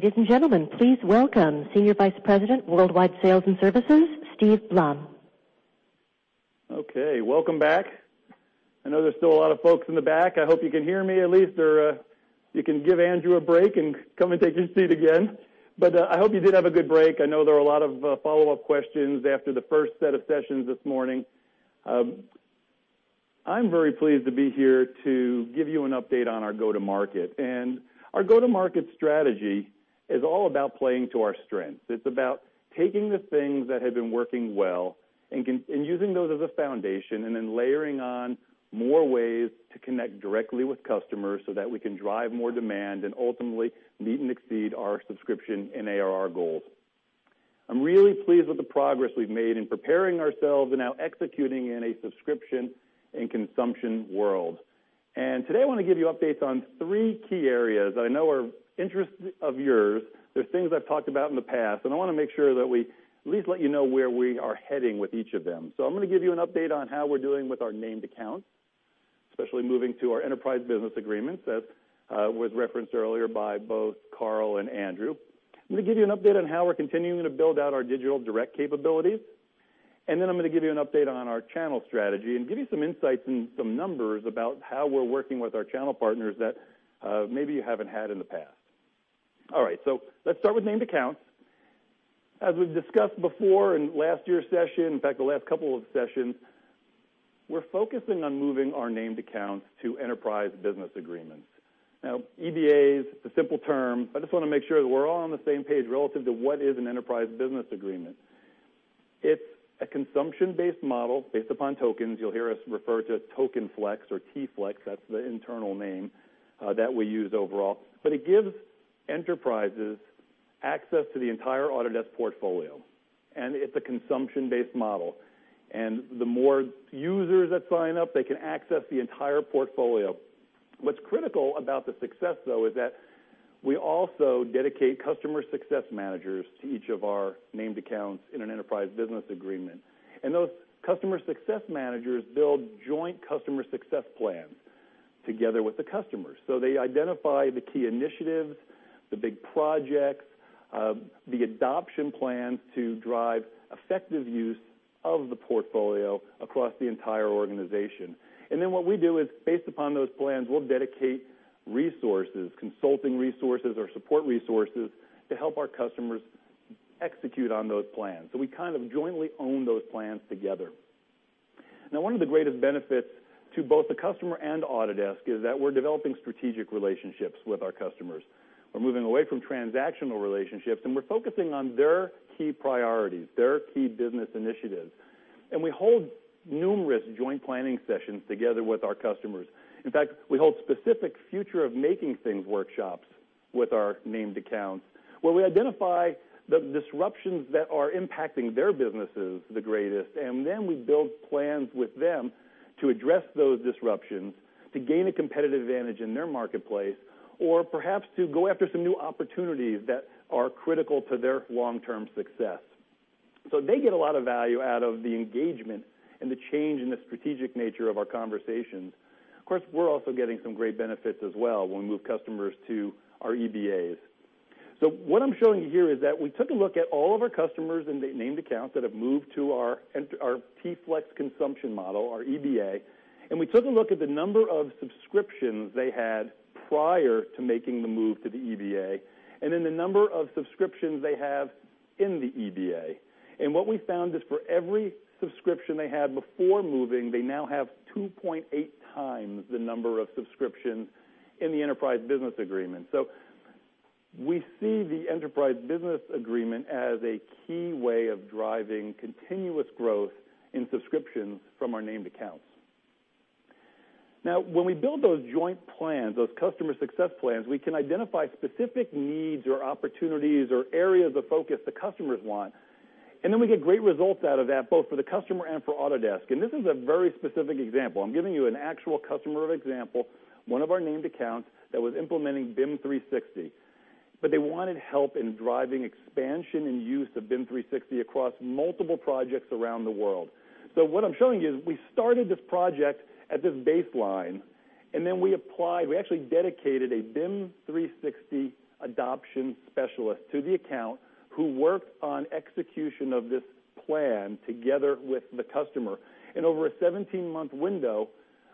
Ladies and gentlemen, please welcome Senior Vice President, Worldwide Sales and Services, Steve Blum. Welcome back. I know there's still a lot of folks in the back. I hope you can hear me at least, or you can give Andrew a break and come and take your seat again. I hope you did have a good break. I know there were a lot of follow-up questions after the first set of sessions this morning. I'm very pleased to be here to give you an update on our go-to-market. Our go-to-market strategy is all about playing to our strengths. It's about taking the things that have been working well and using those as a foundation, and then layering on more ways to connect directly with customers so that we can drive more demand, and ultimately meet and exceed our subscription and ARR goals. I'm really pleased with the progress we've made in preparing ourselves and now executing in a subscription and consumption world. Today, I want to give you updates on three key areas that I know are of interest of yours. They're things I've talked about in the past, and I want to make sure that we at least let you know where we are heading with each of them. I'm going to give you an update on how we're doing with our named accounts, especially moving to our enterprise business agreements, as was referenced earlier by both Carl and Andrew. I'm going to give you an update on how we're continuing to build out our digital direct capabilities. Then I'm going to give you an update on our channel strategy and give you some insights and some numbers about how we're working with our channel partners that maybe you haven't had in the past. All right. Let's start with named accounts. As we've discussed before in last year's session, in fact, the last couple of sessions, we're focusing on moving our named accounts to enterprise business agreements. Now, EBA is a simple term. I just want to make sure that we're all on the same page relative to what is an enterprise business agreement. It's a consumption-based model based upon tokens. You'll hear us refer to it Token Flex or T-Flex. That's the internal name that we use overall. It gives enterprises access to the entire Autodesk portfolio, and it's a consumption-based model. The more users that sign up, they can access the entire portfolio. What's critical about the success, though, is that we also dedicate customer success managers to each of our named accounts in an enterprise business agreement. Those customer success managers build joint customer success plans together with the customers. They identify the key initiatives, the big projects, the adoption plans to drive Effective use of the portfolio across the entire organization. Then what we do is based upon those plans, we'll dedicate resources, consulting resources or support resources, to help our customers execute on those plans. We jointly own those plans together. Now, one of the greatest benefits to both the customer and Autodesk is that we're developing strategic relationships with our customers. We're moving away from transactional relationships, and we're focusing on their key priorities, their key business initiatives. We hold numerous joint planning sessions together with our customers. In fact, we hold specific future of making things workshops with our named accounts, where we identify the disruptions that are impacting their businesses the greatest, and then we build plans with them to address those disruptions to gain a competitive advantage in their marketplace. Perhaps to go after some new opportunities that are critical to their long-term success. They get a lot of value out of the engagement and the change in the strategic nature of our conversations. Of course, we're also getting some great benefits as well when we move customers to our EBAs. What I'm showing you here is that we took a look at all of our customers and the named accounts that have moved to our T-Flex consumption model, our EBA, and we took a look at the number of subscriptions they had prior to making the move to the EBA, and then the number of subscriptions they have in the EBA. What we found is for every subscription they had before moving, they now have 2.8 times the number of subscriptions in the enterprise business agreement. We see the enterprise business agreement as a key way of driving continuous growth in subscriptions from our named accounts. When we build those joint plans, those customer success plans, we can identify specific needs or opportunities or areas of focus the customers want, and then we get great results out of that, both for the customer and for Autodesk. This is a very specific example. I'm giving you an actual customer example, one of our named accounts that was implementing BIM 360, but they wanted help in driving expansion and use of BIM 360 across multiple projects around the world. What I'm showing you is we started this project at this baseline, and then we actually dedicated a BIM 360 adoption specialist to the account who worked on execution of this plan together with the customer. Over a 17-month window,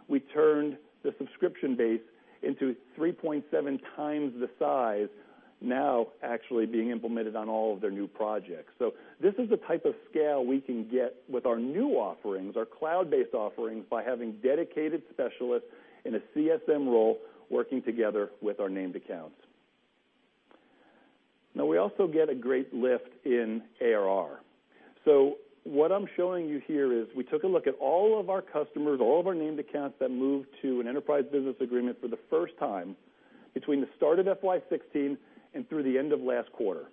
we turned the subscription base into 3.7 times the size now actually being implemented on all of their new projects. This is the type of scale we can get with our new offerings, our cloud-based offerings, by having dedicated specialists in a CSM role working together with our named accounts. We also get a great lift in ARR. What I'm showing you here is we took a look at all of our customers, all of our named accounts that moved to an enterprise business agreement for the first time between the start of FY 2016 and through the end of last quarter.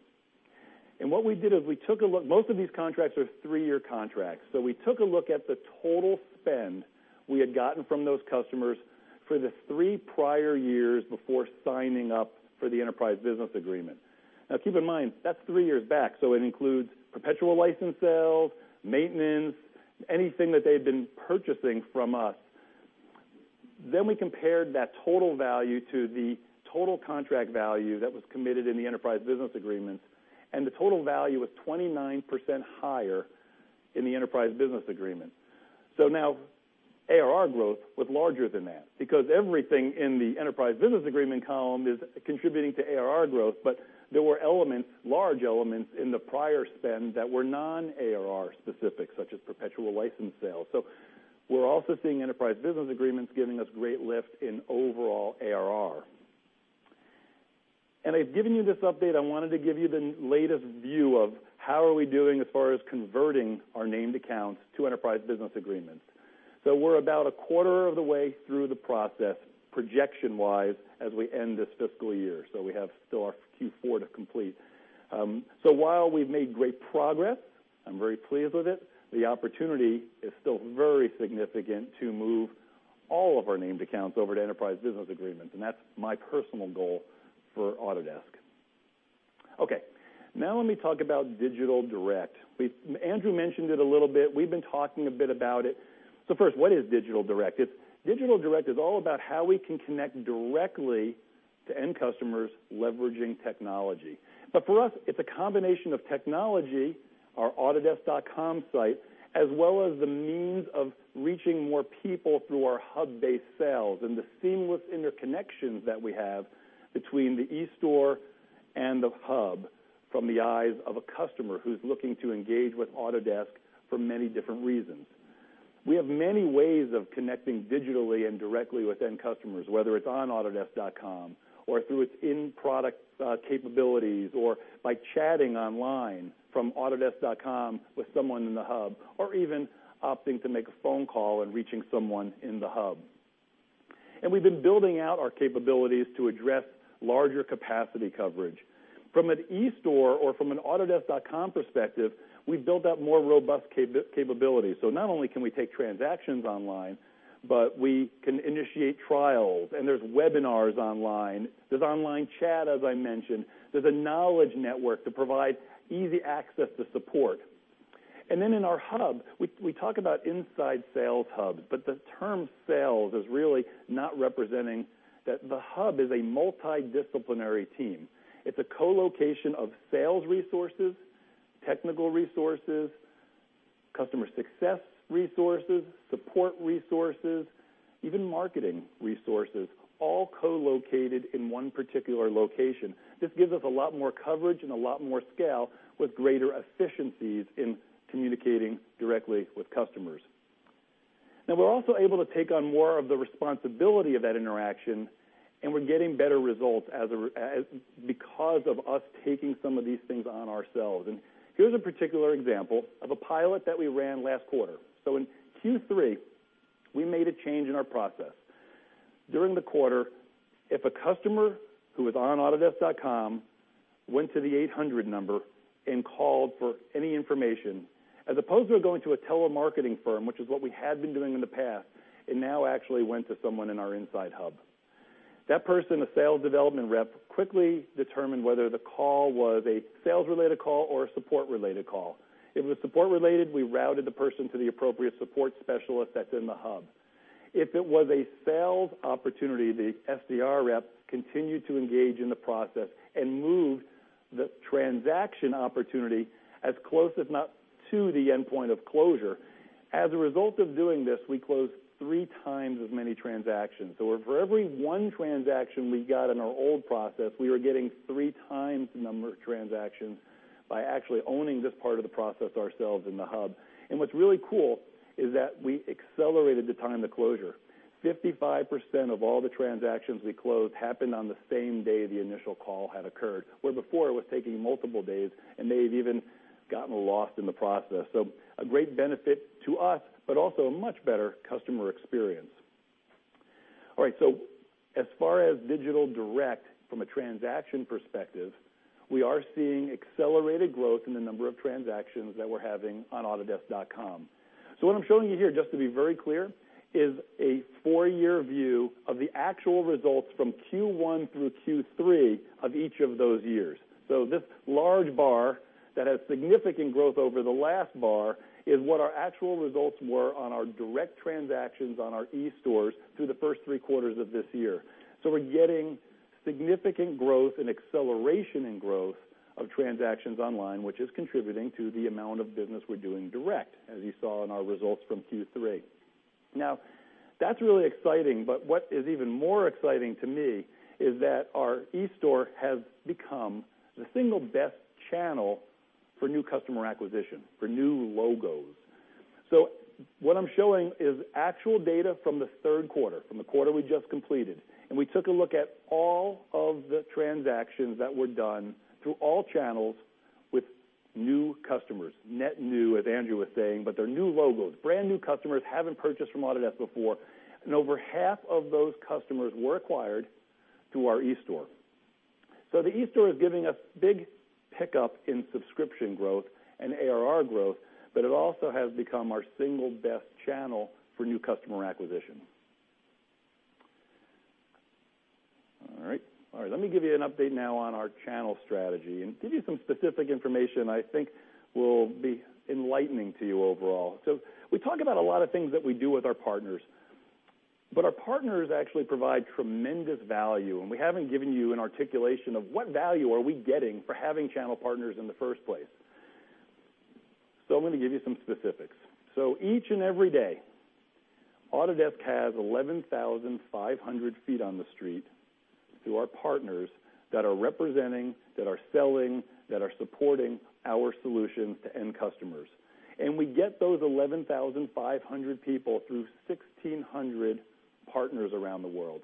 What we did is we took a look. Most of these contracts are three-year contracts. We took a look at the total spend we had gotten from those customers for the three prior years before signing up for the enterprise business agreement. Keep in mind, that's three years back, so it includes perpetual license sales, maintenance, anything that they've been purchasing from us. We compared that total value to the total contract value that was committed in the enterprise business agreements, and the total value was 29% higher in the enterprise business agreement. Now ARR growth was larger than that because everything in the enterprise business agreement column is contributing to ARR growth, but there were elements, large elements in the prior spend that were non-ARR specific, such as perpetual license sales. We're also seeing enterprise business agreements giving us great lift in overall ARR. I've given you this update. I wanted to give you the latest view of how are we doing as far as converting our named accounts to enterprise business agreements. We're about a quarter of the way through the process, projection-wise, as we end this fiscal year. We have still our Q4 to complete. While we've made great progress, I'm very pleased with it, the opportunity is still very significant to move all of our named accounts over to enterprise business agreements, and that's my personal goal for Autodesk. Let me talk about digital direct. Andrew mentioned it a little bit. We've been talking a bit about it. First, what is digital direct? Digital direct is all about how we can connect directly to end customers leveraging technology. For us, it's a combination of technology, our autodesk.com site, as well as the means of reaching more people through our hub-based sales and the seamless interconnections that we have between the eStore and the hub from the eyes of a customer who's looking to engage with Autodesk for many different reasons. We have many ways of connecting digitally and directly with end customers, whether it's on autodesk.com or through its in-product capabilities, or by chatting online from autodesk.com with someone in the hub, or even opting to make a phone call and reaching someone in the hub. We've been building out our capabilities to address larger capacity coverage. From an eStore or from an autodesk.com perspective, we've built out more robust capabilities. Not only can we take transactions online, but we can initiate trials. There's webinars online. There's online chat, as I mentioned. There's a knowledge network that provides easy access to support. In our hub, we talk about inside sales hubs, but the term sales is really not representing that the hub is a multidisciplinary team. It's a co-location of sales resources, technical resources, Customer success resources, support resources, even marketing resources, all co-located in one particular location. This gives us a lot more coverage and a lot more scale with greater efficiencies in communicating directly with customers. We're also able to take on more of the responsibility of that interaction, and we're getting better results because of us taking some of these things on ourselves. Here's a particular example of a pilot that we ran last quarter. In Q3, we made a change in our process. During the quarter, if a customer who was on autodesk.com went to the 800 number and called for any information, as opposed to going to a telemarketing firm, which is what we had been doing in the past, it now actually went to someone in our inside hub. That person, a sales development rep, quickly determined whether the call was a sales-related call or a support-related call. If it was support-related, we routed the person to the appropriate support specialist that's in the hub. If it was a sales opportunity, the SDR rep continued to engage in the process and moved the transaction opportunity as close, if not to, the endpoint of closure. As a result of doing this, we closed three times as many transactions. For every one transaction we got in our old process, we were getting three times the number of transactions by actually owning this part of the process ourselves in the hub. What's really cool is that we accelerated the time to closure. 55% of all the transactions we closed happened on the same day the initial call had occurred, where before it was taking multiple days, and may have even gotten lost in the process. A great benefit to us, but also a much better customer experience. As far as digital direct from a transaction perspective, we are seeing accelerated growth in the number of transactions that we're having on autodesk.com. What I'm showing you here, just to be very clear, is a four-year view of the actual results from Q1 through Q3 of each of those years. This large bar that has significant growth over the last bar is what our actual results were on our direct transactions on our eStores through the first three quarters of this year. We're getting significant growth and acceleration in growth of transactions online, which is contributing to the amount of business we're doing direct, as you saw in our results from Q3. That's really exciting, but what is even more exciting to me is that our eStore has become the single best channel for new customer acquisition, for new logos. What I'm showing is actual data from the third quarter, from the quarter we just completed. We took a look at all of the transactions that were done through all channels with new customers. Net new, as Andrew was saying, but they're new logos. Brand-new customers, haven't purchased from Autodesk before. Over half of those customers were acquired through our eStore. The eStore is giving us big pickup in subscription growth and ARR growth, but it also has become our single best channel for new customer acquisition. Let me give you an update now on our channel strategy and give you some specific information I think will be enlightening to you overall. We talk about a lot of things that we do with our partners, but our partners actually provide tremendous value, and we haven't given you an articulation of what value are we getting for having channel partners in the first place. I'm going to give you some specifics. Each and every day, Autodesk has 11,500 feet on the street through our partners that are representing, that are selling, that are supporting our solutions to end customers. We get those 11,500 people through 1,600 partners around the world.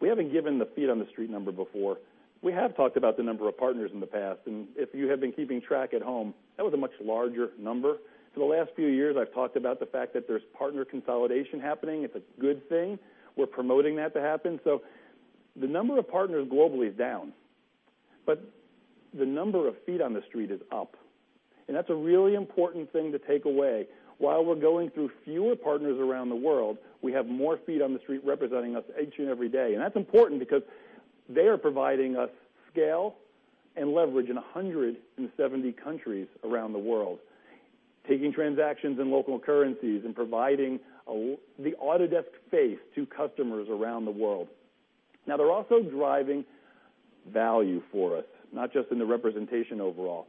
We haven't given the feet-on-the-street number before. We have talked about the number of partners in the past, and if you have been keeping track at home, that was a much larger number. For the last few years, I've talked about the fact that there's partner consolidation happening. It's a good thing. We're promoting that to happen, the number of partners globally is down, but the number of feet on the street is up, and that's a really important thing to take away. While we're going through fewer partners around the world, we have more feet on the street representing us each and every day. That's important because they are providing us scale and leverage in 170 countries around the world, taking transactions in local currencies and providing the Autodesk face to customers around the world. They're also driving value for us, not just in the representation overall.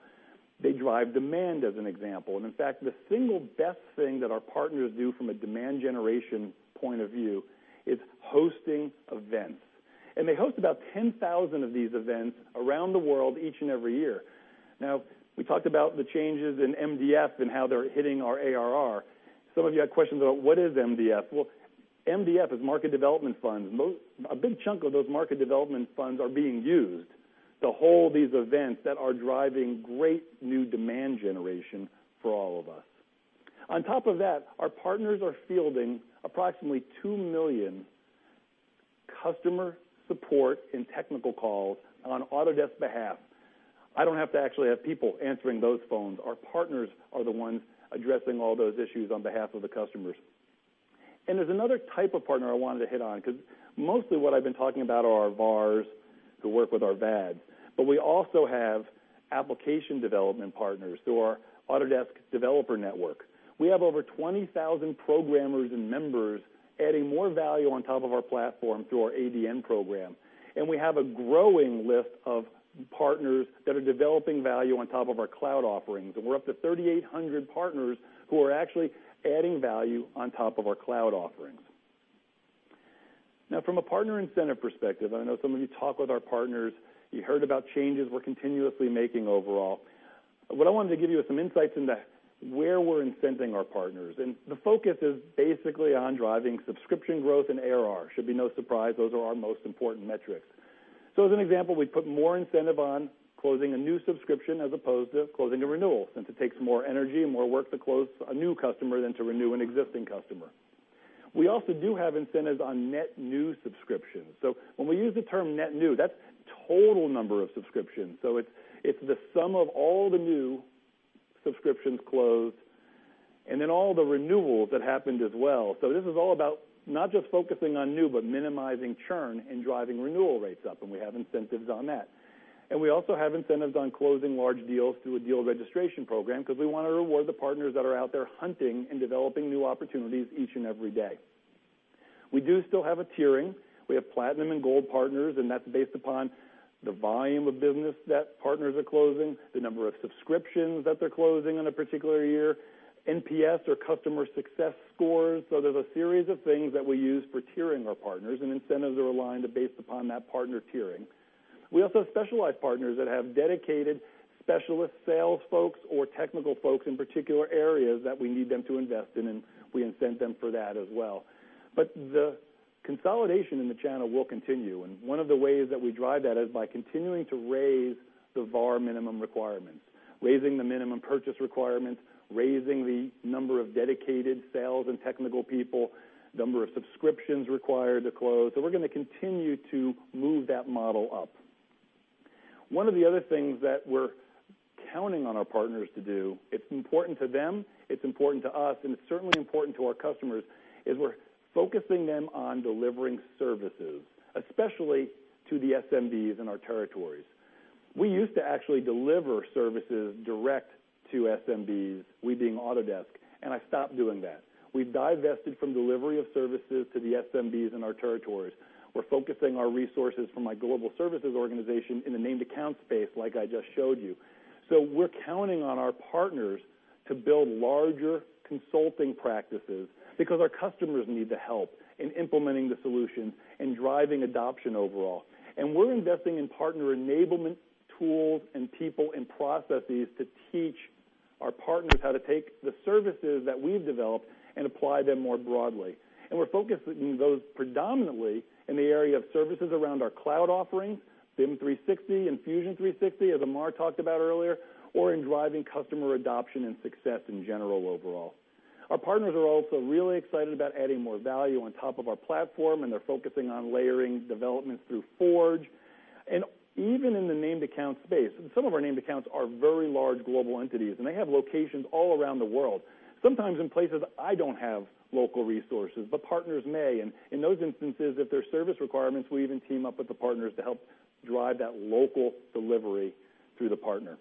They drive demand, as an example. In fact, the single best thing that our partners do from a demand generation point of view is hosting events. They host about 10,000 of these events around the world each and every year. We talked about the changes in MDF and how they're hitting our ARR. Some of you had questions about what is MDF. MDF is market development funds. A big chunk of those market development funds are being used to hold these events that are driving great new demand generation for all of us. On top of that, our partners are fielding approximately 2 million customer support and technical calls on Autodesk's behalf. I don't have to actually have people answering those phones. Our partners are the ones addressing all those issues on behalf of the customers. There's another type of partner I wanted to hit on, because mostly what I've been talking about are our VARs who work with our VADs. We also have application development partners through our Autodesk Developer Network. We have over 20,000 programmers and members adding more value on top of our platform through our ADN program. We have a growing list of partners that are developing value on top of our cloud offerings. We're up to 3,800 partners who are actually adding value on top of our cloud offerings. From a partner incentive perspective, I know some of you talk with our partners, you heard about changes we're continuously making overall. What I wanted to give you is some insights into where we're incenting our partners. The focus is basically on driving subscription growth and ARR. Should be no surprise, those are our most important metrics. As an example, we put more incentive on closing a new subscription as opposed to closing a renewal, since it takes more energy and more work to close a new customer than to renew an existing customer. We also do have incentives on net new subscriptions. When we use the term net new, that's total number of subscriptions. It's the sum of all the new subscriptions closed and then all the renewals that happened as well. This is all about not just focusing on new, but minimizing churn and driving renewal rates up, and we have incentives on that. We also have incentives on closing large deals through a deal registration program because we want to reward the partners that are out there hunting and developing new opportunities each and every day. We do still have a tiering. We have platinum and gold partners, and that's based upon the volume of business that partners are closing, the number of subscriptions that they're closing in a particular year, NPS or customer success scores. There's a series of things that we use for tiering our partners, and incentives are aligned based upon that partner tiering. We also have specialized partners that have dedicated specialist sales folks or technical folks in particular areas that we need them to invest in, and we incent them for that as well. The consolidation in the channel will continue. One of the ways that we drive that is by continuing to raise the VAR minimum requirements, raising the minimum purchase requirements, raising the number of dedicated sales and technical people, number of subscriptions required to close. We're going to continue to move that model up. One of the other things that we're counting on our partners to do, it's important to them, it's important to us, and it's certainly important to our customers, is we're focusing them on delivering services, especially to the SMBs in our territories. We used to actually deliver services direct to SMBs, we being Autodesk, and I stopped doing that. We divested from delivery of services to the SMBs in our territories. We're focusing our resources from my global services organization in the named account space, like I just showed you. We're counting on our partners to build larger consulting practices because our customers need the help in implementing the solution and driving adoption overall. We're investing in partner enablement tools and people and processes to teach our partners how to take the services that we've developed and apply them more broadly. We're focusing those predominantly in the area of services around our cloud offerings, BIM 360 and Fusion 360, as Amar talked about earlier, or in driving customer adoption and success in general overall. Our partners are also really excited about adding more value on top of our platform, and they're focusing on layering development through Forge. Even in the named account space, some of our named accounts are very large global entities, and they have locations all around the world. Sometimes in places I don't have local resources, but partners may. In those instances, if there's service requirements, we even team up with the partners to help drive that local delivery through the partner.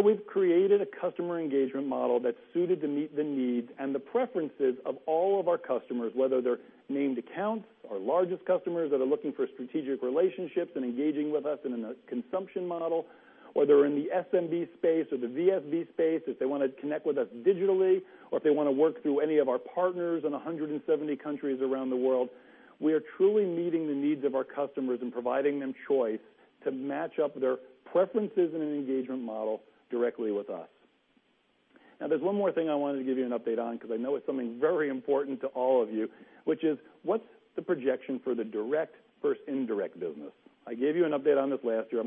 We've created a customer engagement model that's suited to meet the needs and the preferences of all of our customers, whether they're named accounts, our largest customers that are looking for strategic relationships and engaging with us in a consumption model, whether in the SMB space or the VSB space, if they want to connect with us digitally, or if they want to work through any of our partners in 170 countries around the world. We are truly meeting the needs of our customers and providing them choice to match up their preferences in an engagement model directly with us. There's one more thing I wanted to give you an update on because I know it's something very important to all of you, which is what's the projection for the direct versus indirect business? I gave you an update on this last year.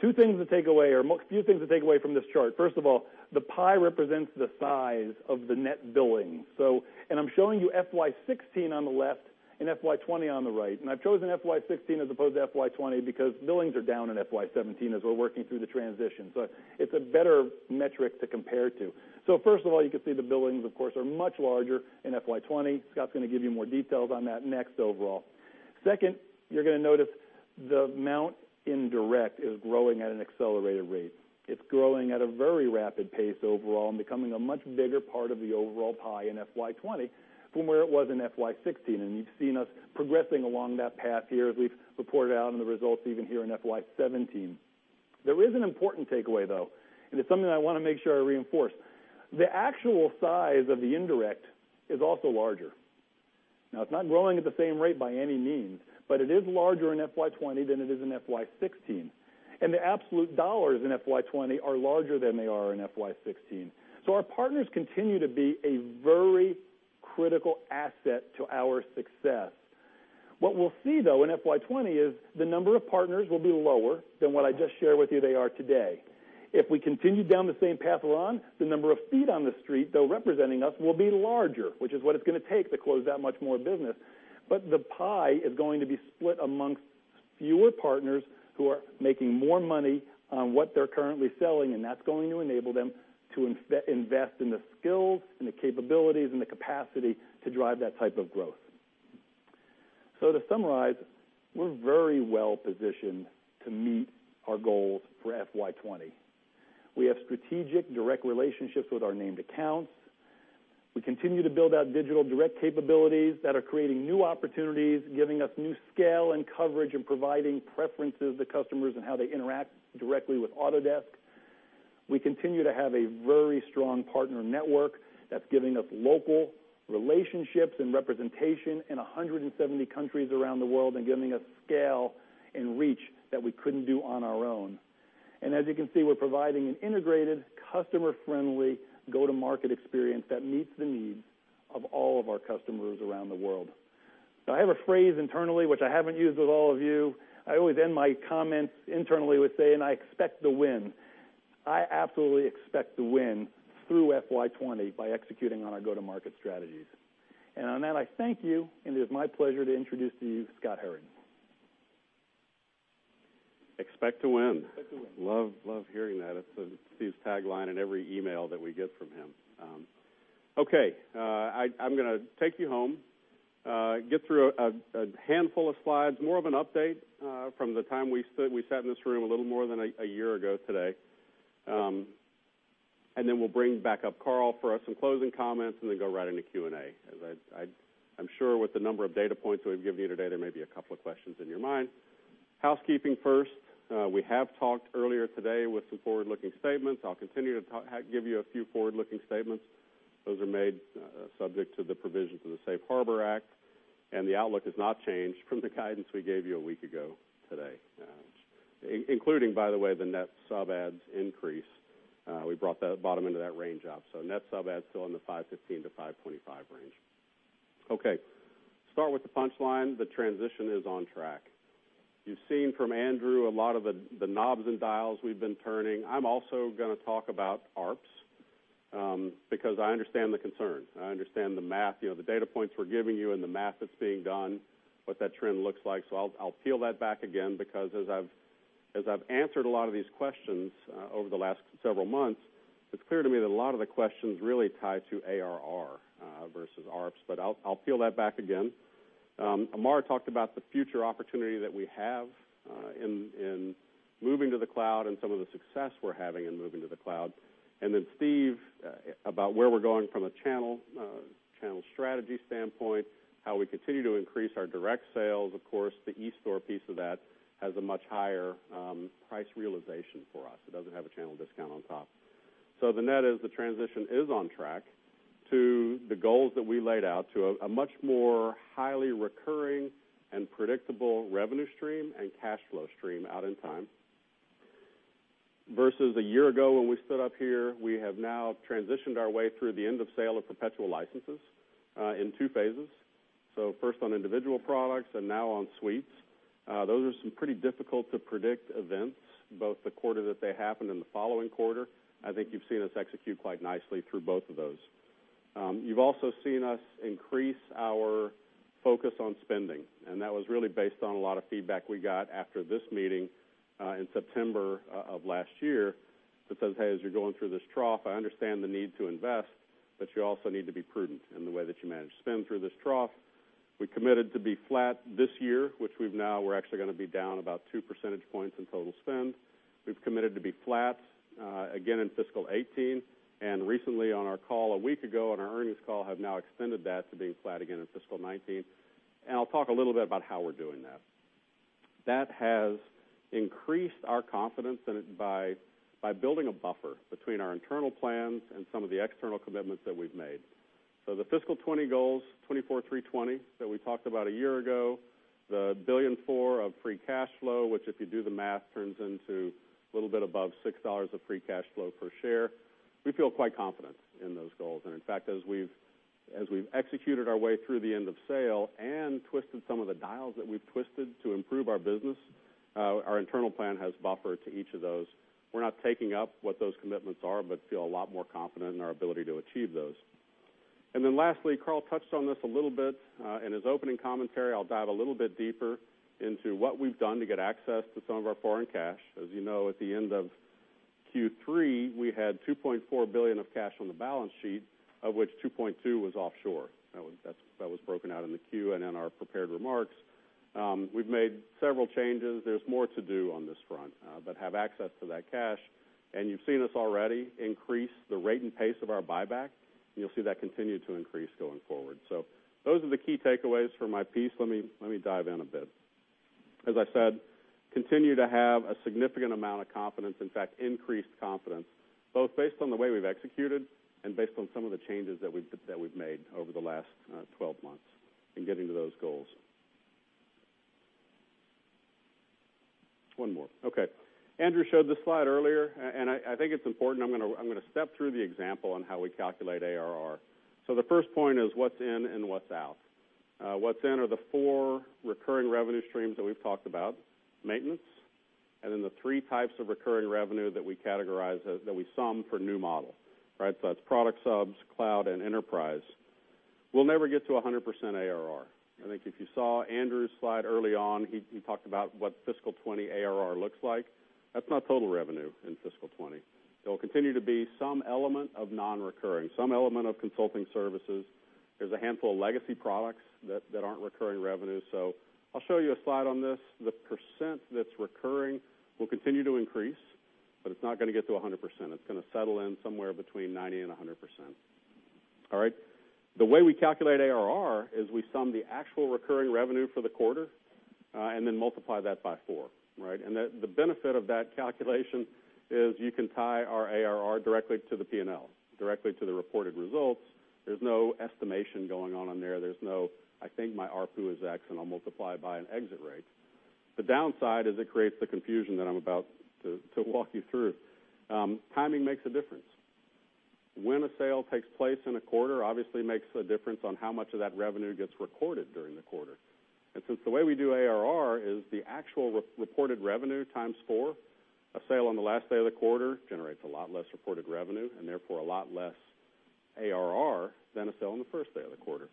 Two things to take away, or a few things to take away from this chart. The pie represents the size of the net billing. I'm showing you FY 2016 on the left and FY 2020 on the right. I've chosen FY 2016 as opposed to FY 2020 because billings are down in FY 2017 as we're working through the transition. It's a better metric to compare to. You can see the billings, of course, are much larger in FY 2020. Scott's going to give you more details on that next overall. You're going to notice the amount indirect is growing at an accelerated rate. It's growing at a very rapid pace overall and becoming a much bigger part of the overall pie in FY 2020 from where it was in FY 2016. You've seen us progressing along that path here as we've reported out on the results even here in FY 2017. There is an important takeaway, though, and it's something I want to make sure I reinforce. The actual size of the indirect is also larger. It's not growing at the same rate by any means, but it is larger in FY 2020 than it is in FY 2016. The absolute dollars in FY 2020 are larger than they are in FY 2016. Our partners continue to be a very critical asset to our success. What we'll see, though, in FY 2020 is the number of partners will be lower than what I just shared with you they are today. If we continue down the same path along, the number of feet on the street, though, representing us will be larger, which is what it's going to take to close that much more business. The pie is going to be split amongst fewer partners who are making more money on what they're currently selling, and that's going to enable them to invest in the skills and the capabilities and the capacity to drive that type of growth. To summarize, we're very well positioned to meet our goals for FY 2020. We have strategic direct relationships with our named accounts. We continue to build out digital direct capabilities that are creating new opportunities, giving us new scale and coverage, and providing preferences to customers in how they interact directly with Autodesk. We continue to have a very strong partner network that's giving us local relationships and representation in 170 countries around the world and giving us scale and reach that we couldn't do on our own. As you can see, we're providing an integrated, customer-friendly go-to-market experience that meets the needs of all of our customers around the world. I have a phrase internally, which I haven't used with all of you. I always end my comments internally with saying, "I expect to win." I absolutely expect to win through FY 2020 by executing on our go-to-market strategies. On that, I thank you, and it is my pleasure to introduce to you Scott Herren. Expect to win. Expect to win. Love hearing that. It's Steve's tagline in every email that we get from him. I'm going to take you home, get through a handful of slides, more of an update from the time we sat in this room a little more than a year ago today. We'll bring back up Carl for some closing comments and then go right into Q&A. As I'm sure with the number of data points that we've given you today, there may be a couple of questions in your mind. Housekeeping first. We have talked earlier today with some forward-looking statements. I'll continue to give you a few forward-looking statements. Those are made subject to the provisions of the Safe Harbor Act, and the outlook has not changed from the guidance we gave you a week ago today. Including, by the way, the net sub adds increase. We brought the bottom end of that range up. Net sub adds still in the 515-525 range. Start with the punchline. The transition is on track. You've seen from Andrew a lot of the knobs and dials we've been turning. I'm also going to talk about ARPS because I understand the concern. I understand the math, the data points we're giving you and the math that's being done, what that trend looks like. I'll peel that back again because as I've answered a lot of these questions over the last several months, it's clear to me that a lot of the questions really tie to ARR versus ARPS. I'll peel that back again. Amar talked about the future opportunity that we have in moving to the cloud and some of the success we're having in moving to the cloud. Steve, about where we're going from a channel strategy standpoint, how we continue to increase our direct sales. Of course, the eStore piece of that has a much higher price realization for us. It doesn't have a channel discount on top. The net is the transition is on track to the goals that we laid out to a much more highly recurring and predictable revenue stream and cash flow stream out in time. Versus a year ago when we stood up here, we have now transitioned our way through the end-of-sale of perpetual licenses in two phases. First on individual products and now on suites. Those are some pretty difficult-to-predict events, both the quarter that they happened and the following quarter. I think you've seen us execute quite nicely through both of those. You've also seen us increase our focus on spending, and that was really based on a lot of feedback we got after this meeting in September of last year that says, "Hey, as you're going through this trough, I understand the need to invest, but you also need to be prudent in the way that you manage spend through this trough." We committed to be flat this year, which we've now we're actually going to be down about two percentage points in total spend. We've committed to be flat again in fiscal '18, and recently on our call a week ago, on our earnings call, have now extended that to being flat again in fiscal '19. I'll talk a little bit about how we're doing that. That has increased our confidence by building a buffer between our internal plans and some of the external commitments that we've made. The fiscal '20 goals, 24,320 that we talked about a year ago, the $1.4 billion of free cash flow, which if you do the math, turns into a little bit above $6 of free cash flow per share. We feel quite confident in those goals. In fact, as we've executed our way through the end of sale and twisted some of the dials that we've twisted to improve our business, our internal plan has buffer to each of those. We're not taking up what those commitments are, but feel a lot more confident in our ability to achieve those. Then lastly, Carl touched on this a little bit in his opening commentary. I'll dive a little bit deeper into what we've done to get access to some of our foreign cash. As you know, at the end of Q3, we had $2.4 billion of cash on the balance sheet, of which $2.2 billion was offshore. That was broken out in the 10-Q and in our prepared remarks. We've made several changes. There's more to do on this front, but have access to that cash. You've seen us already increase the rate and pace of our buyback, and you'll see that continue to increase going forward. Those are the key takeaways for my piece. Let me dive in a bit. As I said, continue to have a significant amount of confidence. In fact, increased confidence, both based on the way we've executed and based on some of the changes that we've made over the last 12 months in getting to those goals. One more. Okay. Andrew showed this slide earlier, I think it's important. I'm going to step through the example on how we calculate ARR. The first point is what's in and what's out. What's in are the four recurring revenue streams that we've talked about, maintenance, and then the 3 types of recurring revenue that we categorize, that we sum for new model. That's product subs, cloud, and enterprise. We'll never get to 100% ARR. I think if you saw Andrew's slide early on, he talked about what fiscal '20 ARR looks like. That's not total revenue in fiscal '20. There will continue to be some element of non-recurring, some element of consulting services. There's a handful of legacy products that aren't recurring revenue. I'll show you a slide on this. The percent that's recurring will continue to increase, but it's not going to get to 100%. It's going to settle in somewhere between 90%-100%. All right? The way we calculate ARR is we sum the actual recurring revenue for the quarter, then multiply that by four. The benefit of that calculation is you can tie our ARR directly to the P&L, directly to the reported results. There's no estimation going on there. There's no, "I think my ARPU is X, and I'll multiply by an exit rate." The downside is it creates the confusion that I'm about to walk you through. Timing makes a difference. When a sale takes place in a quarter obviously makes a difference on how much of that revenue gets recorded during the quarter. Since the way we do ARR is the actual reported revenue times four, a sale on the last day of the quarter generates a lot less reported revenue, and therefore, a lot less ARR than a sale on the first day of the quarter.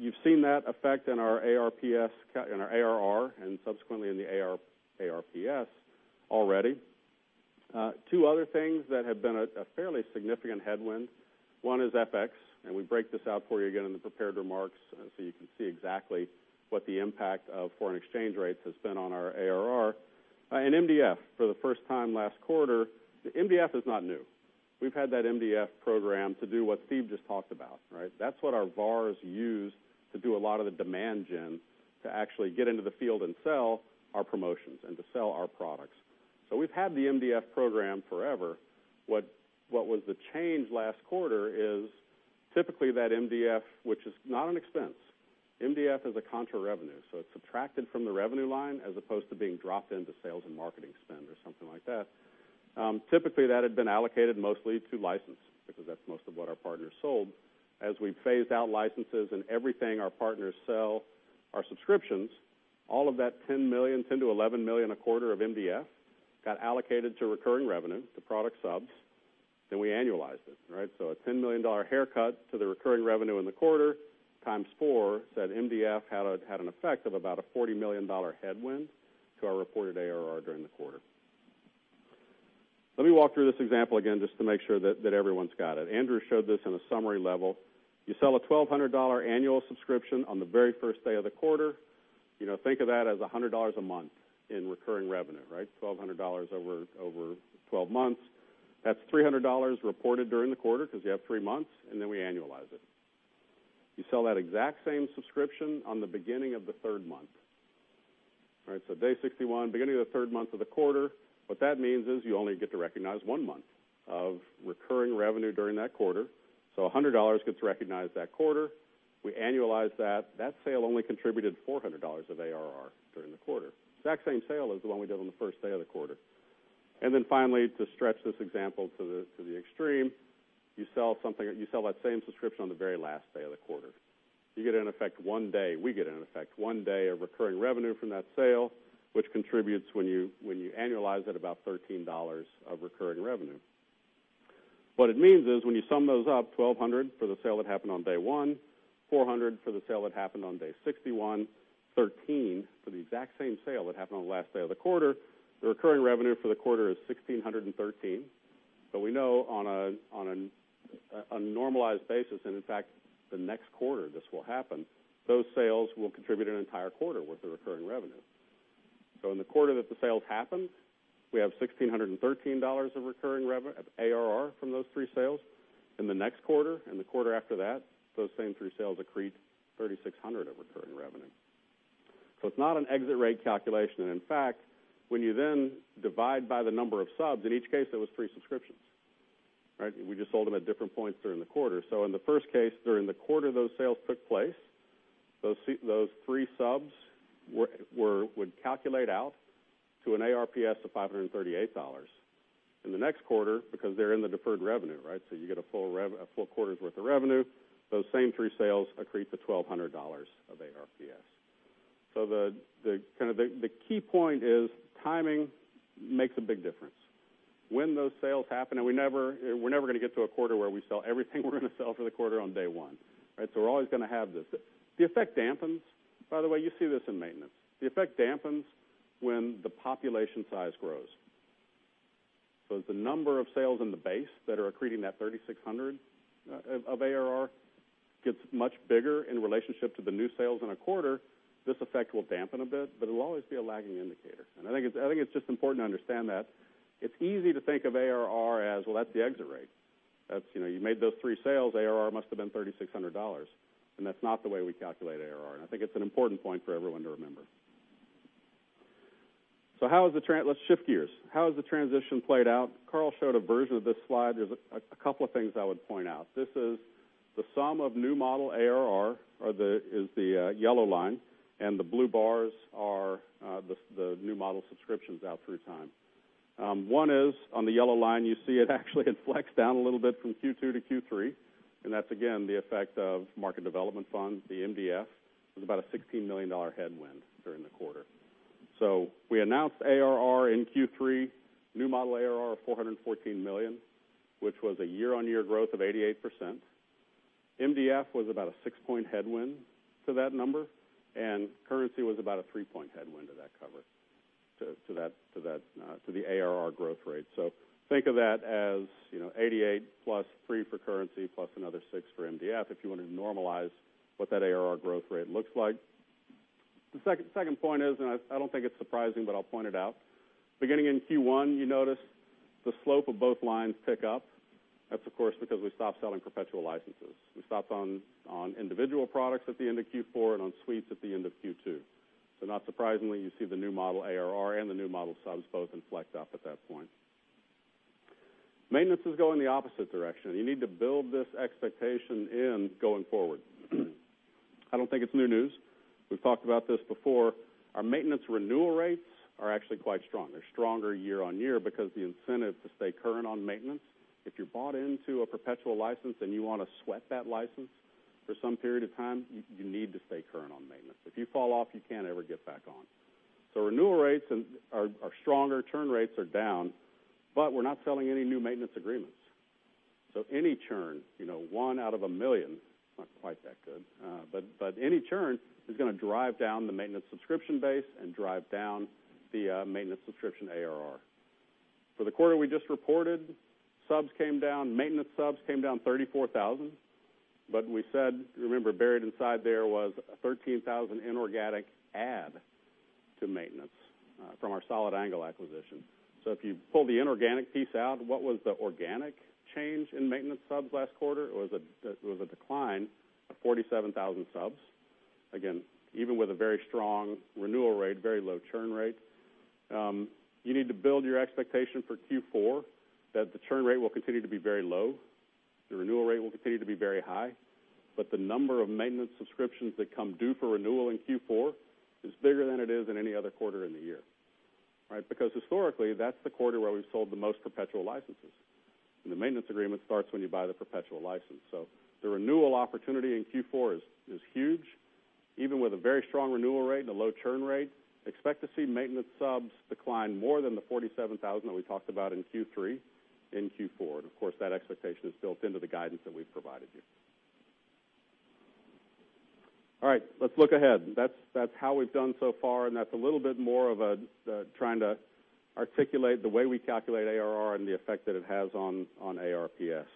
You've seen that effect in our ARR, and subsequently in the ARPS already. Two other things that have been a fairly significant headwind. One is FX, and we break this out for you again in the prepared remarks so you can see exactly what the impact of foreign exchange rates has been on our ARR. MDF for the first time last quarter. MDF is not new. We've had that MDF program to do what Steve just talked about. That's what our VARs use to do a lot of the demand gen to actually get into the field and sell our promotions and to sell our products. We've had the MDF program forever. What was the change last quarter is typically that MDF, which is not an expense. MDF is a contra-revenue, so it's subtracted from the revenue line as opposed to being dropped into sales and marketing spend or something like that. Typically, that had been allocated mostly to license, because that's most of what our partners sold. As we phased out licenses and everything our partners sell are subscriptions, all of that $10 million, $10 million to $11 million a quarter of MDF got allocated to recurring revenue, to product subs, then we annualized it. So a $10 million haircut to the recurring revenue in the quarter times four said MDF had an effect of about a $40 million headwind to our reported ARR during the quarter. Let me walk through this example again just to make sure that everyone's got it. Andrew showed this in a summary level. You sell a $1,200 annual subscription on the very first day of the quarter. Think of that as $100 a month in recurring revenue. $1,200 over 12 months. That's $300 reported during the quarter because you have three months, then we annualize it. You sell that exact same subscription on the beginning of the third month. So day 61, beginning of the third month of the quarter. What that means is you only get to recognize one month of recurring revenue during that quarter. So $100 gets recognized that quarter. We annualize that. That sale only contributed $400 of ARR during the quarter. Exact same sale as the one we did on the first day of the quarter. Then finally, to stretch this example to the extreme, you sell that same subscription on the very last day of the quarter. You get, in effect, one day, we get in effect, one day of recurring revenue from that sale, which contributes, when you annualize it, about $13 of recurring revenue. What it means is, when you sum those up, 1,200 for the sale that happened on day one, 400 for the sale that happened on day 61, 13 for the exact same sale that happened on the last day of the quarter. The recurring revenue for the quarter is 1,613. We know on a normalized basis, and in fact, the next quarter, this will happen, those sales will contribute an entire quarter worth of recurring revenue. In the quarter that the sales happen, we have $1,613 of ARR from those three sales. In the next quarter and the quarter after that, those same three sales accrete 3,600 of recurring revenue. It's not an exit rate calculation. In fact, when you then divide by the number of subs, in each case, it was three subscriptions. We just sold them at different points during the quarter. In the first case, during the quarter those sales took place, those three subs would calculate out to an ARPS of $538. In the next quarter, because they're in the deferred revenue, you get a full quarter's worth of revenue, those same three sales accrete the $1,200 of ARPS. The key point is timing makes a big difference. When those sales happen, and we're never going to get to a quarter where we sell everything we're going to sell for the quarter on day one. We're always going to have this. The effect dampens. By the way, you see this in maintenance. The effect dampens when the population size grows. As the number of sales in the base that are accreting that 3,600 of ARR gets much bigger in relationship to the new sales in a quarter, this effect will dampen a bit, but it'll always be a lagging indicator. I think it's just important to understand that it's easy to think of ARR as, well, that's the exit rate. You made those three sales, ARR must have been $3,600. That's not the way we calculate ARR, and I think it's an important point for everyone to remember. Let's shift gears. How has the transition played out? Carl showed a version of this slide. There's a couple of things I would point out. This is the sum of new model ARR is the yellow line, and the blue bars are the new model subscriptions out through time. One is on the yellow line, you see it actually it flex down a little bit from Q2 to Q3, and that's again, the effect of market development funds, the MDF. It was about a $16 million headwind during the quarter. We announced ARR in Q3, new model ARR of $414 million, which was a year-on-year growth of 88%. MDF was about a six-point headwind to that number, and currency was about a three-point headwind to that number. To the ARR growth rate. Think of that as 88 plus three for currency plus another six for MDF, if you want to normalize what that ARR growth rate looks like. The second point is, and I don't think it's surprising, but I'll point it out. Beginning in Q1, you notice the slope of both lines pick up. That's, of course, because we stopped selling perpetual licenses. We stopped on individual products at the end of Q4 and on suites at the end of Q2. Not surprisingly, you see the new model ARR and the new model subs both inflect up at that point. Maintenance is going the opposite direction. You need to build this expectation in, going forward. I don't think it's new news. We've talked about this before. Our maintenance renewal rates are actually quite strong. They're stronger year-on-year because the incentive to stay current on maintenance, if you're bought into a perpetual license and you want to sweat that license for some period of time, you need to stay current on maintenance. If you fall off, you can't ever get back on. Renewal rates are stronger, churn rates are down, but we're not selling any new maintenance agreements. Any churn, one out of a million, it's not quite that good. Any churn is going to drive down the maintenance subscription base and drive down the maintenance subscription ARR. For the quarter we just reported, subs came down, maintenance subs came down 34,000. We said, remember, buried inside there was a 13,000 inorganic add to maintenance from our Solid Angle acquisition. If you pull the inorganic piece out, what was the organic change in maintenance subs last quarter? It was a decline of 47,000 subs. Again, even with a very strong renewal rate, very low churn rate, you need to build your expectation for Q4 that the churn rate will continue to be very low. The renewal rate will continue to be very high, but the number of maintenance subscriptions that come due for renewal in Q4 is bigger than it is in any other quarter in the year, right? Because historically, that's the quarter where we've sold the most perpetual licenses, and the maintenance agreement starts when you buy the perpetual license. The renewal opportunity in Q4 is huge. Even with a very strong renewal rate and a low churn rate, expect to see maintenance subs decline more than the 47,000 that we talked about in Q3, in Q4. Of course, that expectation is built into the guidance that we've provided you. All right. Let's look ahead. That's how we've done so far, and that's a little bit more of trying to articulate the way we calculate ARR and the effect that it has on ARPS.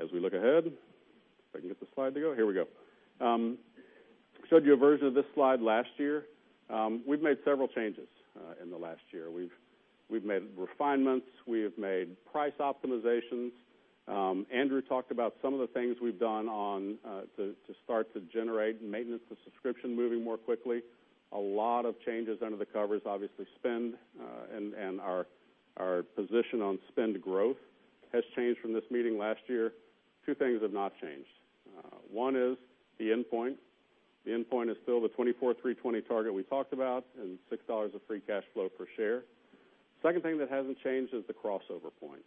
As we look ahead, if I can get the slide to go. Here we go. Showed you a version of this slide last year. We've made several changes in the last year. We've made refinements. We have made price optimizations. Andrew talked about some of the things we've done to start to generate maintenance to subscription moving more quickly. A lot of changes under the covers, obviously, spend, and our position on spend growth has changed from this meeting last year. Two things have not changed. One is the endpoint. The endpoint is still the 24,320 target we talked about and $6 of free cash flow per share. Second thing that hasn't changed is the crossover point.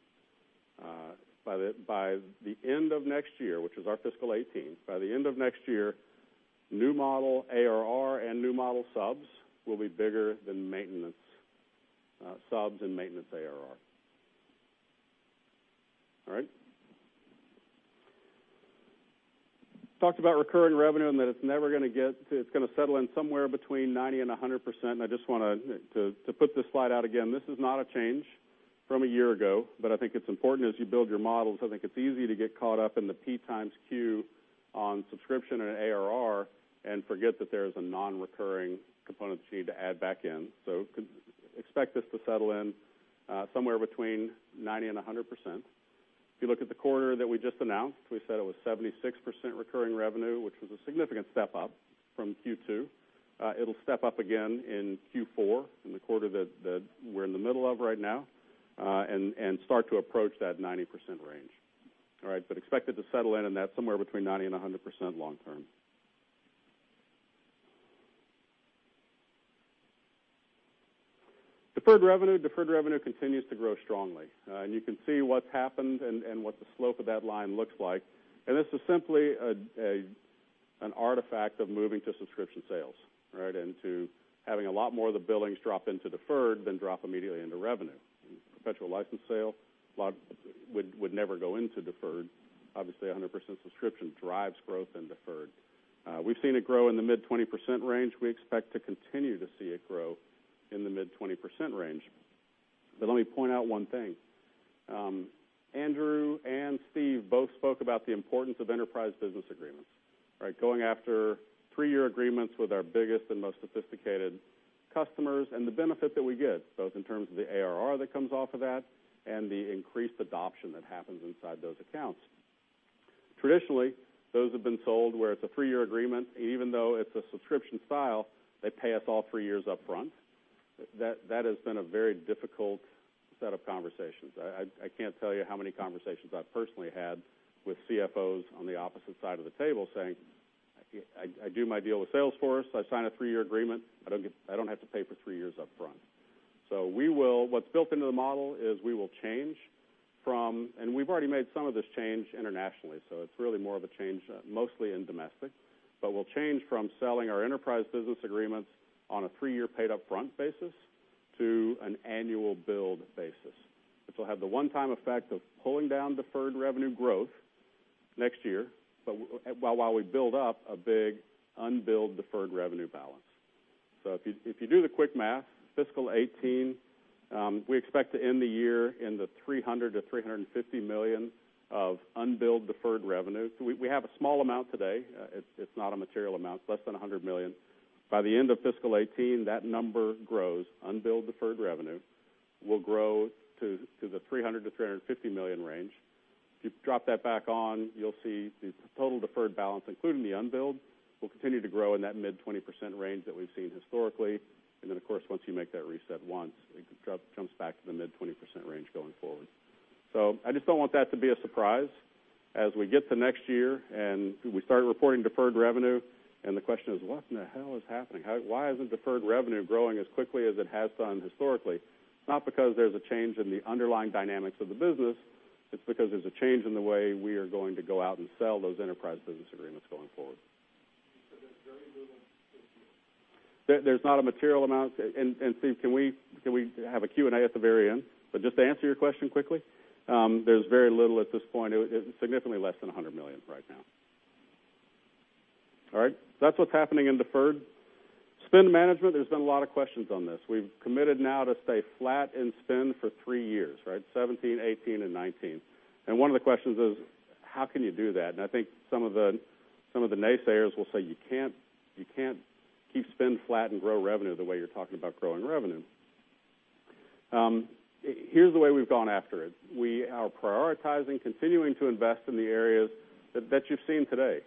By the end of next year, which is our FY 2018, by the end of next year, new model ARR and new model subs will be bigger than maintenance subs and maintenance ARR. All right. Talked about recurring revenue and that it's going to settle in somewhere between 90% and 100%. I just want to put this slide out again. This is not a change from a year ago, I think it's important as you build your models. I think it's easy to get caught up in the P times Q on subscription and ARR and forget that there is a non-recurring component that you need to add back in. Expect this to settle in somewhere between 90% and 100%. If you look at the quarter that we just announced, we said it was 76% recurring revenue, which was a significant step up from Q2. It'll step up again in Q4, in the quarter that we're in the middle of right now, and start to approach that 90% range. All right. Expect it to settle in in that somewhere between 90% and 100% long term. Deferred revenue. Deferred revenue continues to grow strongly, you can see what's happened and what the slope of that line looks like. This is simply an artifact of moving to subscription sales. All right. To having a lot more of the billings drop into deferred than drop immediately into revenue. Perpetual license sale would never go into deferred. Obviously, 100% subscription drives growth in deferred. We've seen it grow in the mid-20% range. We expect to continue to see it grow in the mid-20% range. Let me point out one thing. Andrew and Steve both spoke about the importance of enterprise business agreements. Right. Going after three-year agreements with our biggest and most sophisticated customers, and the benefit that we get, both in terms of the ARR that comes off of that and the increased adoption that happens inside those accounts. Traditionally, those have been sold where it's a three-year agreement, even though it's a subscription style, they pay us all three years up front. That has been a very difficult set of conversations. I can't tell you how many conversations I've personally had with CFOs on the opposite side of the table saying, "I do my deal with Salesforce. I sign a three-year agreement. I don't have to pay for three years up front." What's built into the model is we will change from, we've already made some of this change internationally, it's really more of a change mostly in domestic, we'll change from selling our enterprise business agreements on a three-year paid-up-front basis to an annual billed basis, which will have the one-time effect of pulling down deferred revenue growth next year, while we build up a big unbilled deferred revenue balance. If you do the quick math, fiscal 2018, we expect to end the year in the $300 million-$350 million of unbilled deferred revenue. We have a small amount today. It's not a material amount. It's less than $100 million. By the end of fiscal 2018, that number grows. Unbilled deferred revenue will grow to the $300 million-$350 million range. If you drop that back on, you'll see the total deferred balance, including the unbilled, will continue to grow in that mid-20% range that we've seen historically. Of course, once you make that reset once, it comes back to the mid-20% range going forward. I just don't want that to be a surprise as we get to next year and we start reporting deferred revenue, and the question is, what in the hell is happening? Why isn't deferred revenue growing as quickly as it has done historically? It's not because there's a change in the underlying dynamics of the business. It's because there's a change in the way we are going to go out and sell those enterprise business agreements going forward. There's very little this year. There's not a material amount. Steve, can we have a Q&A at the very end? Just to answer your question quickly, there's very little at this point. It's significantly less than $100 million right now. All right. That's what's happening in deferred. Spend management, there's been a lot of questions on this. We've committed now to stay flat in spend for three years, right? FY 2017, FY 2018, and FY 2019. One of the questions is, how can you do that? I think some of the naysayers will say, "You can't keep spend flat and grow revenue the way you're talking about growing revenue." Here's the way we've gone after it. We are prioritizing continuing to invest in the areas that you've seen today.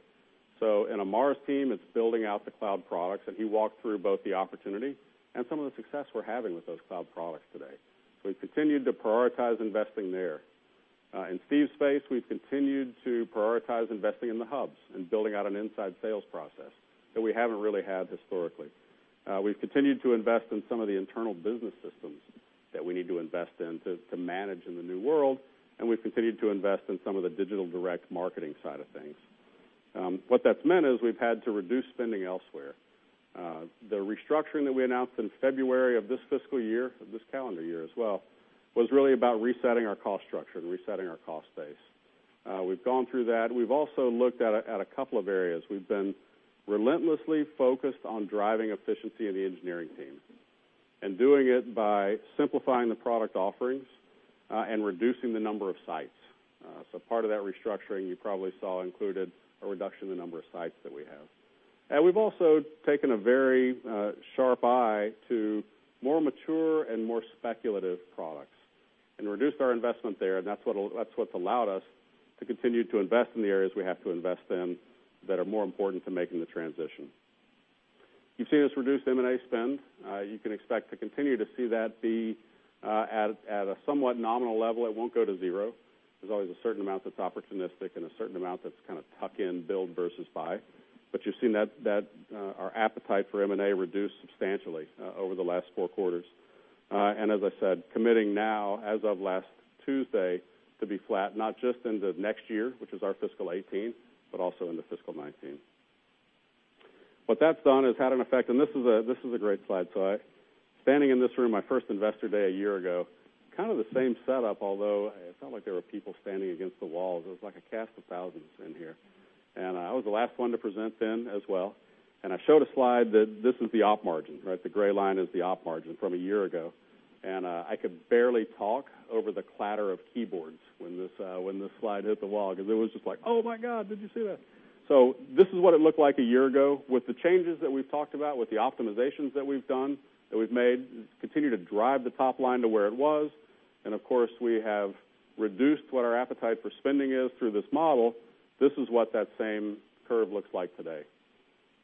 In Amar's team, it's building out the cloud products, and he walked through both the opportunity and some of the success we're having with those cloud products today. We've continued to prioritize investing there. In Steve's space, we've continued to prioritize investing in the hubs and building out an inside sales process that we haven't really had historically. We've continued to invest in some of the internal business systems that we need to invest in to manage in the new world, and we've continued to invest in some of the digital direct marketing side of things. What that's meant is we've had to reduce spending elsewhere. The restructuring that we announced in February of this fiscal year, of this calendar year as well, was really about resetting our cost structure and resetting our cost base. We've gone through that. We've also looked at a couple of areas. We've been relentlessly focused on driving efficiency in the engineering team and doing it by simplifying the product offerings and reducing the number of sites. Part of that restructuring you probably saw included a reduction in the number of sites that we have. We've also taken a very sharp eye to more mature and more speculative products and reduced our investment there, and that's what's allowed us to continue to invest in the areas we have to invest in that are more important to making the transition. You've seen us reduce M&A spend. You can expect to continue to see that be at a somewhat nominal level. It won't go to zero. There's always a certain amount that's opportunistic and a certain amount that's kind of tuck in, build versus buy. You've seen that our appetite for M&A reduced substantially over the last four quarters. As I said, committing now as of last Tuesday to be flat, not just into next year, which is our fiscal 2018, but also into fiscal 2019. What that's done is had an effect, this is a great slide. Standing in this room my first Investor Day a year ago, kind of the same setup, although it's not like there were people standing against the walls. It was like a cast of thousands in here. I was the last one to present then as well. I showed a slide that this is the op margin, right? The gray line is the op margin from a year ago. I could barely talk over the clatter of keyboards when this slide hit the wall because it was just like, "Oh my God, did you see that?" This is what it looked like a year ago. With the changes that we've talked about, with the optimizations that we've done, that we've made, continue to drive the top line to where it was. Of course, we have reduced what our appetite for spending is through this model. This is what that same curve looks like today.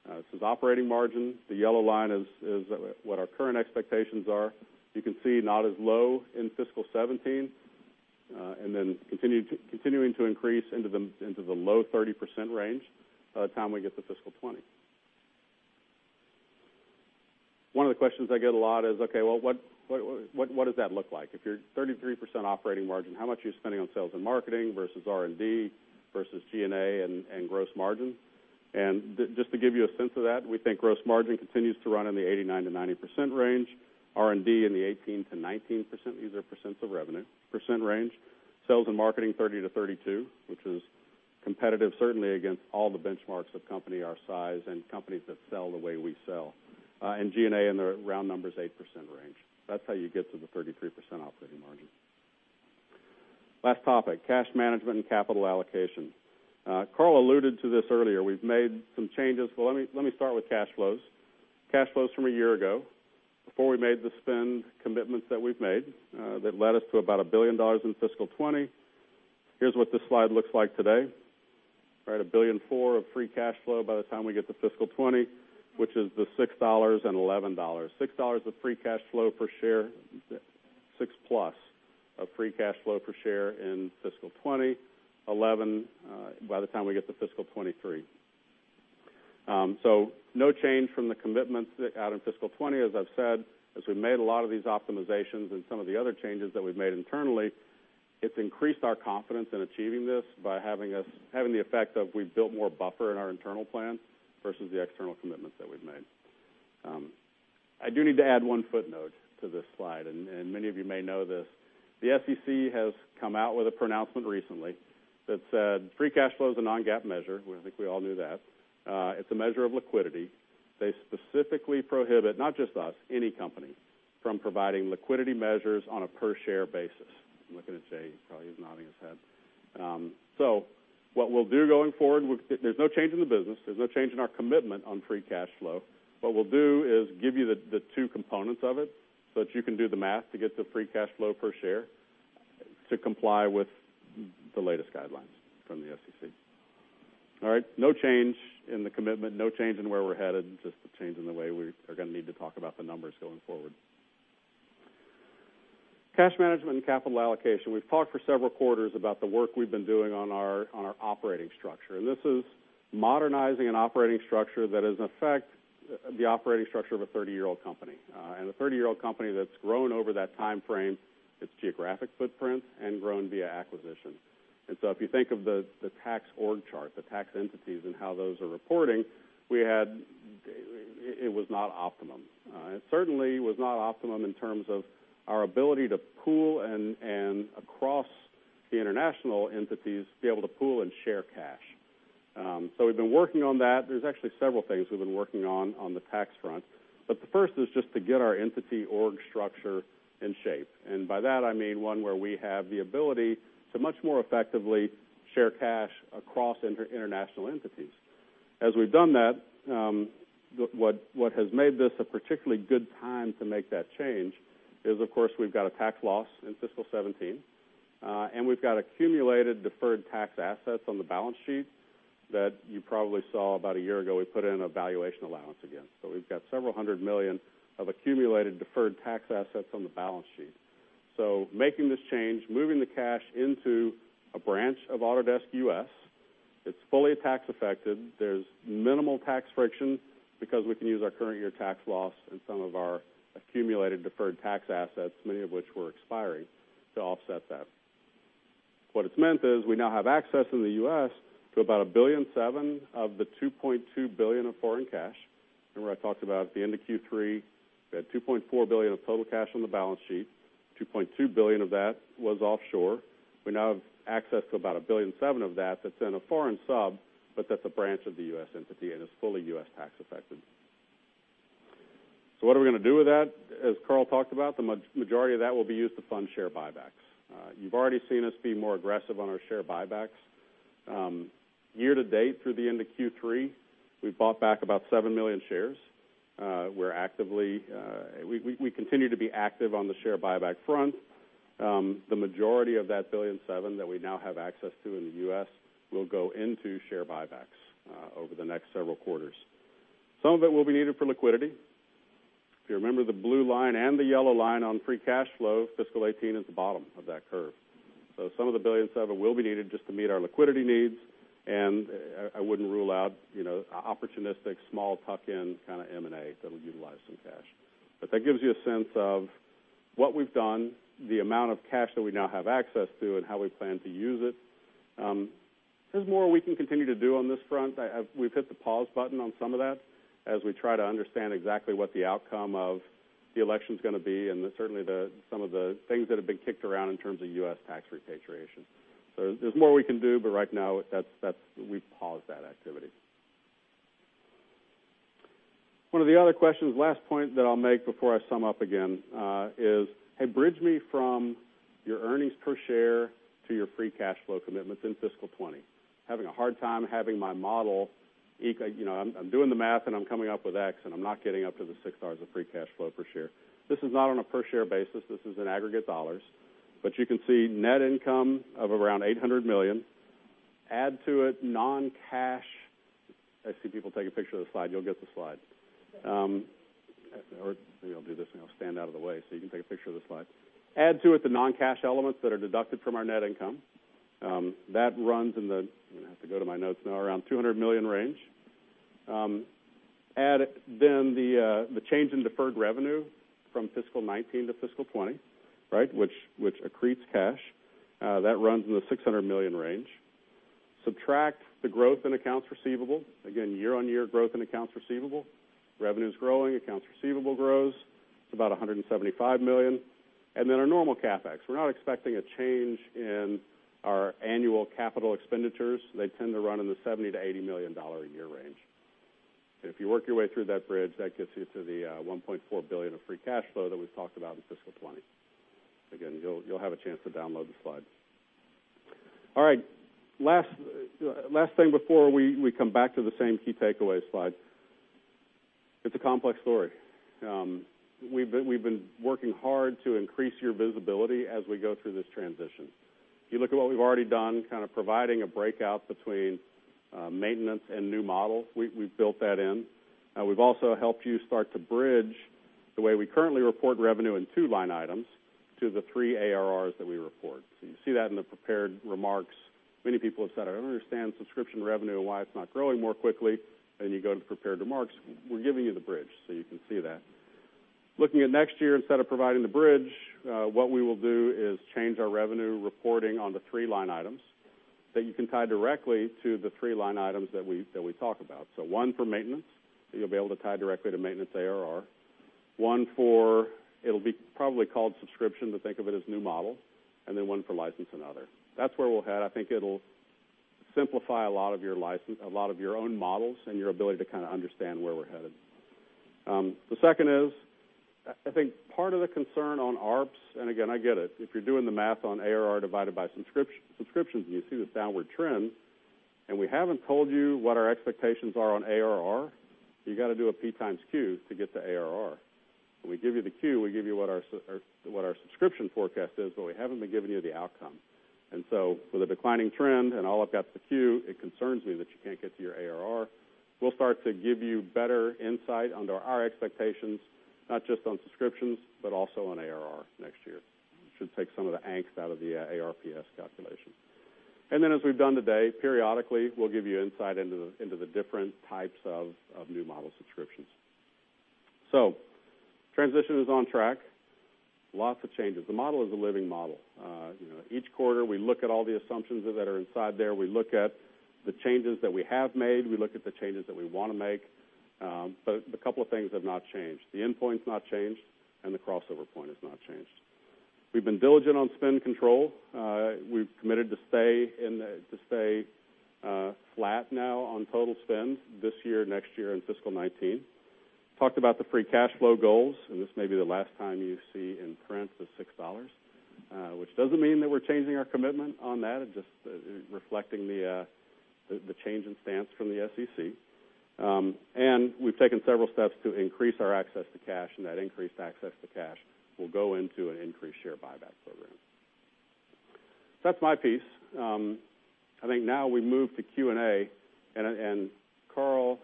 This is operating margin. The yellow line is what our current expectations are. You can see not as low in fiscal 2017, then continuing to increase into the low 30% range by the time we get to fiscal 2020. One of the questions I get a lot is, okay, well, what does that look like? If you're 33% operating margin, how much are you spending on sales and marketing versus R&D versus G&A and gross margin? Just to give you a sense of that, we think gross margin continues to run in the 89%-90% range, R&D in the 18%-19%, these are percents of revenue, percent range. Sales and marketing, 30%-32%, which is competitive certainly against all the benchmarks of company our size and companies that sell the way we sell. G&A in the round numbers 8% range. That's how you get to the 33% operating margin. Last topic, cash management and capital allocation. Carl alluded to this earlier. We've made some changes. Well, let me start with cash flows. Cash flows from a year ago, before we made the spend commitments that we've made that led us to about $1 billion in fiscal 2020. Here's what this slide looks like today. Right, $1.4 billion of free cash flow by the time we get to FY 2020, which is the $6 and $11. $6 of free cash flow per share, $6-plus of free cash flow per share in FY 2020, $11 by the time we get to FY 2023. No change from the commitments out in FY 2020, as I've said. As we've made a lot of these optimizations and some of the other changes that we've made internally, it's increased our confidence in achieving this by having the effect of we've built more buffer in our internal plans versus the external commitments that we've made. I do need to add one footnote to this slide, and many of you may know this. The SEC has come out with a pronouncement recently that said free cash flow is a non-GAAP measure. I think we all knew that. It's a measure of liquidity. They specifically prohibit, not just us, any company, from providing liquidity measures on a per share basis. I'm looking at Jay, he's nodding his head. What we'll do going forward, there's no change in the business, there's no change in our commitment on free cash flow. What we'll do is give you the two components of it so that you can do the math to get the free cash flow per share to comply with the latest guidelines from the SEC. All right? No change in the commitment, no change in where we're headed, just a change in the way we are going to need to talk about the numbers going forward. Cash management and capital allocation. We've talked for several quarters about the work we've been doing on our operating structure. This is modernizing an operating structure that is, in effect, the operating structure of a 30-year-old company. A 30-year-old company that's grown over that timeframe, its geographic footprint, and grown via acquisition. If you think of the tax org chart, the tax entities and how those are reporting, it was not optimum. It certainly was not optimum in terms of our ability to pool and, across the international entities, be able to pool and share cash. We've been working on that. There's actually several things we've been working on the tax front. The first is just to get our entity org structure in shape. By that I mean one where we have the ability to much more effectively share cash across international entities. As we've done that, what has made this a particularly good time to make that change is, of course, we've got a tax loss in FY 2017. We've got accumulated deferred tax assets on the balance sheet that you probably saw about a year ago, we put in a valuation allowance again. We've got several hundred million of accumulated deferred tax assets on the balance sheet. Making this change, moving the cash into a branch of Autodesk U.S., it's fully tax affected. There's minimal tax friction because we can use our current year tax loss and some of our accumulated deferred tax assets, many of which were expiring, to offset that. What it's meant is we now have access in the U.S. to about $1.7 billion of the $2.2 billion of foreign cash. Remember I talked about at the end of Q3, we had $2.4 billion of total cash on the balance sheet, $2.2 billion of that was offshore. We now have access to about $1.7 billion of that's in a foreign sub, but that's a branch of the U.S. entity and is fully U.S. tax effective. What are we going to do with that? As Carl talked about, the majority of that will be used to fund share buybacks. You've already seen us be more aggressive on our share buybacks. Year to date through the end of Q3, we've bought back about seven million shares. We continue to be active on the share buyback front. The majority of that $1.7 billion that we now have access to in the U.S. will go into share buybacks over the next several quarters. Some of it will be needed for liquidity. If you remember the blue line and the yellow line on free cash flow, fiscal 2018 is the bottom of that curve. Some of the $1.7 billion will be needed just to meet our liquidity needs. I wouldn't rule out opportunistic, small tuck-in, kind of M&A that'll utilize some cash. That gives you a sense of what we've done, the amount of cash that we now have access to, and how we plan to use it. There's more we can continue to do on this front. We've hit the pause button on some of that as we try to understand exactly what the outcome of the election's going to be, and certainly some of the things that have been kicked around in terms of U.S. tax repatriation. There's more we can do, but right now we've paused that activity. One of the other questions, last point that I'll make before I sum up again, is, hey, bridge me from your earnings per share to your free cash flow commitments in fiscal 2020. Having a hard time having my model. I'm doing the math and I'm coming up with X, and I'm not getting up to the $6 of free cash flow per share. This is not on a per share basis, this is in aggregate dollars. You can see net income of around $800 million. Add to it non-cash. I see people take a picture of the slide. You'll get the slide. Maybe I'll do this and I'll stand out of the way so you can take a picture of the slide. Add to it the non-cash elements that are deducted from our net income. That runs in the, I'm going to have to go to my notes now, around $200 million range. Add the change in deferred revenue from fiscal 2019 to fiscal 2020, which accretes cash. That runs in the $600 million range. Subtract the growth in accounts receivable. Again, year-on-year growth in accounts receivable. Revenue's growing, accounts receivable grows, it's about $175 million. Our normal CapEx. We're not expecting a change in our annual capital expenditures. They tend to run in the $70 million-$80 million a year range. If you work your way through that bridge, that gets you to the $1.4 billion of free cash flow that we've talked about in fiscal 2020. Again, you'll have a chance to download the slides. All right. Last thing before we come back to the same key takeaways slide. It's a complex story. We've been working hard to increase your visibility as we go through this transition. If you look at what we've already done, providing a breakout between maintenance and new models, we've built that in. We've also helped you start to bridge the way we currently report revenue in two line items to the three ARRs that we report. You see that in the prepared remarks. Many people have said, "I don't understand subscription revenue and why it's not growing more quickly." You go to the prepared remarks. We're giving you the bridge so you can see that. Looking at next year, instead of providing the bridge, what we will do is change our revenue reporting on the three line items. That you can tie directly to the three line items that we talk about. One for maintenance, that you'll be able to tie directly to maintenance ARR. One for, it'll be probably called subscription, but think of it as new model, and then one for license and other. That's where we're headed. I think it'll simplify a lot of your own models and your ability to understand where we're headed. The second is, I think part of the concern on ARPS, and again, I get it, if you're doing the math on ARR divided by subscriptions and you see this downward trend, and we haven't told you what our expectations are on ARR, you got to do a P times Q to get the ARR. When we give you the Q, we give you what our subscription forecast is, but we haven't been giving you the outcome. With a declining trend, and all I've got is the Q, it concerns me that you can't get to your ARR. We'll start to give you better insight under our expectations, not just on subscriptions, but also on ARR next year. Should take some of the angst out of the ARPS calculation. As we've done today, periodically we'll give you insight into the different types of new model subscriptions. Transition is on track. Lots of changes. The model is a living model. Each quarter we look at all the assumptions that are inside there. We look at the changes that we have made. We look at the changes that we want to make. A couple of things have not changed. The endpoint's not changed, and the crossover point has not changed. We've been diligent on spend control. We've committed to stay flat now on total spend this year, next year in fiscal 2019. Talked about the free cash flow goals, this may be the last time you see in print the $6, which doesn't mean that we're changing our commitment on that, it's just reflecting the change in stance from the SEC. We've taken several steps to increase our access to cash, and that increased access to cash will go into an increased share buyback program. That's my piece. I think now we move to Q&A,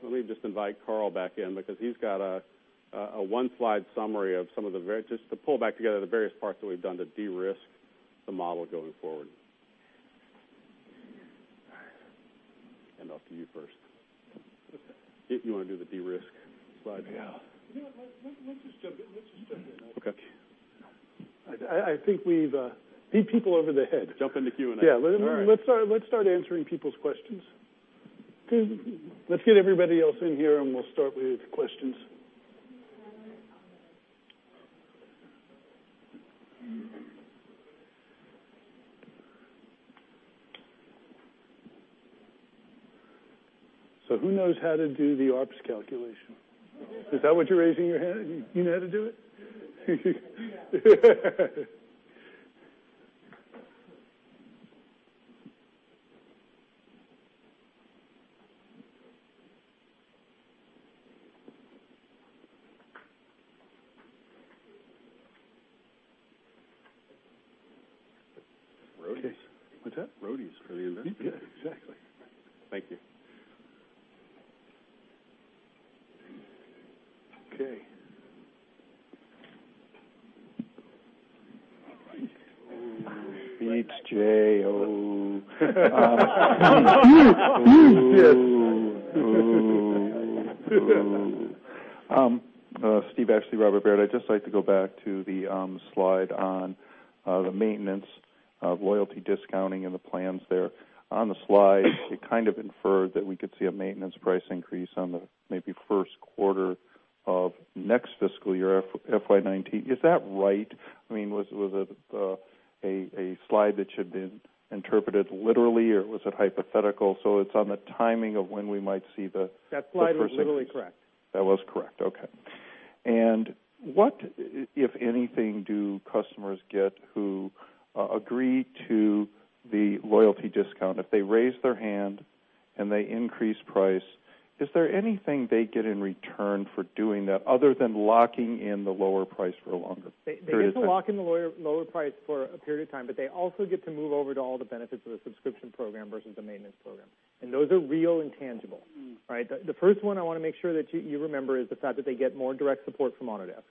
let me just invite Carl back in because he's got a one-slide summary just to pull back together the various parts that we've done to de-risk the model going forward. Off to you first. Okay. If you want to do the de-risk slide. Yeah. Let's just jump in. Okay. I think we've beat people over the head. Jump into Q&A. Yeah. All right. Let's start answering people's questions. Let's get everybody else in here and we'll start with questions. Who knows how to do the ARPS calculation? Is that what you're raising your hand? You know how to do it? Roadies. What's that? Roadies for the investors. Yeah, exactly. Thank you. Okay. Steve Ashley, Robert W. Baird. I'd just like to go back to the slide on the maintenance loyalty discounting and the plans there. On the slide, it kind of inferred that we could see a maintenance price increase on the maybe first quarter of next fiscal year, FY 2019. Is that right? Was it a slide that should be interpreted literally or was it hypothetical? That slide was literally correct. That was correct. What, if anything, do customers get who agree to the loyalty discount? If they raise their hand and they increase price, is there anything they get in return for doing that other than locking in the lower price for a longer period of time? They get to lock in the lower price for a period of time, they also get to move over to all the benefits of the subscription program versus the maintenance program. Those are real and tangible. The first one I want to make sure that you remember is the fact that they get more direct support from Autodesk.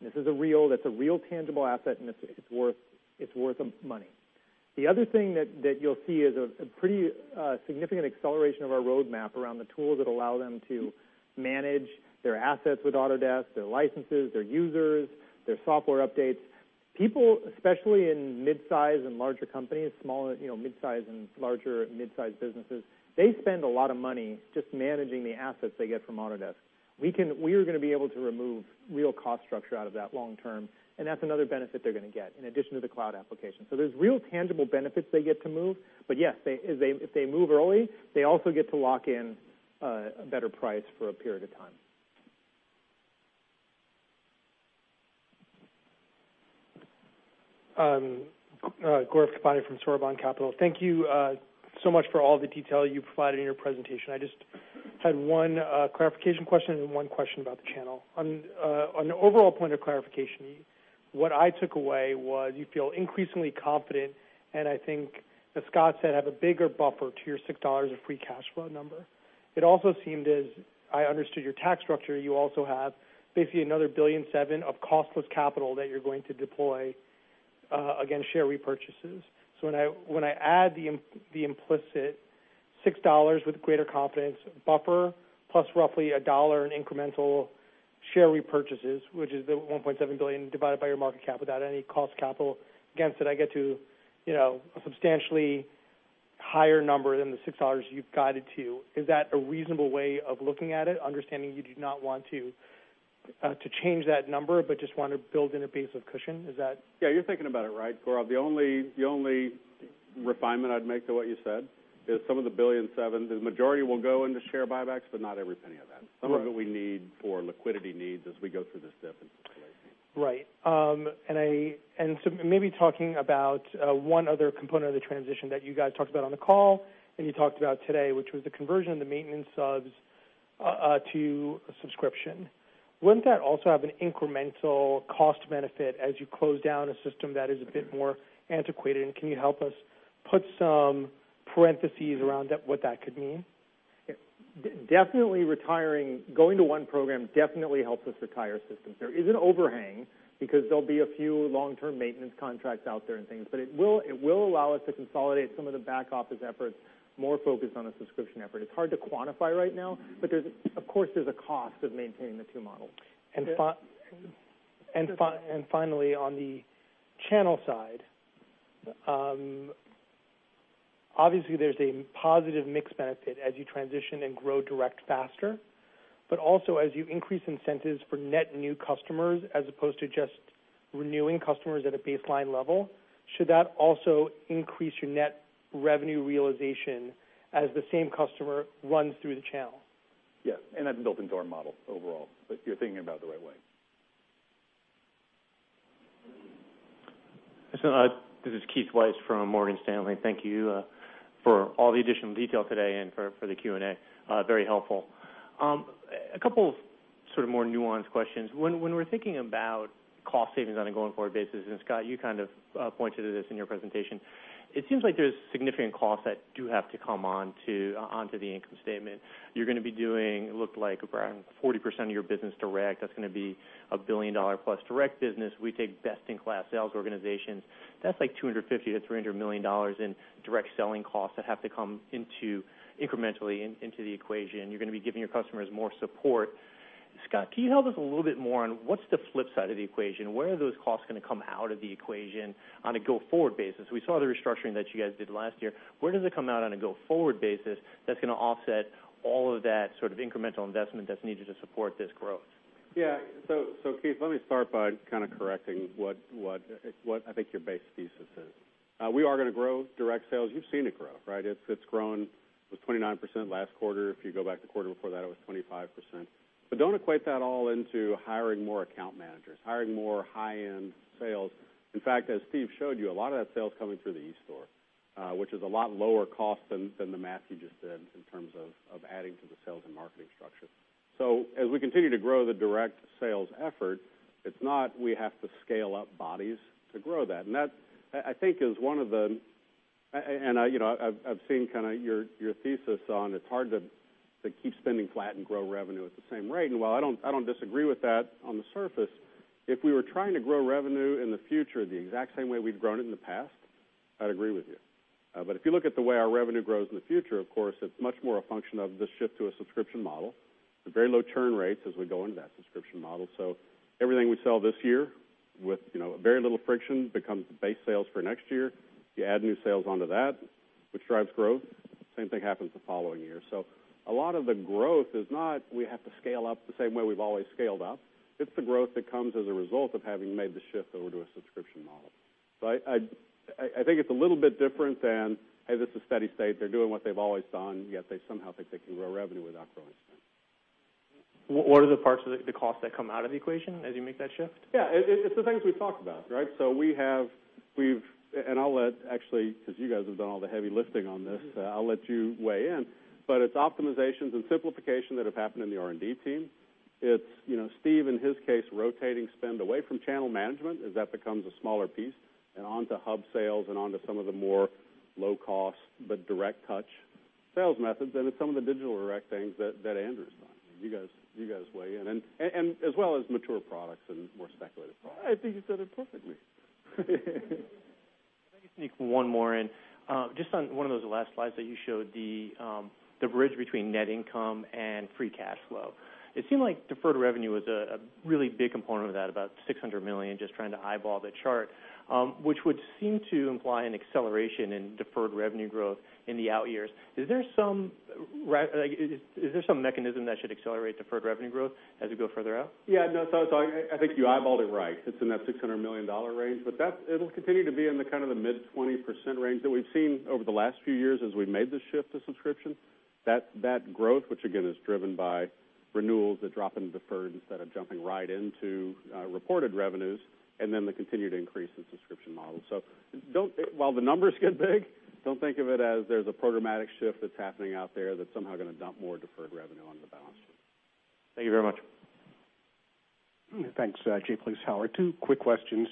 That's a real tangible asset and it's worth money. The other thing that you'll see is a pretty significant acceleration of our roadmap around the tools that allow them to manage their assets with Autodesk, their licenses, their users, their software updates. People, especially in mid-size and larger mid-size businesses, they spend a lot of money just managing the assets they get from Autodesk. We are going to be able to remove real cost structure out of that long term, that's another benefit they're going to get in addition to the cloud application. There's real tangible benefits they get to move, yes, if they move early, they also get to lock in a better price for a period of time. Gaurav Khotani from Soroban Capital. Thank you so much for all the detail you provided in your presentation. I just had one clarification question and one question about the channel. On the overall point of clarification, what I took away was you feel increasingly confident, I think that Scott said, have a bigger buffer to your $6 of free cash flow number. It also seemed as I understood your tax structure, you also have basically another $1.7 billion of costless capital that you're going to deploy against share repurchases. When I add the implicit $6 with greater confidence buffer, plus roughly $1 in incremental share repurchases, which is the $1.7 billion divided by your market cap without any cost capital. Again, did I get to a substantially higher number than the $6 you've guided to? Is that a reasonable way of looking at it, understanding you do not want to change that number, but just want to build in a base of cushion? Yeah, you're thinking about it right, Gaurav. The only refinement I'd make to what you said is some of the $1.7 billion, the majority will go into share buybacks, but not every penny of that. Right. Some of it we need for liquidity needs as we go through this dip in circulation. Right. Maybe talking about one other component of the transition that you guys talked about on the call and you talked about today, which was the conversion of the maintenance subs to a subscription. Wouldn't that also have an incremental cost benefit as you close down a system that is a bit more antiquated? Can you help us put some parentheses around what that could mean? Definitely retiring, going to one program definitely helps us retire systems. There is an overhang because there'll be a few long-term maintenance contracts out there and things, but it will allow us to consolidate some of the back office efforts, more focused on a subscription effort. It's hard to quantify right now, but of course, there's a cost of maintaining the two models. Finally, on the channel side, obviously there's a positive mix benefit as you transition and grow direct faster, but also as you increase incentives for net new customers as opposed to just renewing customers at a baseline level. Should that also increase your net revenue realization as the same customer runs through the channel? Yes, that's built into our model overall, but you're thinking about it the right way. This is Keith Weiss from Morgan Stanley. Thank you for all the additional detail today and for the Q&A. Very helpful. A couple of more nuanced questions. When we're thinking about cost savings on a going-forward basis, and Scott, you kind of pointed to this in your presentation, it seems like there's significant costs that do have to come onto the income statement. You're going to be doing, it looked like around 40% of your business direct. That's going to be a billion-dollar-plus direct business. We take best-in-class sales organizations. That's like $250 million-$300 million in direct selling costs that have to come incrementally into the equation. You're going to be giving your customers more support. Scott, can you help us a little bit more on what's the flip side of the equation? Where are those costs going to come out of the equation on a go-forward basis? We saw the restructuring that you guys did last year. Where does it come out on a go-forward basis that's going to offset all of that sort of incremental investment that's needed to support this growth? Yeah. Keith, let me start by kind of correcting what I think your base thesis is. We are going to grow direct sales. You've seen it grow, right? It's grown with 29% last quarter. If you go back to the quarter before that, it was 25%. Don't equate that all into hiring more account managers, hiring more high-end sales. In fact, as Steve showed you, a lot of that sales coming through the eStore, which is a lot lower cost than the math you just did in terms of adding to the sales and marketing structure. As we continue to grow the direct sales effort, it's not we have to scale up bodies to grow that. I've seen kind of your thesis on it's hard to keep spending flat and grow revenue at the same rate. While I don't disagree with that on the surface, if we were trying to grow revenue in the future the exact same way we'd grown it in the past, I'd agree with you. If you look at the way our revenue grows in the future, of course, it's much more a function of this shift to a subscription model with very low churn rates as we go into that subscription model. Everything we sell this year with very little friction becomes base sales for next year. You add new sales onto that, which drives growth. Same thing happens the following year. A lot of the growth is not we have to scale up the same way we've always scaled up. It's the growth that comes as a result of having made the shift over to a subscription model. I think it's a little bit different than, hey, this is steady state. They're doing what they've always done, yet they somehow think they can grow revenue without growing spend. What are the parts of the cost that come out of the equation as you make that shift? Yeah, it's the things we've talked about, right? I'll let, actually, because you guys have done all the heavy lifting on this, I'll let you weigh in, but it's optimizations and simplification that have happened in the R&D team. It's Steve, in his case, rotating spend away from channel management as that becomes a smaller piece and onto hub sales and onto some of the more low cost but direct touch sales methods. It's some of the digital direct things that Andrew's done. You guys weigh in. As well as mature products and more speculative products. I think you said it perfectly. Let me sneak one more in. Just on one of those last slides that you showed, the bridge between net income and free cash flow. It seemed like deferred revenue was a really big component of that, about $600 million, just trying to eyeball the chart, which would seem to imply an acceleration in deferred revenue growth in the out years. Is there some mechanism that should accelerate deferred revenue growth as we go further out? Yeah, no, I think you eyeballed it right. It's in that $600 million range, but it'll continue to be in the kind of the mid-20% range that we've seen over the last few years as we've made the shift to subscription. That growth, which again is driven by renewals that drop into deferred instead of jumping right into reported revenues, and then the continued increase in subscription models. While the numbers get big, don't think of it as there's a programmatic shift that's happening out there that's somehow going to dump more deferred revenue on the balance sheet. Thank you very much. Thanks, Keith. Jay Vleeschhouwer. Two quick questions.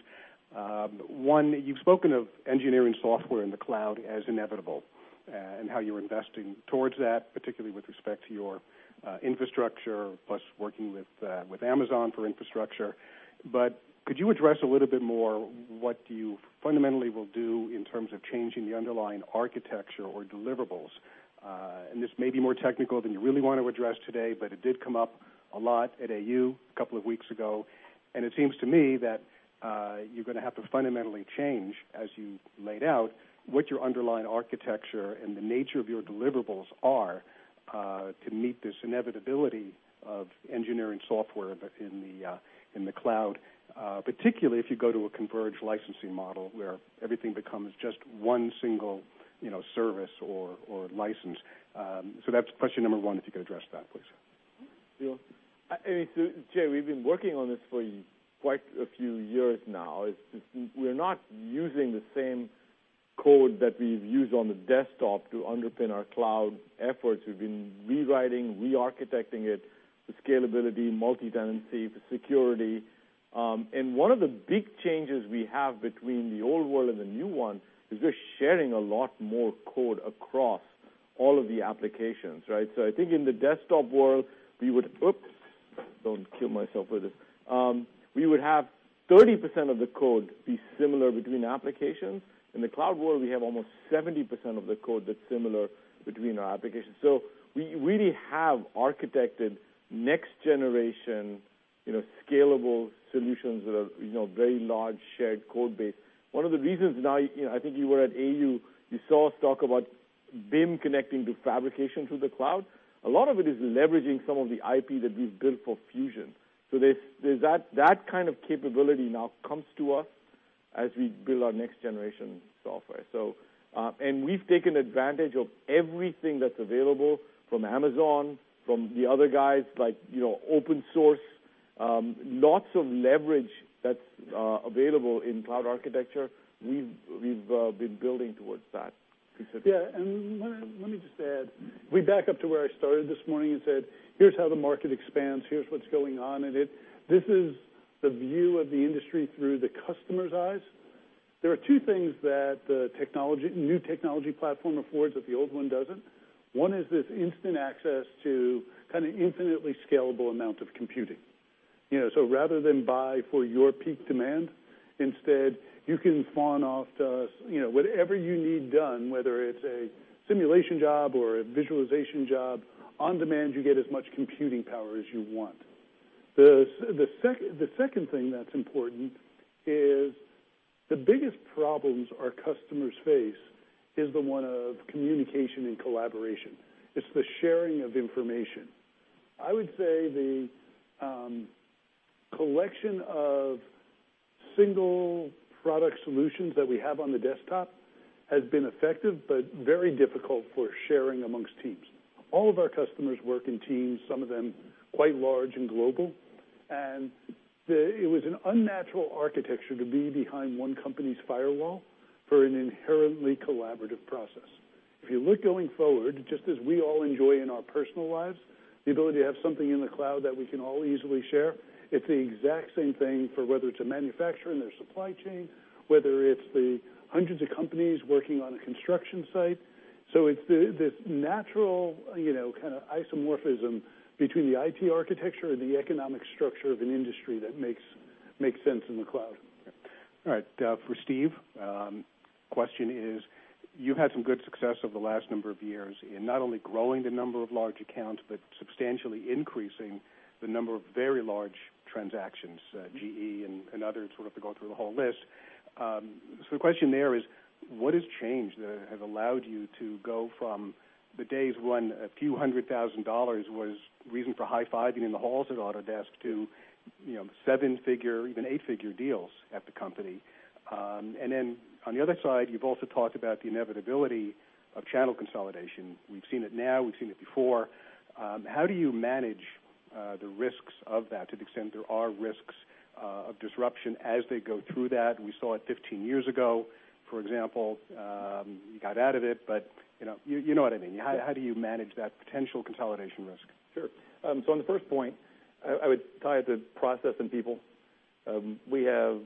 One, you've spoken of engineering software in the cloud as inevitable and how you're investing towards that, particularly with respect to your infrastructure, plus working with Amazon for infrastructure. Could you address a little bit more what you fundamentally will do in terms of changing the underlying architecture or deliverables? This may be more technical than you really want to address today, but it did come up a lot at AU a couple of weeks ago, and it seems to me that you're going to have to fundamentally change, as you laid out, what your underlying architecture and the nature of your deliverables are, to meet this inevitability of engineering software in the cloud. Particularly if you go to a converged licensing model where everything becomes just one single service or license. That's question number one, if you could address that, please. Sure. Jay, we've been working on this for quite a few years now. We're not using the same code that we've used on the desktop to underpin our cloud efforts. We've been rewriting, re-architecting it for scalability, multi-tenancy, for security. One of the big changes we have between the old world and the new one is we're sharing a lot more code across all of the applications, right? I think in the desktop world, Oops. Don't kill myself with this. We would have 30% of the code be similar between applications. In the cloud world, we have almost 70% of the code that's similar between our applications. We really have architected next-generation scalable solutions that are very large shared code base. One of the reasons now, I think you were at AU, you saw us talk about BIM connecting to fabrication through the cloud. A lot of it is leveraging some of the IP that we've built for Fusion. That kind of capability now comes to us as we build our next-generation software. We've taken advantage of everything that's available from Amazon, from the other guys, like open source. Lots of leverage that's available in cloud architecture. We've been building towards that. Yeah, let me just add. We back up to where I started this morning and said, "Here's how the market expands, here's what's going on." This is the view of the industry through the customer's eyes. There are two things that the new technology platform affords that the old one doesn't. One is this instant access to kind of infinitely scalable amount of computing. Rather than buy for your peak demand, instead, you can farm off whatever you need done, whether it's a simulation job or a visualization job. On-demand, you get as much computing power as you want. The second thing that's important is the biggest problems our customers face is the one of communication and collaboration. It's the sharing of information. I would say the collection of single-product solutions that we have on the desktop has been effective, but very difficult for sharing amongst teams. All of our customers work in teams, some of them quite large and global, it was an unnatural architecture to be behind one company's firewall for an inherently collaborative process. If you look going forward, just as we all enjoy in our personal lives, the ability to have something in the cloud that we can all easily share, it's the exact same thing for whether it's a manufacturer and their supply chain, whether it's the hundreds of companies working on a construction site. It's this natural kind of isomorphism between the IT architecture and the economic structure of an industry that makes sense in the cloud. All right. For Steve, question is, you've had some good success over the last number of years in not only growing the number of large accounts, but substantially increasing the number of very large transactions, GE and others. Sort of to go through the whole list. The question there is, what has changed that has allowed you to go from the days when a few hundred thousand dollars was reason for high-fiving in the halls at Autodesk to seven-figure, even eight-figure deals at the company? On the other side, you've also talked about the inevitability of channel consolidation. We've seen it now, we've seen it before. How do you manage the risks of that, to the extent there are risks of disruption as they go through that? We saw it 15 years ago, for example. You got out of it, but you know what I mean. How do you manage that potential consolidation risk? Sure. On the first point, I would tie it to process and people. We have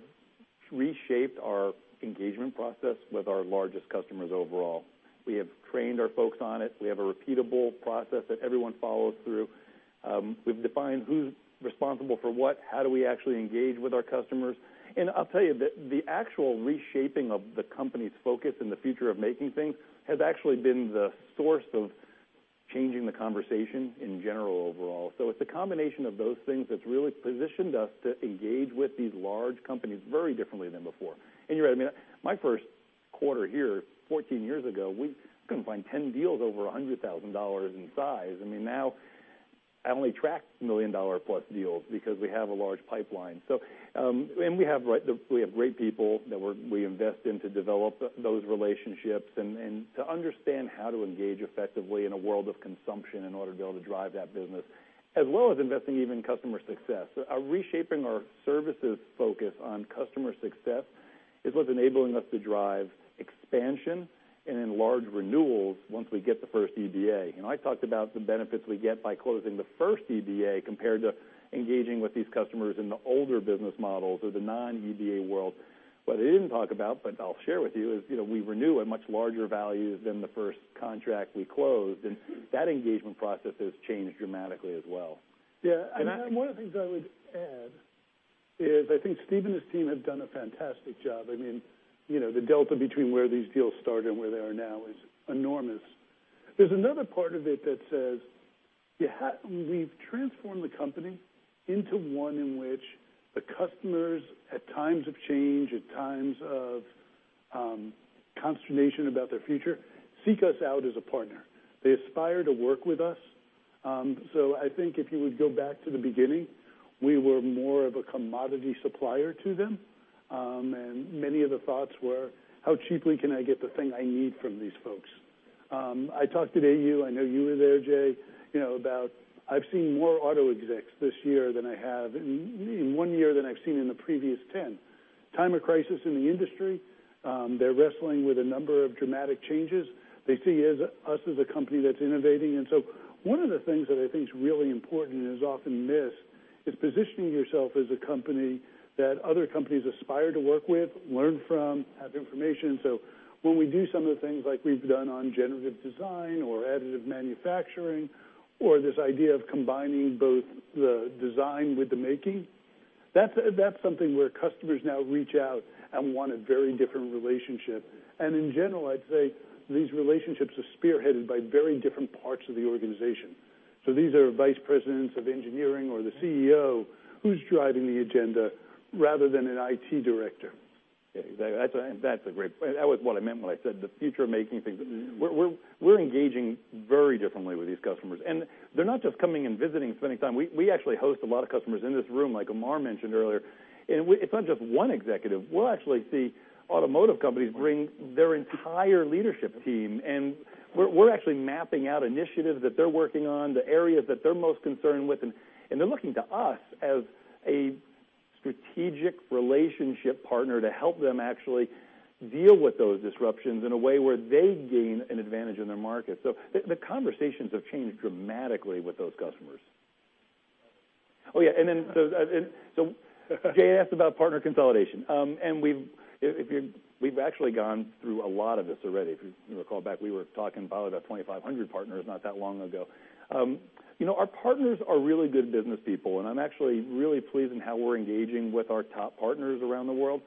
reshaped our engagement process with our largest customers overall. We have trained our folks on it. We have a repeatable process that everyone follows through. We've defined who's responsible for what, how do we actually engage with our customers. I'll tell you, the actual reshaping of the company's focus and the future of making things has actually been the source of changing the conversation in general overall. It's a combination of those things that's really positioned us to engage with these large companies very differently than before. You're right. My first quarter here, 14 years ago, we couldn't find 10 deals over $100,000 in size. Now I only track million-dollar-plus deals because we have a large pipeline. We have great people that we invest in to develop those relationships and to understand how to engage effectively in a world of consumption in order to be able to drive that business, as well as investing even in customer success. Reshaping our services focus on customer success is what's enabling us to drive expansion and enlarge renewals once we get the first EBA. I talked about the benefits we get by closing the first EBA compared to engaging with these customers in the older business models or the non-EBA world. What I didn't talk about, but I'll share with you, is we renew at much larger values than the first contract we closed, and that engagement process has changed dramatically as well. Yeah. One of the things I would add Is I think Steve and his team have done a fantastic job. The delta between where these deals start and where they are now is enormous. There's another part of it that says, we've transformed the company into one in which the customers, at times of change, at times of consternation about their future, seek us out as a partner. They aspire to work with us. I think if you would go back to the beginning, we were more of a commodity supplier to them, and many of the thoughts were, how cheaply can I get the thing I need from these folks? I talked today to you, I know you were there, Jay, about I've seen more auto execs this year, in one year than I've seen in the previous 10. Time of crisis in the industry, they're wrestling with a number of dramatic changes. They see us as a company that's innovating. One of the things that I think is really important and is often missed is positioning yourself as a company that other companies aspire to work with, learn from, have information. When we do some of the things like we've done on generative design or additive manufacturing, or this idea of combining both the design with the making, that's something where customers now reach out and want a very different relationship. In general, I'd say these relationships are spearheaded by very different parts of the organization. These are vice presidents of engineering or the CEO who's driving the agenda rather than an IT director. Jay, that was what I meant when I said the future of making things. We're engaging very differently with these customers, and they're not just coming and visiting, spending time. We actually host a lot of customers in this room, like Amar mentioned earlier, and it's not just one executive. We'll actually see automotive companies bring their entire leadership team, and we're actually mapping out initiatives that they're working on, the areas that they're most concerned with. They're looking to us as a strategic relationship partner to help them actually deal with those disruptions in a way where they gain an advantage in their market. The conversations have changed dramatically with those customers. Oh, yeah. Jay asked about partner consolidation. We've actually gone through a lot of this already. If you recall back, we were talking probably about 2,500 partners not that long ago. Our partners are really good business people, and I'm actually really pleased in how we're engaging with our top partners around the world.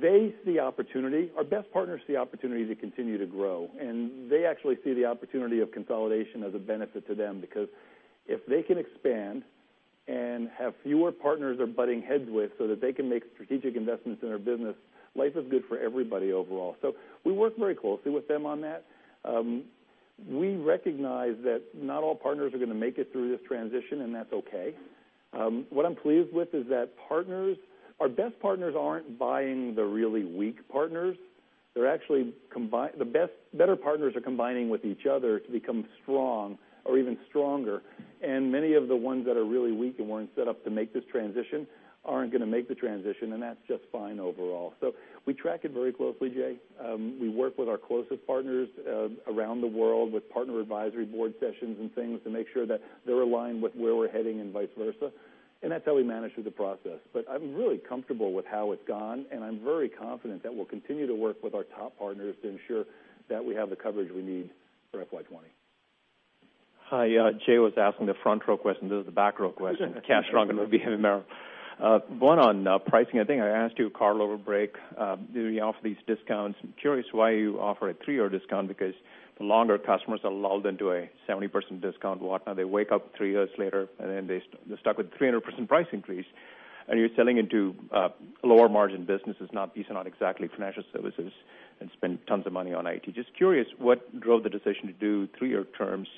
They see opportunity. Our best partners see opportunity to continue to grow, and they actually see the opportunity of consolidation as a benefit to them, because if they can expand and have fewer partners they're butting heads with so that they can make strategic investments in their business, life is good for everybody overall. We work very closely with them on that. We recognize that not all partners are going to make it through this transition, and that's okay. What I'm pleased with is that our best partners aren't buying the really weak partners. The better partners are combining with each other to become strong or even stronger. Many of the ones that are really weak and weren't set up to make this transition aren't going to make the transition, and that's just fine overall. We track it very closely, Jay. We work with our closest partners around the world with partner advisory board sessions and things to make sure that they're aligned with where we're heading and vice versa. That's how we manage through the process. I'm really comfortable with how it's gone, and I'm very confident that we'll continue to work with our top partners to ensure that we have the coverage we need for FY 2020. Hi. Jay was asking the front row question. This is the back row question. Kash Rangan from BMO. One on pricing. I think I asked you, Carl, over break, do you offer these discounts? I'm curious why you offer a three-year discount, because the longer customers are lulled into a 70% discount, whatnot, they wake up three years later, and then they're stuck with a 300% price increase. You're selling into lower margin businesses. These are not exactly financial services and spend tons of money on IT. Just curious, what drove the decision to do three-year terms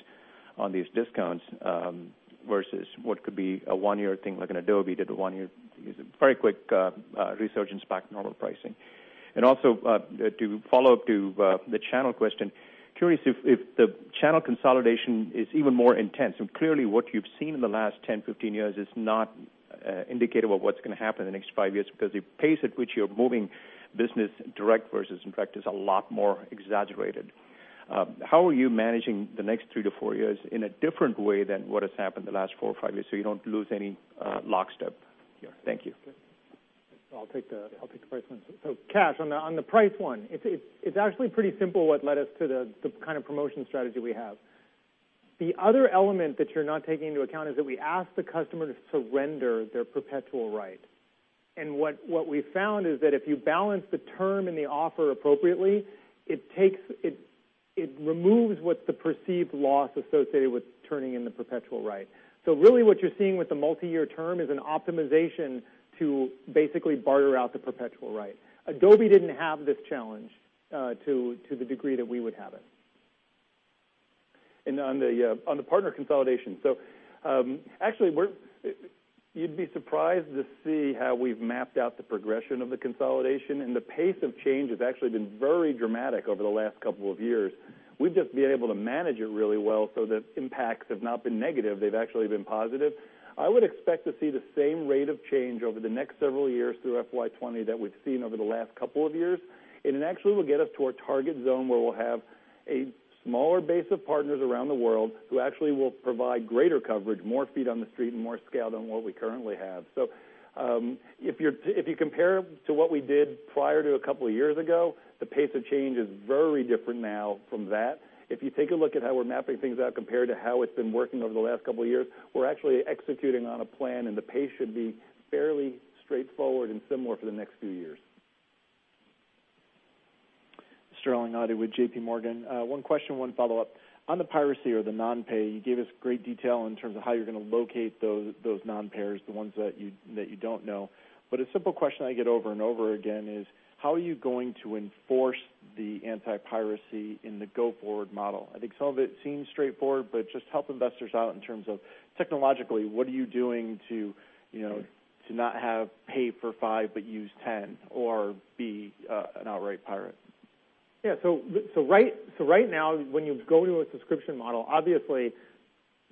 on these discounts versus what could be a one-year thing, like an Adobe did a one-year, very quick resurgence back to normal pricing. Also, to follow up to the channel question, curious if the channel consolidation is even more intense? Clearly what you've seen in the last 10, 15 years is not indicative of what's going to happen in the next five years, because the pace at which you're moving business direct versus indirect is a lot more exaggerated. How are you managing the next three to four years in a different way than what has happened the last four or five years so you don't lose any lockstep? Thank you. I'll take the price one. Kash, on the price one, it's actually pretty simple what led us to the kind of promotion strategy we have. The other element that you're not taking into account is that we ask the customer to surrender their perpetual right. What we found is that if you balance the term and the offer appropriately, it removes what the perceived loss associated with turning in the perpetual right. Really what you're seeing with the multi-year term is an optimization to basically barter out the perpetual right. Adobe didn't have this challenge to the degree that we would have it. On the partner consolidation. Actually, you'd be surprised to see how we've mapped out the progression of the consolidation, and the pace of change has actually been very dramatic over the last couple of years. We've just been able to manage it really well so that impacts have not been negative. They've actually been positive. I would expect to see the same rate of change over the next several years through FY 2020 that we've seen over the last couple of years. It actually will get us to a target zone where we'll have a smaller base of partners around the world who actually will provide greater coverage, more feet on the street, and more scale than what we currently have. If you compare to what we did prior to a couple of years ago, the pace of change is very different now from that. If you take a look at how we're mapping things out compared to how it's been working over the last couple of years, we're actually executing on a plan, and the pace should be fairly straightforward and similar for the next few years. Sterling Auty with JP Morgan. One question, one follow-up. On the piracy or the non-pay, you gave us great detail in terms of how you're going to locate those non-payers, the ones that you don't know. A simple question I get over and over again is, how are you going to enforce the anti-piracy in the go-forward model? I think some of it seems straightforward, but just help investors out in terms of technologically, what are you doing to not have pay for five but use 10 or be an outright pirate? Right now, when you go to a subscription model, obviously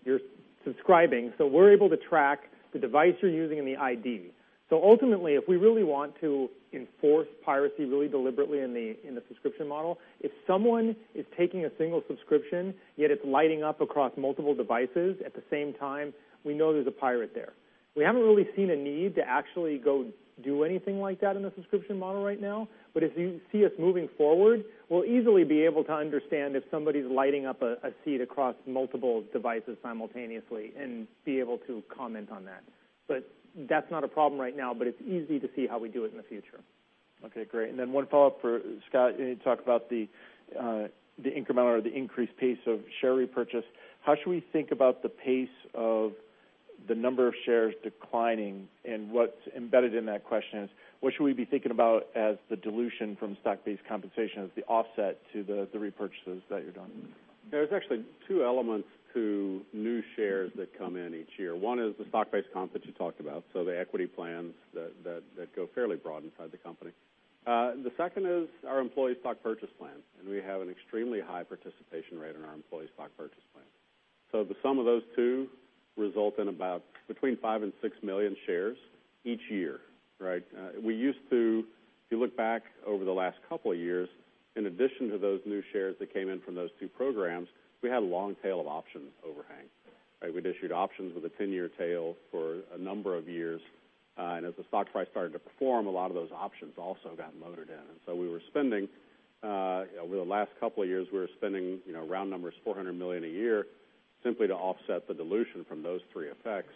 you're subscribing. We're able to track the device you're using and the ID. Ultimately, if we really want to enforce piracy really deliberately in the subscription model, if someone is taking a single subscription, yet it's lighting up across multiple devices at the same time, we know there's a pirate there. We haven't really seen a need to actually go do anything like that in the subscription model right now. If you see us moving forward, we'll easily be able to understand if somebody's lighting up a seat across multiple devices simultaneously and be able to comment on that. That's not a problem right now, but it's easy to see how we do it in the future. Okay, great. Then one follow-up for Scott. You talked about the incremental or the increased pace of share repurchase. How should we think about the pace of the number of shares declining? What's embedded in that question is, what should we be thinking about as the dilution from stock-based compensation as the offset to the repurchases that you're doing? There's actually two elements to new shares that come in each year. One is the stock-based comp that you talked about, the equity plans that go fairly broad inside the company. The second is our employee stock purchase plan, and we have an extremely high participation rate on our employee stock purchase plan. The sum of those two result in about between five and six million shares each year. If you look back over the last couple of years, in addition to those new shares that came in from those two programs, we had a long tail of options overhang. We'd issued options with a 10-year tail for a number of years. As the stock price started to perform, a lot of those options also got loaded in. Over the last couple of years, we were spending, round numbers, $400 million a year simply to offset the dilution from those three effects.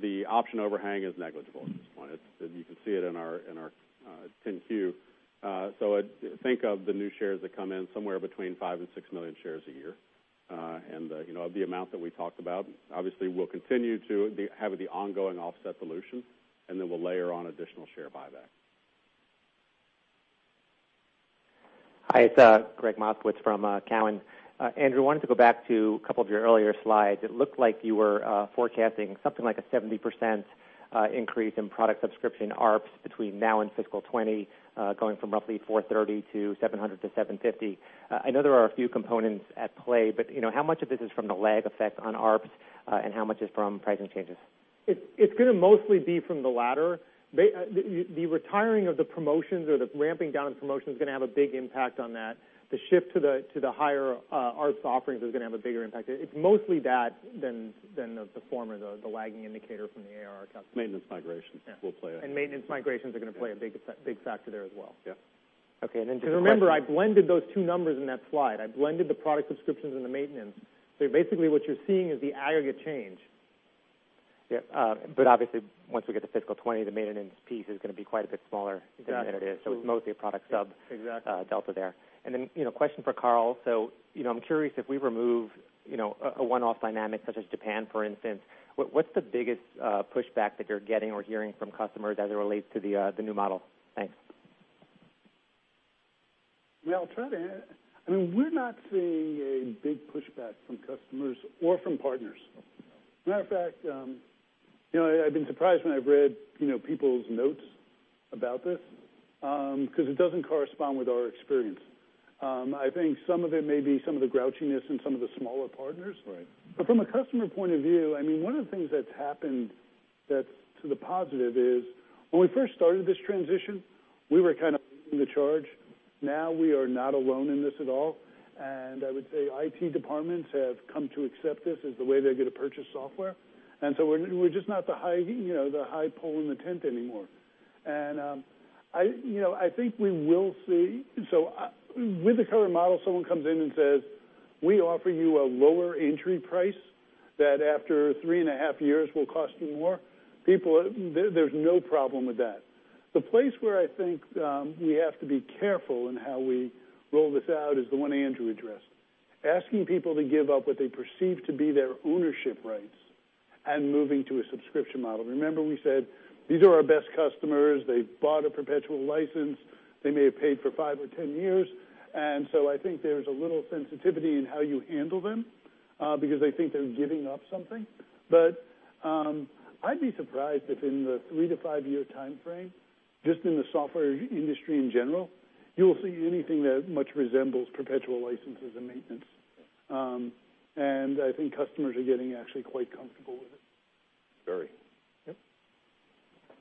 The option overhang is negligible at this point. You can see it in our 10-Q. Think of the new shares that come in somewhere between five and six million shares a year. The amount that we talked about, obviously, we'll continue to have the ongoing offset dilution, and then we'll layer on additional share buyback. Hi, it's Gregg Moskowitz from Cowen. Andrew, I wanted to go back to a couple of your earlier slides. It looked like you were forecasting something like a 70% increase in product subscription ARPS between now and fiscal 2020, going from roughly $430 to $700-$750. I know there are a few components at play, how much of this is from the lag effect on ARPS, and how much is from pricing changes? It's going to mostly be from the latter. The retiring of the promotions or the ramping down of promotions is going to have a big impact on that. The shift to the higher ARPS offerings is going to have a bigger impact. It's mostly that than the former, the lagging indicator from the ARR customer. Maintenance migration will play a- Maintenance migrations are going to play a big factor there as well. Yeah. Okay, just a question. Remember, I blended those two numbers in that slide. I blended the product subscriptions and the maintenance. Basically what you're seeing is the aggregate change. Yeah. Obviously once we get to FY20, the maintenance piece is going to be quite a bit smaller than it is. Exactly. It's mostly a product sub. Exactly delta there. Question for Carl. I'm curious, if we remove a one-off dynamic such as Japan, for instance, what's the biggest pushback that you're getting or hearing from customers as it relates to the new model? Thanks. We're not seeing a big pushback from customers or from partners. Matter of fact, I've been surprised when I've read people's notes about this, because it doesn't correspond with our experience. I think some of it may be some of the grouchiness in some of the smaller partners. Right. From a customer point of view, one of the things that's happened that's to the positive is when we first started this transition, we were kind of leading the charge. Now we are not alone in this at all. I would say IT departments have come to accept this as the way they're going to purchase software. We're just not the high pole in the tent anymore. I think we will see with the current model, someone comes in and says, "We offer you a lower entry price that after three and a half years will cost you more," there's no problem with that. The place where I think we have to be careful in how we roll this out is the one Andrew addressed. Asking people to give up what they perceive to be their ownership rights and moving to a subscription model. Remember we said, these are our best customers. They've bought a perpetual license. They may have paid for five or 10 years. I think there's a little sensitivity in how you handle them, because they think they're giving up something. I'd be surprised if in the three to five-year timeframe, just in the software industry in general, you'll see anything that much resembles perpetual licenses and maintenance. I think customers are getting actually quite comfortable with it. Very. Yep.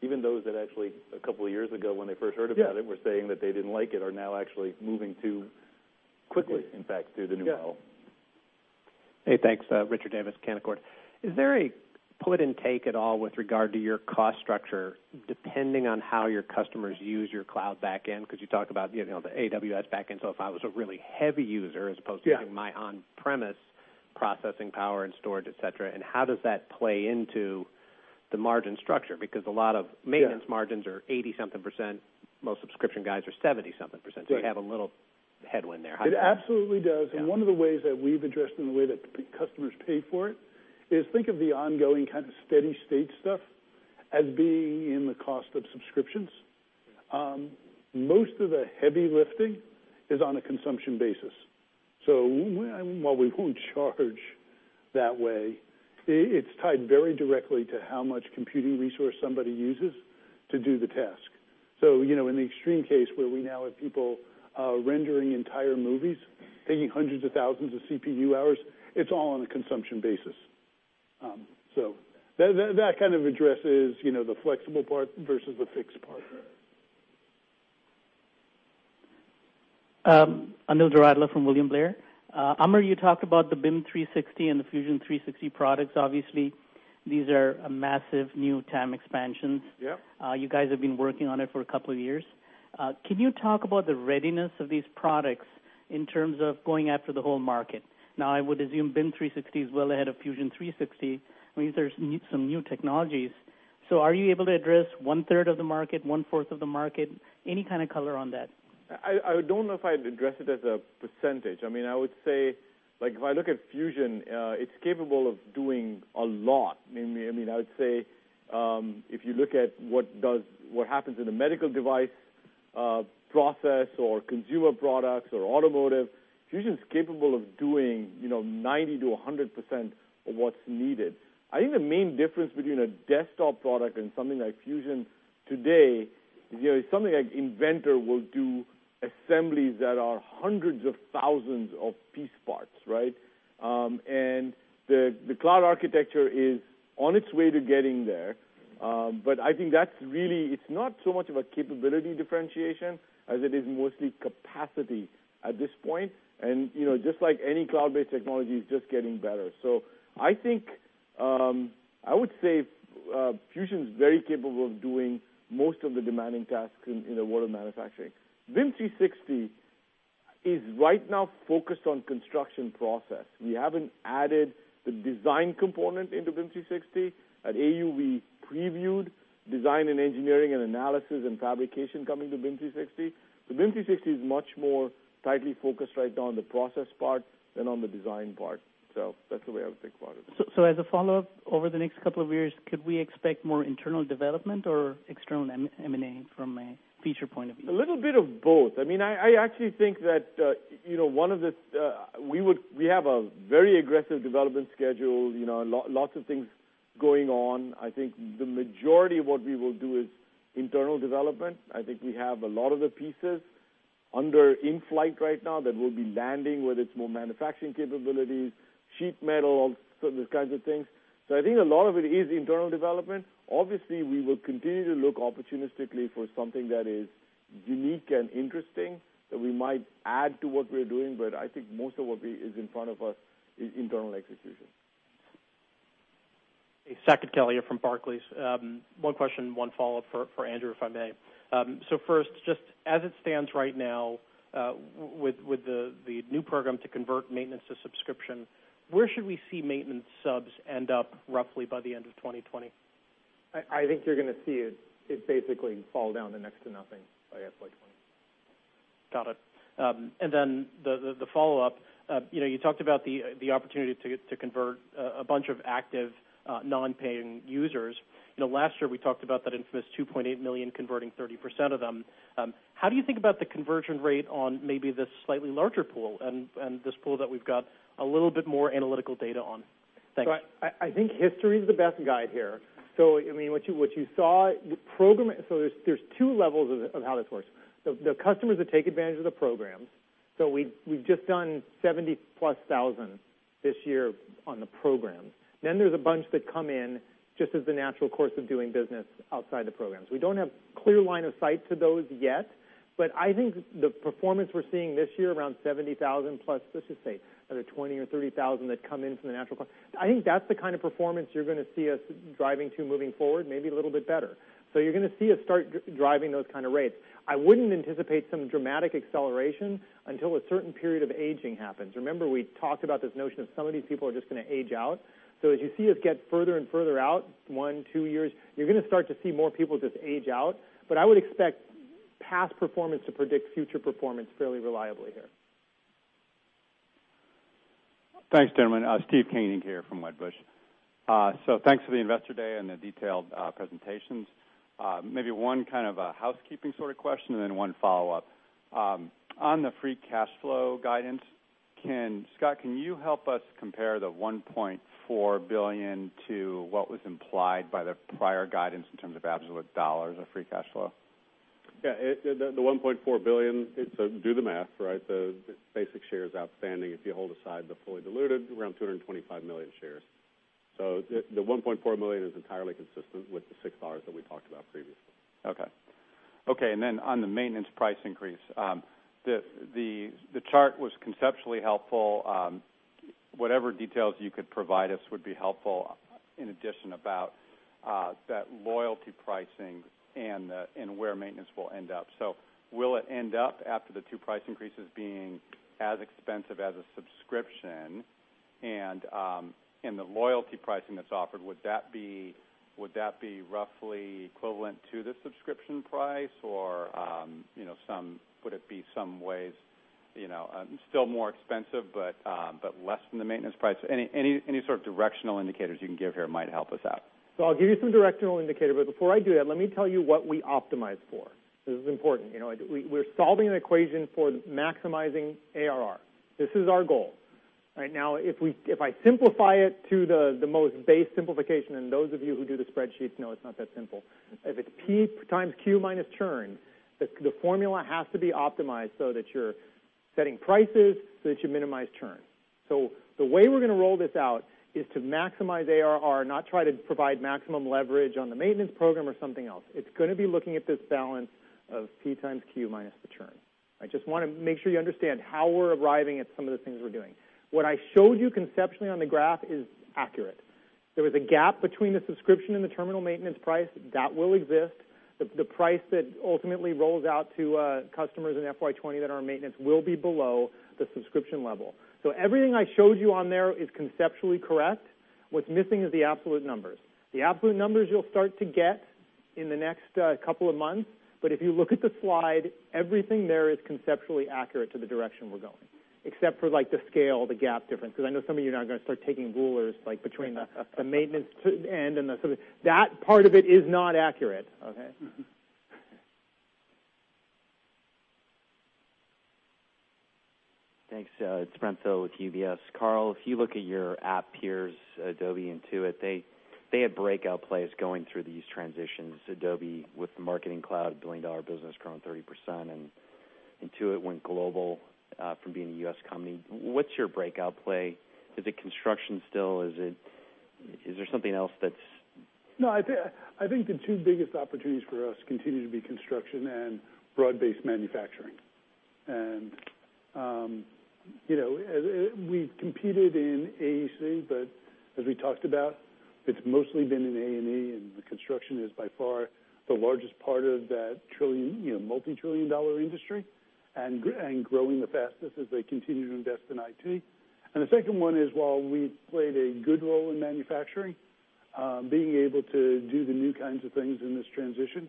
Even those that actually, a couple of years ago when they first heard about it, were saying that they didn't like it, are now actually moving to- Quickly in fact, to the new model. Hey, thanks. Richard Davis, Canaccord. Is there a pull it and take at all with regard to your cost structure depending on how your customers use your cloud back end? Because you talk about the AWS back end, so if I was a really heavy user as opposed- Yeah to using my on-premise processing power and storage, et cetera. How does that play into the margin structure? Because a lot of- Yeah maintenance margins are 80-something%. Most subscription guys are 70-something%. Yeah. You have a little headwind there. It absolutely does. Yeah. One of the ways that we've addressed, and the way that customers pay for it, is think of the ongoing kind of steady state stuff as being in the cost of subscriptions. Yeah. Most of the heavy lifting is on a consumption basis. While we won't charge that way, it's tied very directly to how much computing resource somebody uses to do the task. In the extreme case, where we now have people rendering entire movies, taking hundreds of thousands of CPU hours, it's all on a consumption basis. That kind of addresses the flexible part versus the fixed part. Anil Doradla from William Blair. Amar, you talked about the BIM 360 and the Fusion 360 products. Obviously, these are a massive new TAM expansion. Yep. You guys have been working on it for a couple of years. Can you talk about the readiness of these products in terms of going after the whole market? I would assume BIM 360 is well ahead of Fusion 360. I mean, there's some new technologies. Are you able to address 1/3 of the market, 1/4 of the market? Any kind of color on that? I don't know if I'd address it as a percentage. I would say, if I look at Fusion, it's capable of doing a lot. I would say, if you look at what happens in a medical device process or consumer products or automotive, Fusion's capable of doing 90%-100% of what's needed. I think the main difference between a desktop product and something like Fusion today is something like Inventor will do assemblies that are hundreds of thousands of piece parts, right? The cloud architecture is on its way to getting there. I think it's not so much of a capability differentiation as it is mostly capacity at this point. Just like any cloud-based technology, it's just getting better. I would say Fusion's very capable of doing most of the demanding tasks in the world of manufacturing. BIM 360 is right now focused on construction process. We haven't added the design component into BIM 360. At AU, we previewed design and engineering and analysis and fabrication coming to BIM 360. BIM 360 is much more tightly focused right now on the process part than on the design part. That's the way I would think about it. As a follow-up, over the next couple of years, could we expect more internal development or external M&A from a feature point of view? A little bit of both. I actually think that we have a very aggressive development schedule, lots of things going on. I think the majority of what we will do is internal development. I think we have a lot of the pieces under in-flight right now that will be landing, whether it's more manufacturing capabilities, sheet metal, those kinds of things. I think a lot of it is internal development. Obviously, we will continue to look opportunistically for something that is unique and interesting that we might add to what we're doing. I think most of what is in front of us is internal execution. Hey, Saket Kalia from Barclays. One question, one follow-up for Andrew, if I may. First, just as it stands right now with the new program to convert maintenance to subscription, where should we see maintenance subs end up roughly by the end of 2020? I think you're going to see it basically fall down to next to nothing by FY 2020. Got it. The follow-up, you talked about the opportunity to convert a bunch of active non-paying users. Last year, we talked about that infamous 2.8 million converting 30% of them. How do you think about the conversion rate on maybe this slightly larger pool and this pool that we've got a little bit more analytical data on? Thanks. I think history's the best guide here. There's 2 levels of how this works. The customers that take advantage of the programs. We've just done 70,000-plus this year on the programs. There's a bunch that come in just as the natural course of doing business outside the programs. We don't have clear line of sight to those yet, but I think the performance we're seeing this year, around 70,000-plus, let's just say another 20,000 or 30,000 that come in from the natural course. I think that's the kind of performance you're going to see us driving to moving forward, maybe a little bit better. You're going to see us start driving those kind of rates. I wouldn't anticipate some dramatic acceleration until a certain period of aging happens. Remember, we talked about this notion of some of these people are just going to age out. As you see us get further and further out, one, two years, you're going to start to see more people just age out. I would expect past performance to predict future performance fairly reliably here. Thanks, gentlemen. Steve Koenig here from Wedbush. Thanks for the Investor Day and the detailed presentations. Maybe one kind of a housekeeping sort of question and then one follow-up. On the free cash flow guidance, Scott, can you help us compare the $1.4 billion to what was implied by the prior guidance in terms of absolute dollars of free cash flow? Yeah. The $1.4 billion, do the math, right? The basic shares outstanding, if you hold aside the fully diluted, around 225 million shares. The $1.4 billion is entirely consistent with the $6 that we talked about previously. Okay. On the maintenance price increase, the chart was conceptually helpful. Whatever details you could provide us would be helpful in addition about that loyalty pricing and where maintenance will end up. Will it end up after the two price increases being as expensive as a subscription? The loyalty pricing that's offered, would that be roughly equivalent to the subscription price or would it be some ways still more expensive but less than the maintenance price? Any sort of directional indicators you can give here might help us out. I'll give you some directional indicator, before I do that, let me tell you what we optimize for. This is important. We're solving an equation for maximizing ARR. This is our goal. If I simplify it to the most base simplification, and those of you who do the spreadsheets know it's not that simple. If it's P times Q minus churn, the formula has to be optimized so that you're setting prices so that you minimize churn. The way we're going to roll this out is to maximize ARR, not try to provide maximum leverage on the maintenance program or something else. It's going to be looking at this balance of P times Q minus the churn. I just want to make sure you understand how we're arriving at some of the things we're doing. What I showed you conceptually on the graph is accurate. There was a gap between the subscription and the terminal maintenance price. That will exist. The price that ultimately rolls out to customers in FY 2020 that are on maintenance will be below the subscription level. Everything I showed you on there is conceptually correct. What's missing is the absolute numbers. The absolute numbers you'll start to get in the next couple of months, if you look at the slide, everything there is conceptually accurate to the direction we're going. Except for the scale, the gap difference, because I know some of you are now going to start taking rulers. That part of it is not accurate. Okay. Thanks. It's Brent Thill with UBS. Carl, if you look at your app peers, Adobe, Intuit, they had breakout plays going through these transitions. Adobe with the Marketing Cloud, a $1 billion business growing 30%, Intuit went global, from being a U.S. company. What's your breakout play? Is it construction still? Is there something else that's- I think the two biggest opportunities for us continue to be construction and broad-based manufacturing. We competed in AEC, but as we talked about, it's mostly been in A&E, the construction is by far the largest part of that multitrillion-dollar industry, and growing the fastest as they continue to invest in IT. The second one is while we played a good role in manufacturing, being able to do the new kinds of things in this transition,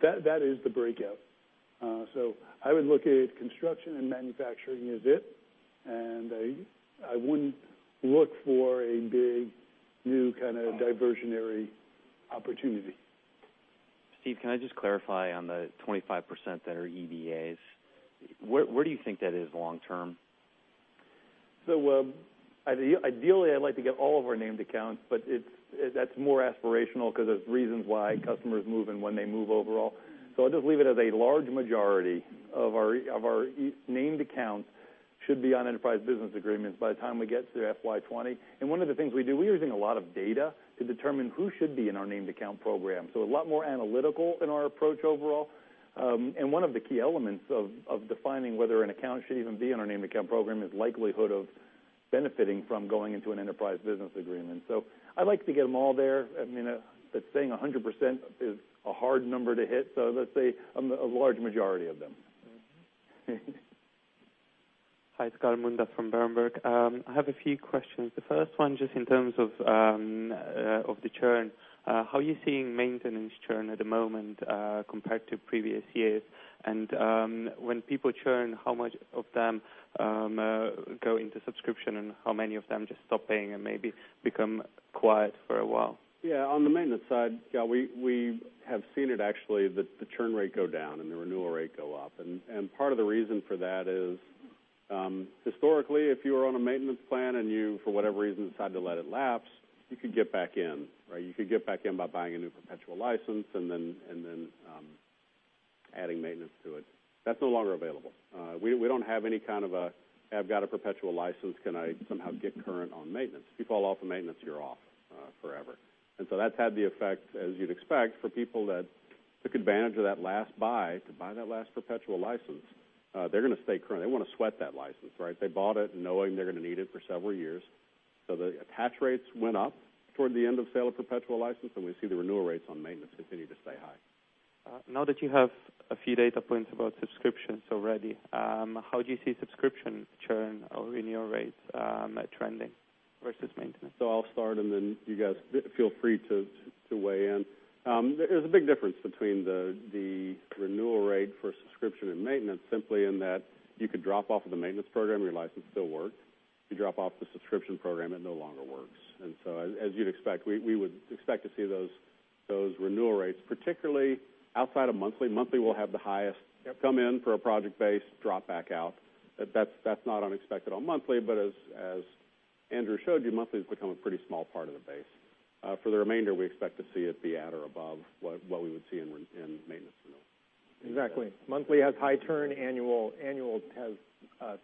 that is the breakout. I would look at construction and manufacturing as it, I wouldn't look for a big, new kind of diversionary opportunity. Steve, can I just clarify on the 25% that are EBAs? Where do you think that is long term? Ideally, I'd like to get all of our named accounts, that's more aspirational because there's reasons why customers move and when they move overall. I'll just leave it as a large majority of our named accounts should be on enterprise business agreements by the time we get to FY 2020. One of the things we do, we're using a lot of data to determine who should be in our named account program. A lot more analytical in our approach overall. One of the key elements of defining whether an account should even be in our named account program is likelihood of benefiting from going into an enterprise business agreement. I'd like to get them all there. Saying 100% is a hard number to hit. Let's say a large majority of them. Hi, it's Gal Munda from Berenberg. I have a few questions. The first one, just in terms of the churn. How are you seeing maintenance churn at the moment, compared to previous years? When people churn, how much of them go into subscription, and how many of them just stop paying and maybe become quiet for a while? On the maintenance side, yeah, we have seen it actually, the churn rate go down and the renewal rate go up. Part of the reason for that is, historically, if you were on a maintenance plan and you, for whatever reason, decided to let it lapse, you could get back in. You could get back in by buying a new perpetual license and then adding maintenance to it. That's no longer available. We don't have any kind of a, "I've got a perpetual license, can I somehow get current on maintenance?" If you fall off of maintenance, you're off forever. That's had the effect, as you'd expect, for people that took advantage of that last buy to buy that last perpetual license. They're going to stay current. They want to sweat that license, right? They bought it knowing they're going to need it for several years. The attach rates went up toward the end of sale of perpetual license, and we see the renewal rates on maintenance continue to stay high. Now that you have a few data points about subscriptions already, how do you see subscription churn or renewal rates trending versus maintenance? I'll start, and then you guys feel free to weigh in. There's a big difference between the renewal rate for subscription and maintenance, simply in that you could drop off of the maintenance program, your license still works. If you drop off the subscription program, it no longer works. As you'd expect, we would expect to see those renewal rates, particularly outside of monthly. Monthly will have the highest come in for a project base, drop back out. That's not unexpected on monthly, but as Andrew showed you, monthly's become a pretty small part of the base. For the remainder, we expect to see it be at or above what we would see in maintenance renewals. Exactly. Monthly has high turn, annual has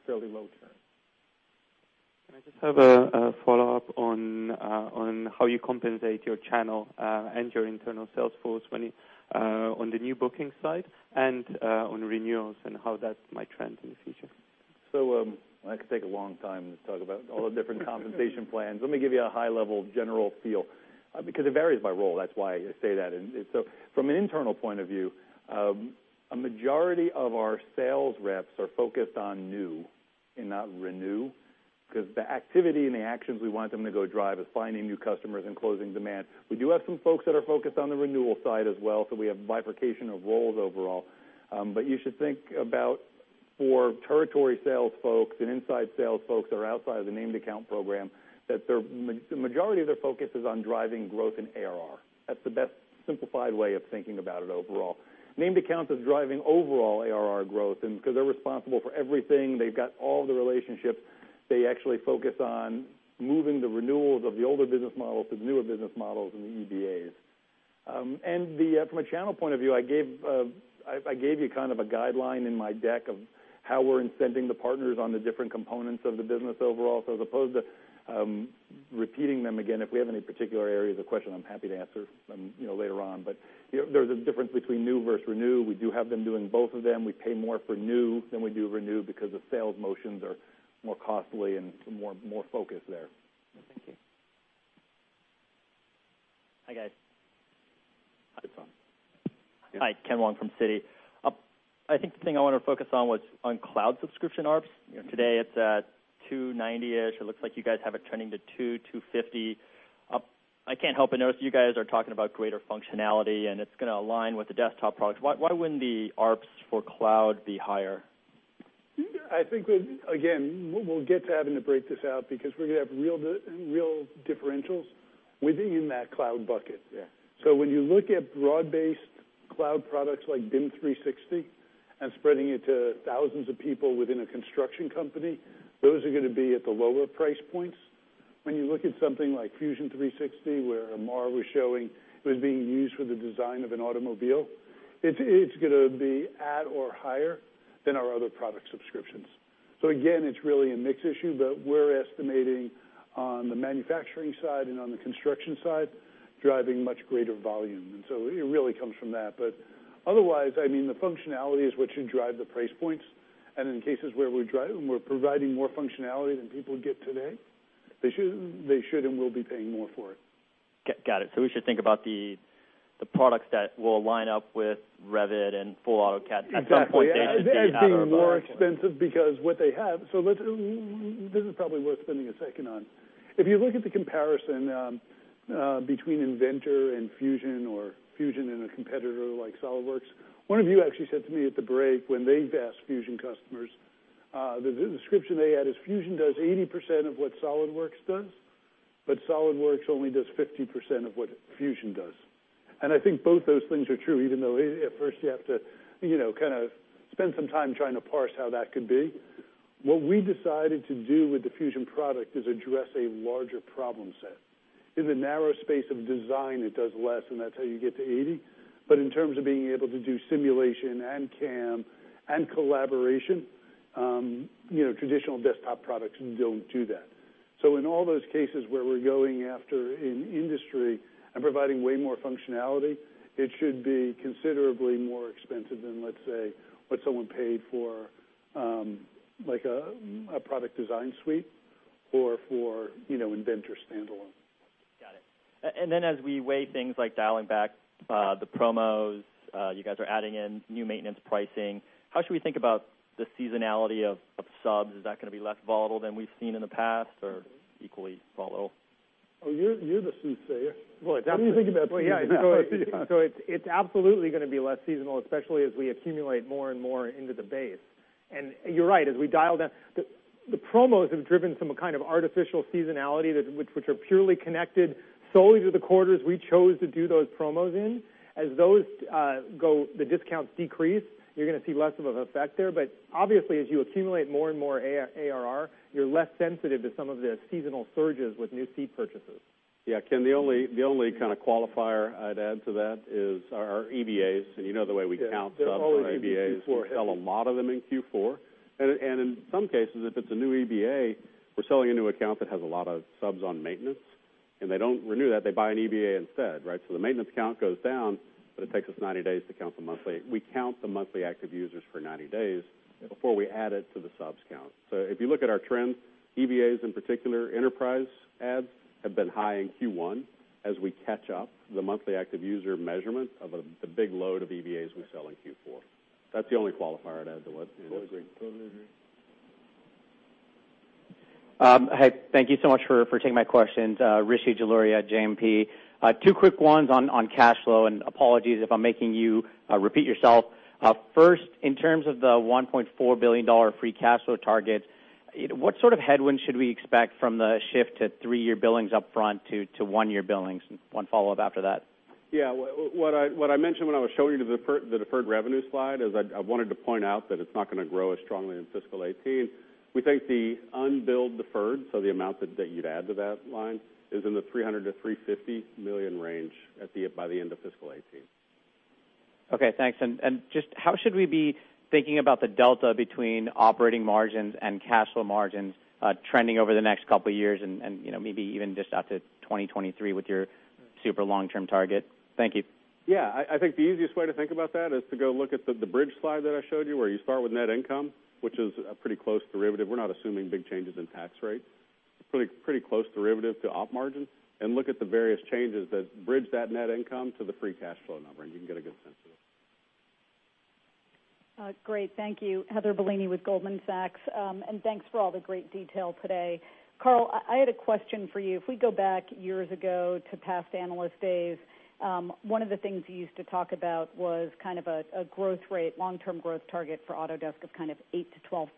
fairly low turn. Can I just have a follow-up on how you compensate your channel and your internal sales force on the new booking side and on renewals, and how that might trend in the future? I could take a long time to talk about all the different compensation plans. Let me give you a high-level general feel, because it varies by role. That's why I say that. From an internal point of view, a majority of our sales reps are focused on new and not renew, because the activity and the actions we want them to go drive is finding new customers and closing demand. We do have some folks that are focused on the renewal side as well, so we have bifurcation of roles overall. You should think about for territory sales folks and inside sales folks that are outside of the named account program, that the majority of their focus is on driving growth in ARR. That's the best simplified way of thinking about it overall. Named accounts is driving overall ARR growth, and because they're responsible for everything, they've got all the relationships. They actually focus on moving the renewals of the older business models to the newer business models and the EBAs. From a channel point of view, I gave you a guideline in my deck of how we're incenting the partners on the different components of the business overall. As opposed to repeating them again, if we have any particular areas of question, I'm happy to answer later on. There's a difference between new versus renew. We do have them doing both of them. We pay more for new than we do renew because the sales motions are more costly and more focus there. Thank you. Hi, guys. How you doing? Hi, Ken Wong from Citi. I think the thing I want to focus on was on cloud subscription ARPS. Today it's at $290-ish. It looks like you guys have it trending to $200, $250. I can't help but notice you guys are talking about greater functionality, and it's going to align with the desktop products. Why wouldn't the ARPS for cloud be higher? I think, again, we'll get to having to break this out because we're going to have real differentials within that cloud bucket. Yeah. When you look at broad-based cloud products like BIM 360 and spreading it to thousands of people within a construction company, those are going to be at the lower price points. When you look at something like Fusion 360, where Amar was showing it was being used for the design of an automobile, it's going to be at or higher than our other product subscriptions. Again, it's really a mix issue, but we're estimating on the manufacturing side and on the construction side, driving much greater volume. It really comes from that. Otherwise, the functionality is what should drive the price points. In cases where we're providing more functionality than people get today, they should and will be paying more for it. Got it. We should think about the products that will line up with Revit and full AutoCAD- Exactly. -at some point, they end up at our buying point. They're more expensive because what they have. This is probably worth spending a second on. If you look at the comparison between Inventor and Fusion or Fusion and a competitor like SOLIDWORKS, one of you actually said to me at the break when they've asked Fusion customers, the description they had is Fusion does 80% of what SOLIDWORKS does, but SOLIDWORKS only does 50% of what Fusion does. I think both those things are true, even though at first you have to spend some time trying to parse how that could be. What we decided to do with the Fusion product is address a larger problem set. In the narrow space of design, it does less, and that's how you get to 80. In terms of being able to do simulation and CAM and collaboration, traditional desktop products don't do that. In all those cases where we're going after an industry and providing way more functionality, it should be considerably more expensive than, let's say, what someone paid for a product design suite or for Inventor standalone. Got it. As we weigh things like dialing back the promos, you guys are adding in new maintenance pricing. How should we think about the seasonality of subs? Is that going to be less volatile than we've seen in the past, or equally volatile? Oh, you're the soothsayer. Well, it's absolutely- What are you thinking about for seasonality? It's absolutely going to be less seasonal, especially as we accumulate more and more into the base. You're right. As we dial down, the promos have driven some kind of artificial seasonality, which are purely connected solely to the quarters we chose to do those promos in. As those go, the discounts decrease, you're going to see less of an effect there. Obviously, as you accumulate more and more ARR, you're less sensitive to some of the seasonal surges with new seat purchases. Yeah, Ken, the only qualifier I'd add to that is our EBAs, and you know the way we count subs- Yeah, all the EBAs- -we sell a lot of them in Q4. In some cases, if it's a new EBA, we're selling a new account that has a lot of subs on maintenance, and they don't renew that. They buy an EBA instead, right? The maintenance count goes down, but it takes us 90 days to count the monthly. We count the monthly active users for 90 days before we add it to the subs count. If you look at our trends, EBAs in particular, enterprise adds, have been high in Q1 as we catch up the monthly active user measurement of the big load of EBAs we sell in Q4. That's the only qualifier I'd add to what- I would agree. Totally agree. Hey, thank you so much for taking my questions. Rishi Jaluria at JMP. Two quick ones on cash flow. Apologies if I'm making you repeat yourself. First, in terms of the $1.4 billion free cash flow target, what sort of headwinds should we expect from the shift to 3-year billings up front to 1-year billings? One follow-up after that. What I mentioned when I was showing you the deferred revenue slide is I wanted to point out that it's not going to grow as strongly in FY 2018. We think the unbilled deferred, so the amount that you'd add to that line, is in the $300 million-$350 million range by the end of FY 2018. Okay, thanks. Just how should we be thinking about the delta between operating margins and cash flow margins trending over the next couple of years and maybe even just out to 2023 with your super long-term target? Thank you. Yeah. I think the easiest way to think about that is to go look at the bridge slide that I showed you, where you start with net income, which is a pretty close derivative. We're not assuming big changes in tax rate. Pretty close derivative to op margin. Look at the various changes that bridge that net income to the free cash flow number, and you can get a good sense of it. Great. Thank you. Heather Bellini with Goldman Sachs. Thanks for all the great detail today. Carl, I had a question for you. If we go back years ago to past analyst days, one of the things you used to talk about was a growth rate, long-term growth target for Autodesk of 8% to 12%,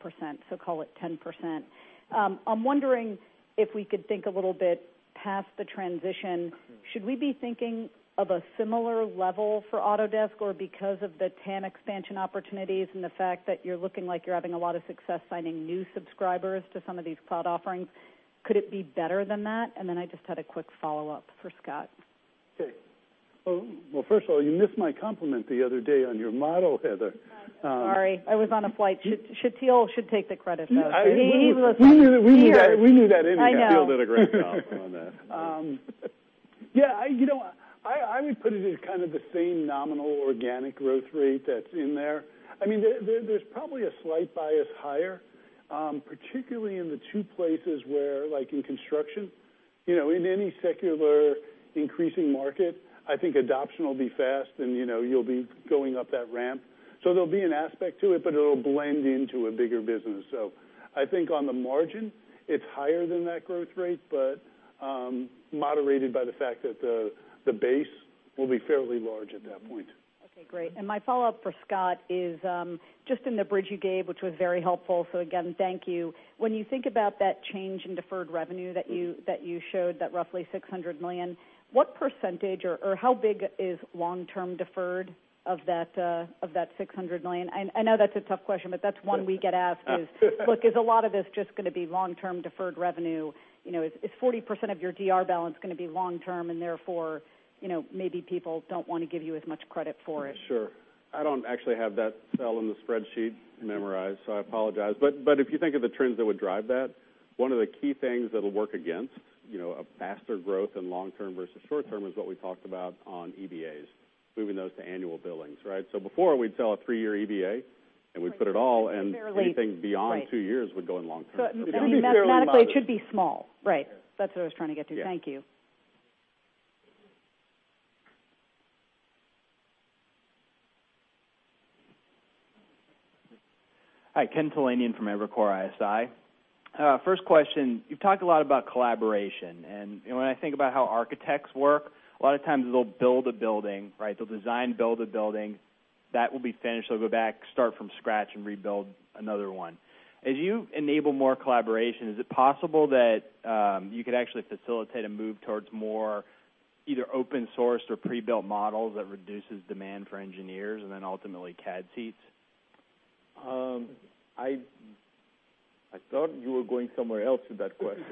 so call it 10%. I'm wondering if we could think a little bit past the transition. Should we be thinking of a similar level for Autodesk? Because of the 10 expansion opportunities and the fact that you're looking like you're having a lot of success finding new subscribers to some of these cloud offerings, could it be better than that? Then I just had a quick follow-up for Scott. Okay. Well, first of all, you missed my compliment the other day on your model, Heather. Sorry, I was on a flight. Shatil should take the credit, though. We knew that anyhow. I know. Shatil did a great job on that. Yeah. I would put it as the same nominal organic growth rate that's in there. There's probably a slight bias higher, particularly in the two places where, like in construction. In any secular increasing market, I think adoption will be fast and you'll be going up that ramp. There'll be an aspect to it, but it'll blend into a bigger business. I think on the margin, it's higher than that growth rate, but moderated by the fact that the base will be fairly large at that point. Okay, great. My follow-up for Scott is, just in the bridge you gave, which was very helpful, again, thank you. When you think about that change in deferred revenue that you showed, that roughly $600 million, what percentage or how big is long-term deferred of that $600 million? I know that's a tough question, but that's one we get asked is, look, is a lot of this just going to be long-term deferred revenue? Is 40% of your DR balance going to be long term and therefore, maybe people don't want to give you as much credit for it? Sure. I don't actually have that cell in the spreadsheet memorized, I apologize. If you think of the trends that would drive that, one of the key things that'll work against a faster growth in long term versus short term is what we talked about on EBAs, moving those to annual billings. Right? Before, we'd sell a three-year EBA, and we'd put it all, anything beyond two years would go in long term. I mean, mathematically, it should be small. Right. That's what I was trying to get to. Thank you. Hi, Ken Poladian from Evercore ISI. First question, you've talked a lot about collaboration. When I think about how architects work, a lot of times they'll build a building, right? They'll design, build a building. That will be finished, they'll go back, start from scratch. Rebuild another one. As you enable more collaboration, is it possible that you could actually facilitate a move towards more either open sourced or pre-built models that reduces demand for engineers then ultimately CAD seats? I thought you were going somewhere else with that question.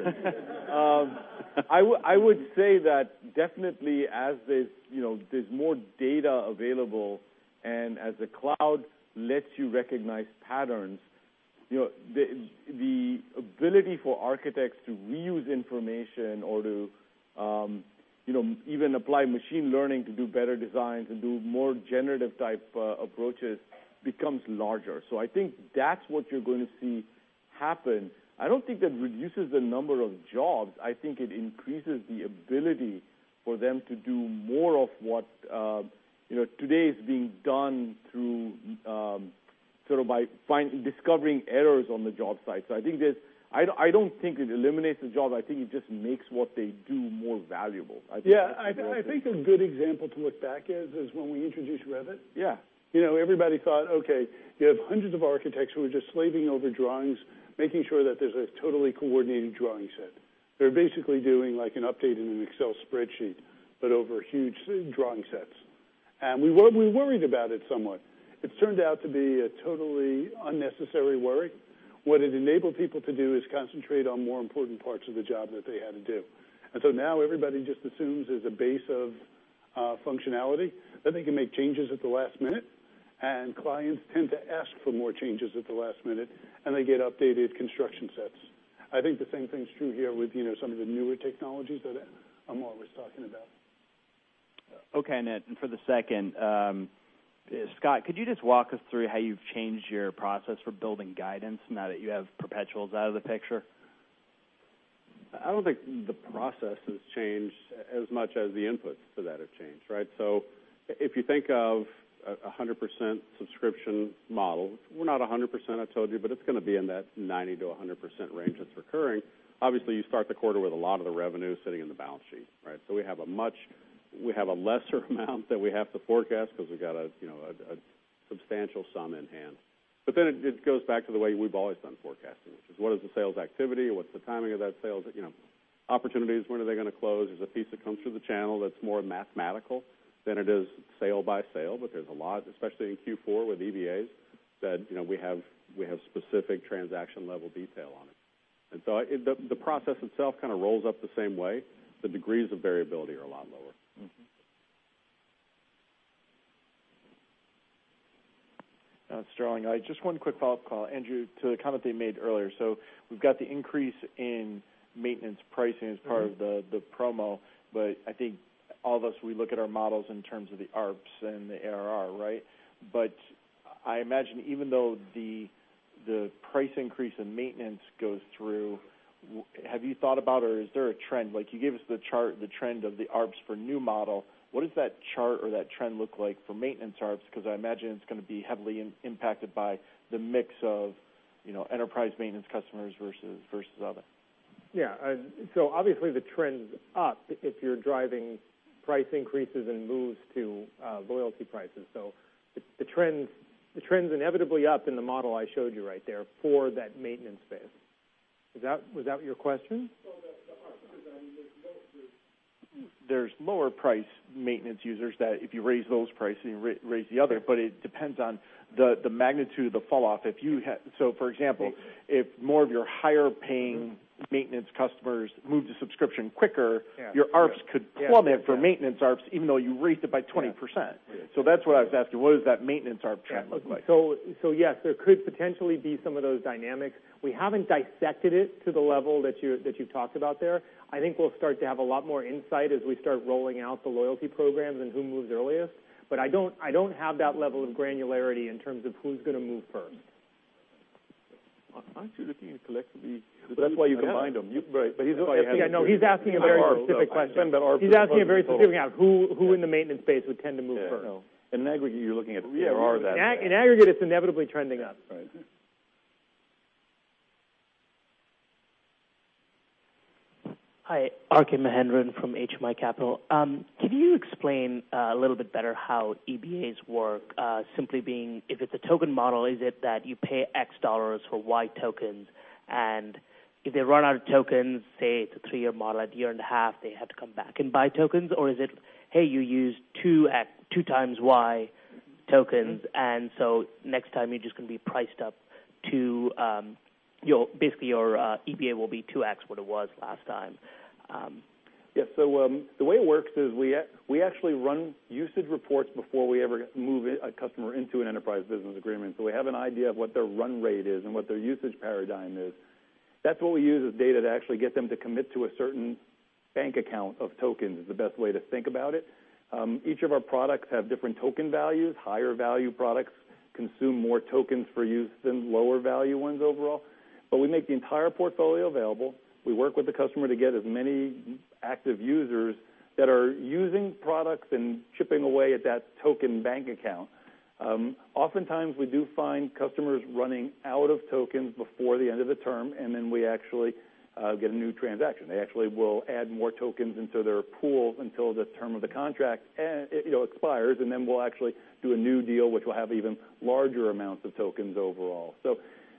I would say that definitely as there's more data available and as the cloud lets you recognize patterns, the ability for architects to reuse information or to even apply machine learning to do better designs and do more generative type approaches becomes larger. I think that's what you're going to see happen. I don't think that reduces the number of jobs. I think it increases the ability for them to do more of what today is being done through discovering errors on the job site. I don't think it eliminates the job. I think it just makes what they do more valuable. Yeah, I think a good example to look back at is when we introduced Revit. Yeah. Everybody thought, okay, you have hundreds of architects who are just slaving over drawings, making sure that there's a totally coordinated drawing set. They're basically doing an update in an Excel spreadsheet, but over huge drawing sets. We worried about it somewhat. It's turned out to be a totally unnecessary worry. What it enabled people to do is concentrate on more important parts of the job that they had to do. Now everybody just assumes there's a base of functionality, that they can make changes at the last minute, and clients tend to ask for more changes at the last minute, and they get updated construction sets. I think the same thing's true here with some of the newer technologies that Amar was talking about. Okay, for the second, Scott, could you just walk us through how you've changed your process for building guidance now that you have perpetuals out of the picture? I don't think the process has changed as much as the inputs to that have changed, right? If you think of 100% subscription model, we're not 100%, I told you, but it's going to be in that 90%-100% range that's recurring. Obviously, you start the quarter with a lot of the revenue sitting in the balance sheet. Right? We have a lesser amount that we have to forecast because we've got a substantial sum in hand. It just goes back to the way we've always done forecasting, which is what is the sales activity, what's the timing of that sales? Opportunities, when are they going to close? There's a piece that comes through the channel that's more mathematical than it is sale by sale, but there's a lot, especially in Q4 with EBAs, that we have specific transaction-level detail on it. The process itself kind of rolls up the same way. The degrees of variability are a lot lower. It's Sterling. Just one quick follow-up call, Andrew, to the comment that you made earlier. We've got the increase in maintenance pricing as part of the promo. I think all of us, we look at our models in terms of the ARPS and the ARR, right? I imagine even though the price increase in maintenance goes through, have you thought about or is there a trend? You gave us the chart, the trend of the ARPS for new model. What does that chart or that trend look like for maintenance ARPS? Because I imagine it's going to be heavily impacted by the mix of enterprise maintenance customers versus others. Yeah. Obviously the trend's up if you're driving price increases and moves to loyalty prices. The trend's inevitably up in the model I showed you right there for that maintenance base. Was that your question? The ARPS is, there's lower price maintenance users that if you raise those prices, you raise the other, but it depends on the magnitude of the falloff. For example, if more of your higher-paying maintenance customers move to subscription quicker Yeah. your ARPS could plummet for maintenance ARPS, even though you raised it by 20%. Yeah. That's what I was asking, what does that maintenance ARPS trend look like? Yes, there could potentially be some of those dynamics. We haven't dissected it to the level that you talked about there. I think we'll start to have a lot more insight as we start rolling out the loyalty programs and who moves earliest. I don't have that level of granularity in terms of who's going to move first. Aren't you looking to collect the? That's why you combine them. Right. he's. Yeah, no, he's asking a very specific question. He's asking a very specific, who in the maintenance space would tend to move first? In aggregate, you're looking at ARR. In aggregate, it's inevitably trending up. Right. Hi. RK Mahendran from HMI Capital. Can you explain a little bit better how EBAs work? Simply being, if it's a token model, is it that you pay $X for Y tokens, and if they run out of tokens, say it's a three-year model, at a year and a half, they have to come back and buy tokens? Or is it, "Hey, you used 2 times Y tokens, and next time you're just going to be priced up to, basically, your EBA will be 2X what it was last time. Yes. The way it works is we actually run usage reports before we ever move a customer into an enterprise business agreement. We have an idea of what their run rate is and what their usage paradigm is. That's what we use as data to actually get them to commit to a certain bank account of tokens, is the best way to think about it. Each of our products have different token values. Higher-value products consume more tokens for use than lower-value ones overall. We make the entire portfolio available. We work with the customer to get as many active users that are using products and chipping away at that token bank account. Oftentimes, we do find customers running out of tokens before the end of the term, and we actually get a new transaction. They actually will add more tokens into their pool until the term of the contract expires, then we'll actually do a new deal, which will have even larger amounts of tokens overall.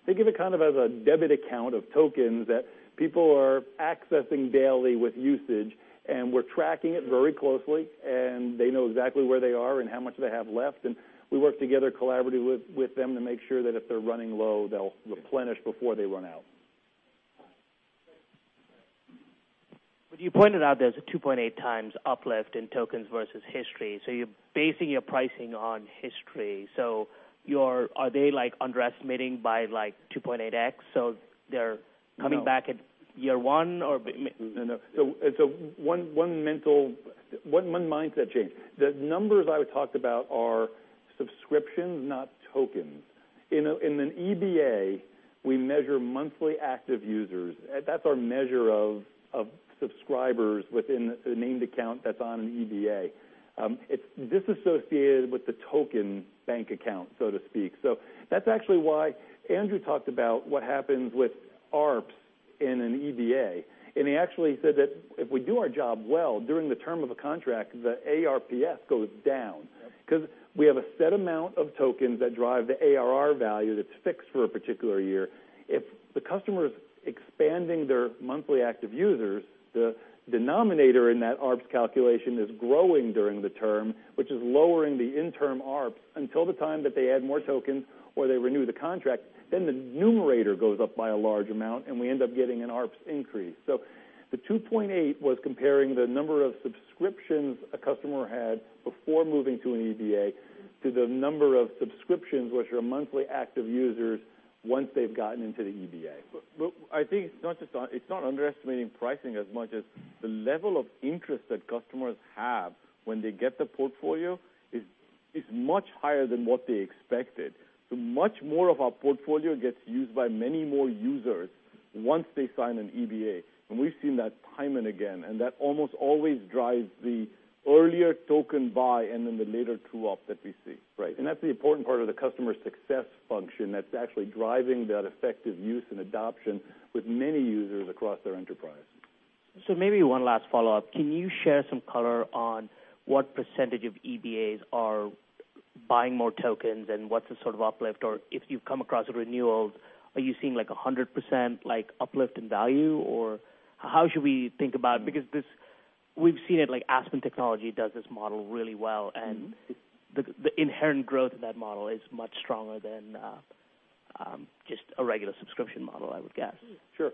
Think of it kind of as a debit account of tokens that people are accessing daily with usage, and we're tracking it very closely, and they know exactly where they are and how much they have left. We work together collaboratively with them to make sure that if they're running low, they'll replenish before they run out. You pointed out there's a 2.8 times uplift in tokens versus history. You're basing your pricing on history. Are they underestimating by 2.8x? They're coming back at year one. No. One mindset change. The numbers I talked about are subscriptions, not tokens. In an EBA, we measure monthly active users. That's our measure of subscribers within a named account that's on an EBA. It's disassociated with the token bank account, so to speak. That's actually why Andrew talked about what happens with ARPS in an EBA, and he actually said that if we do our job well during the term of a contract, the ARPS goes down. Yep. We have a set amount of tokens that drive the ARR value that's fixed for a particular year. If the customer is expanding their monthly active users, the denominator in that ARPS calculation is growing during the term, which is lowering the interim ARPS until the time that they add more tokens or they renew the contract. The numerator goes up by a large amount, and we end up getting an ARPS increase. The 2.8 was comparing the number of subscriptions a customer had before moving to an EBA to the number of subscriptions, which are monthly active users, once they've gotten into the EBA. I think it's not underestimating pricing as much as the level of interest that customers have when they get the portfolio is much higher than what they expected. Much more of our portfolio gets used by many more users once they sign an EBA. We've seen that time and again, and that almost always drives the earlier token buy and then the later true-up that we see. Right. That's the important part of the customer success function that's actually driving that effective use and adoption with many users across their enterprise. Maybe one last follow-up. Can you share some color on what percentage of EBAs are buying more tokens and what's the sort of uplift? Or if you've come across a renewal, are you seeing 100% uplift in value? Or how should we think about it? We've seen it, like Aspen Technology does this model really well, and the inherent growth of that model is much stronger than just a regular subscription model, I would guess. Sure.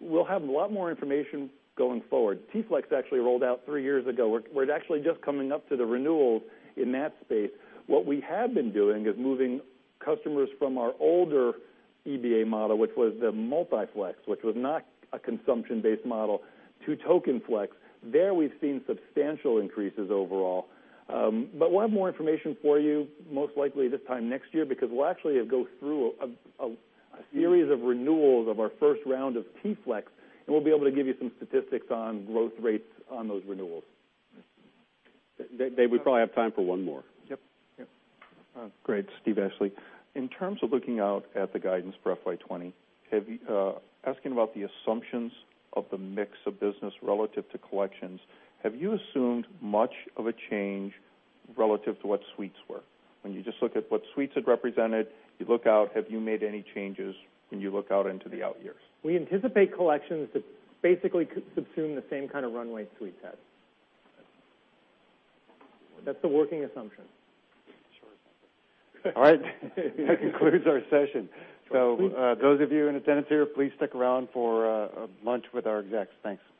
We'll have a lot more information going forward. T-Flex actually rolled out three years ago. We're actually just coming up to the renewals in that space. What we have been doing is moving customers from our older EBA model, which was the MultiFlex, which was not a consumption-based model, to Token Flex. There, we've seen substantial increases overall. We'll have more information for you, most likely this time next year, because we'll actually go through a series of renewals of our first round of T-Flex, and we'll be able to give you some statistics on growth rates on those renewals. Dave, we probably have time for one more. Yep. Great. Steve Ashley. In terms of looking out at the guidance for FY20, asking about the assumptions of the mix of business relative to collections, have you assumed much of a change relative to what Suites were? When you just look at what Suites had represented, you look out, have you made any changes when you look out into the out years? We anticipate Collections to basically subsume the same kind of runway Suites had. That's the working assumption. Sure. All right. That concludes our session. Those of you in attendance here, please stick around for lunch with our execs. Thanks. Yep.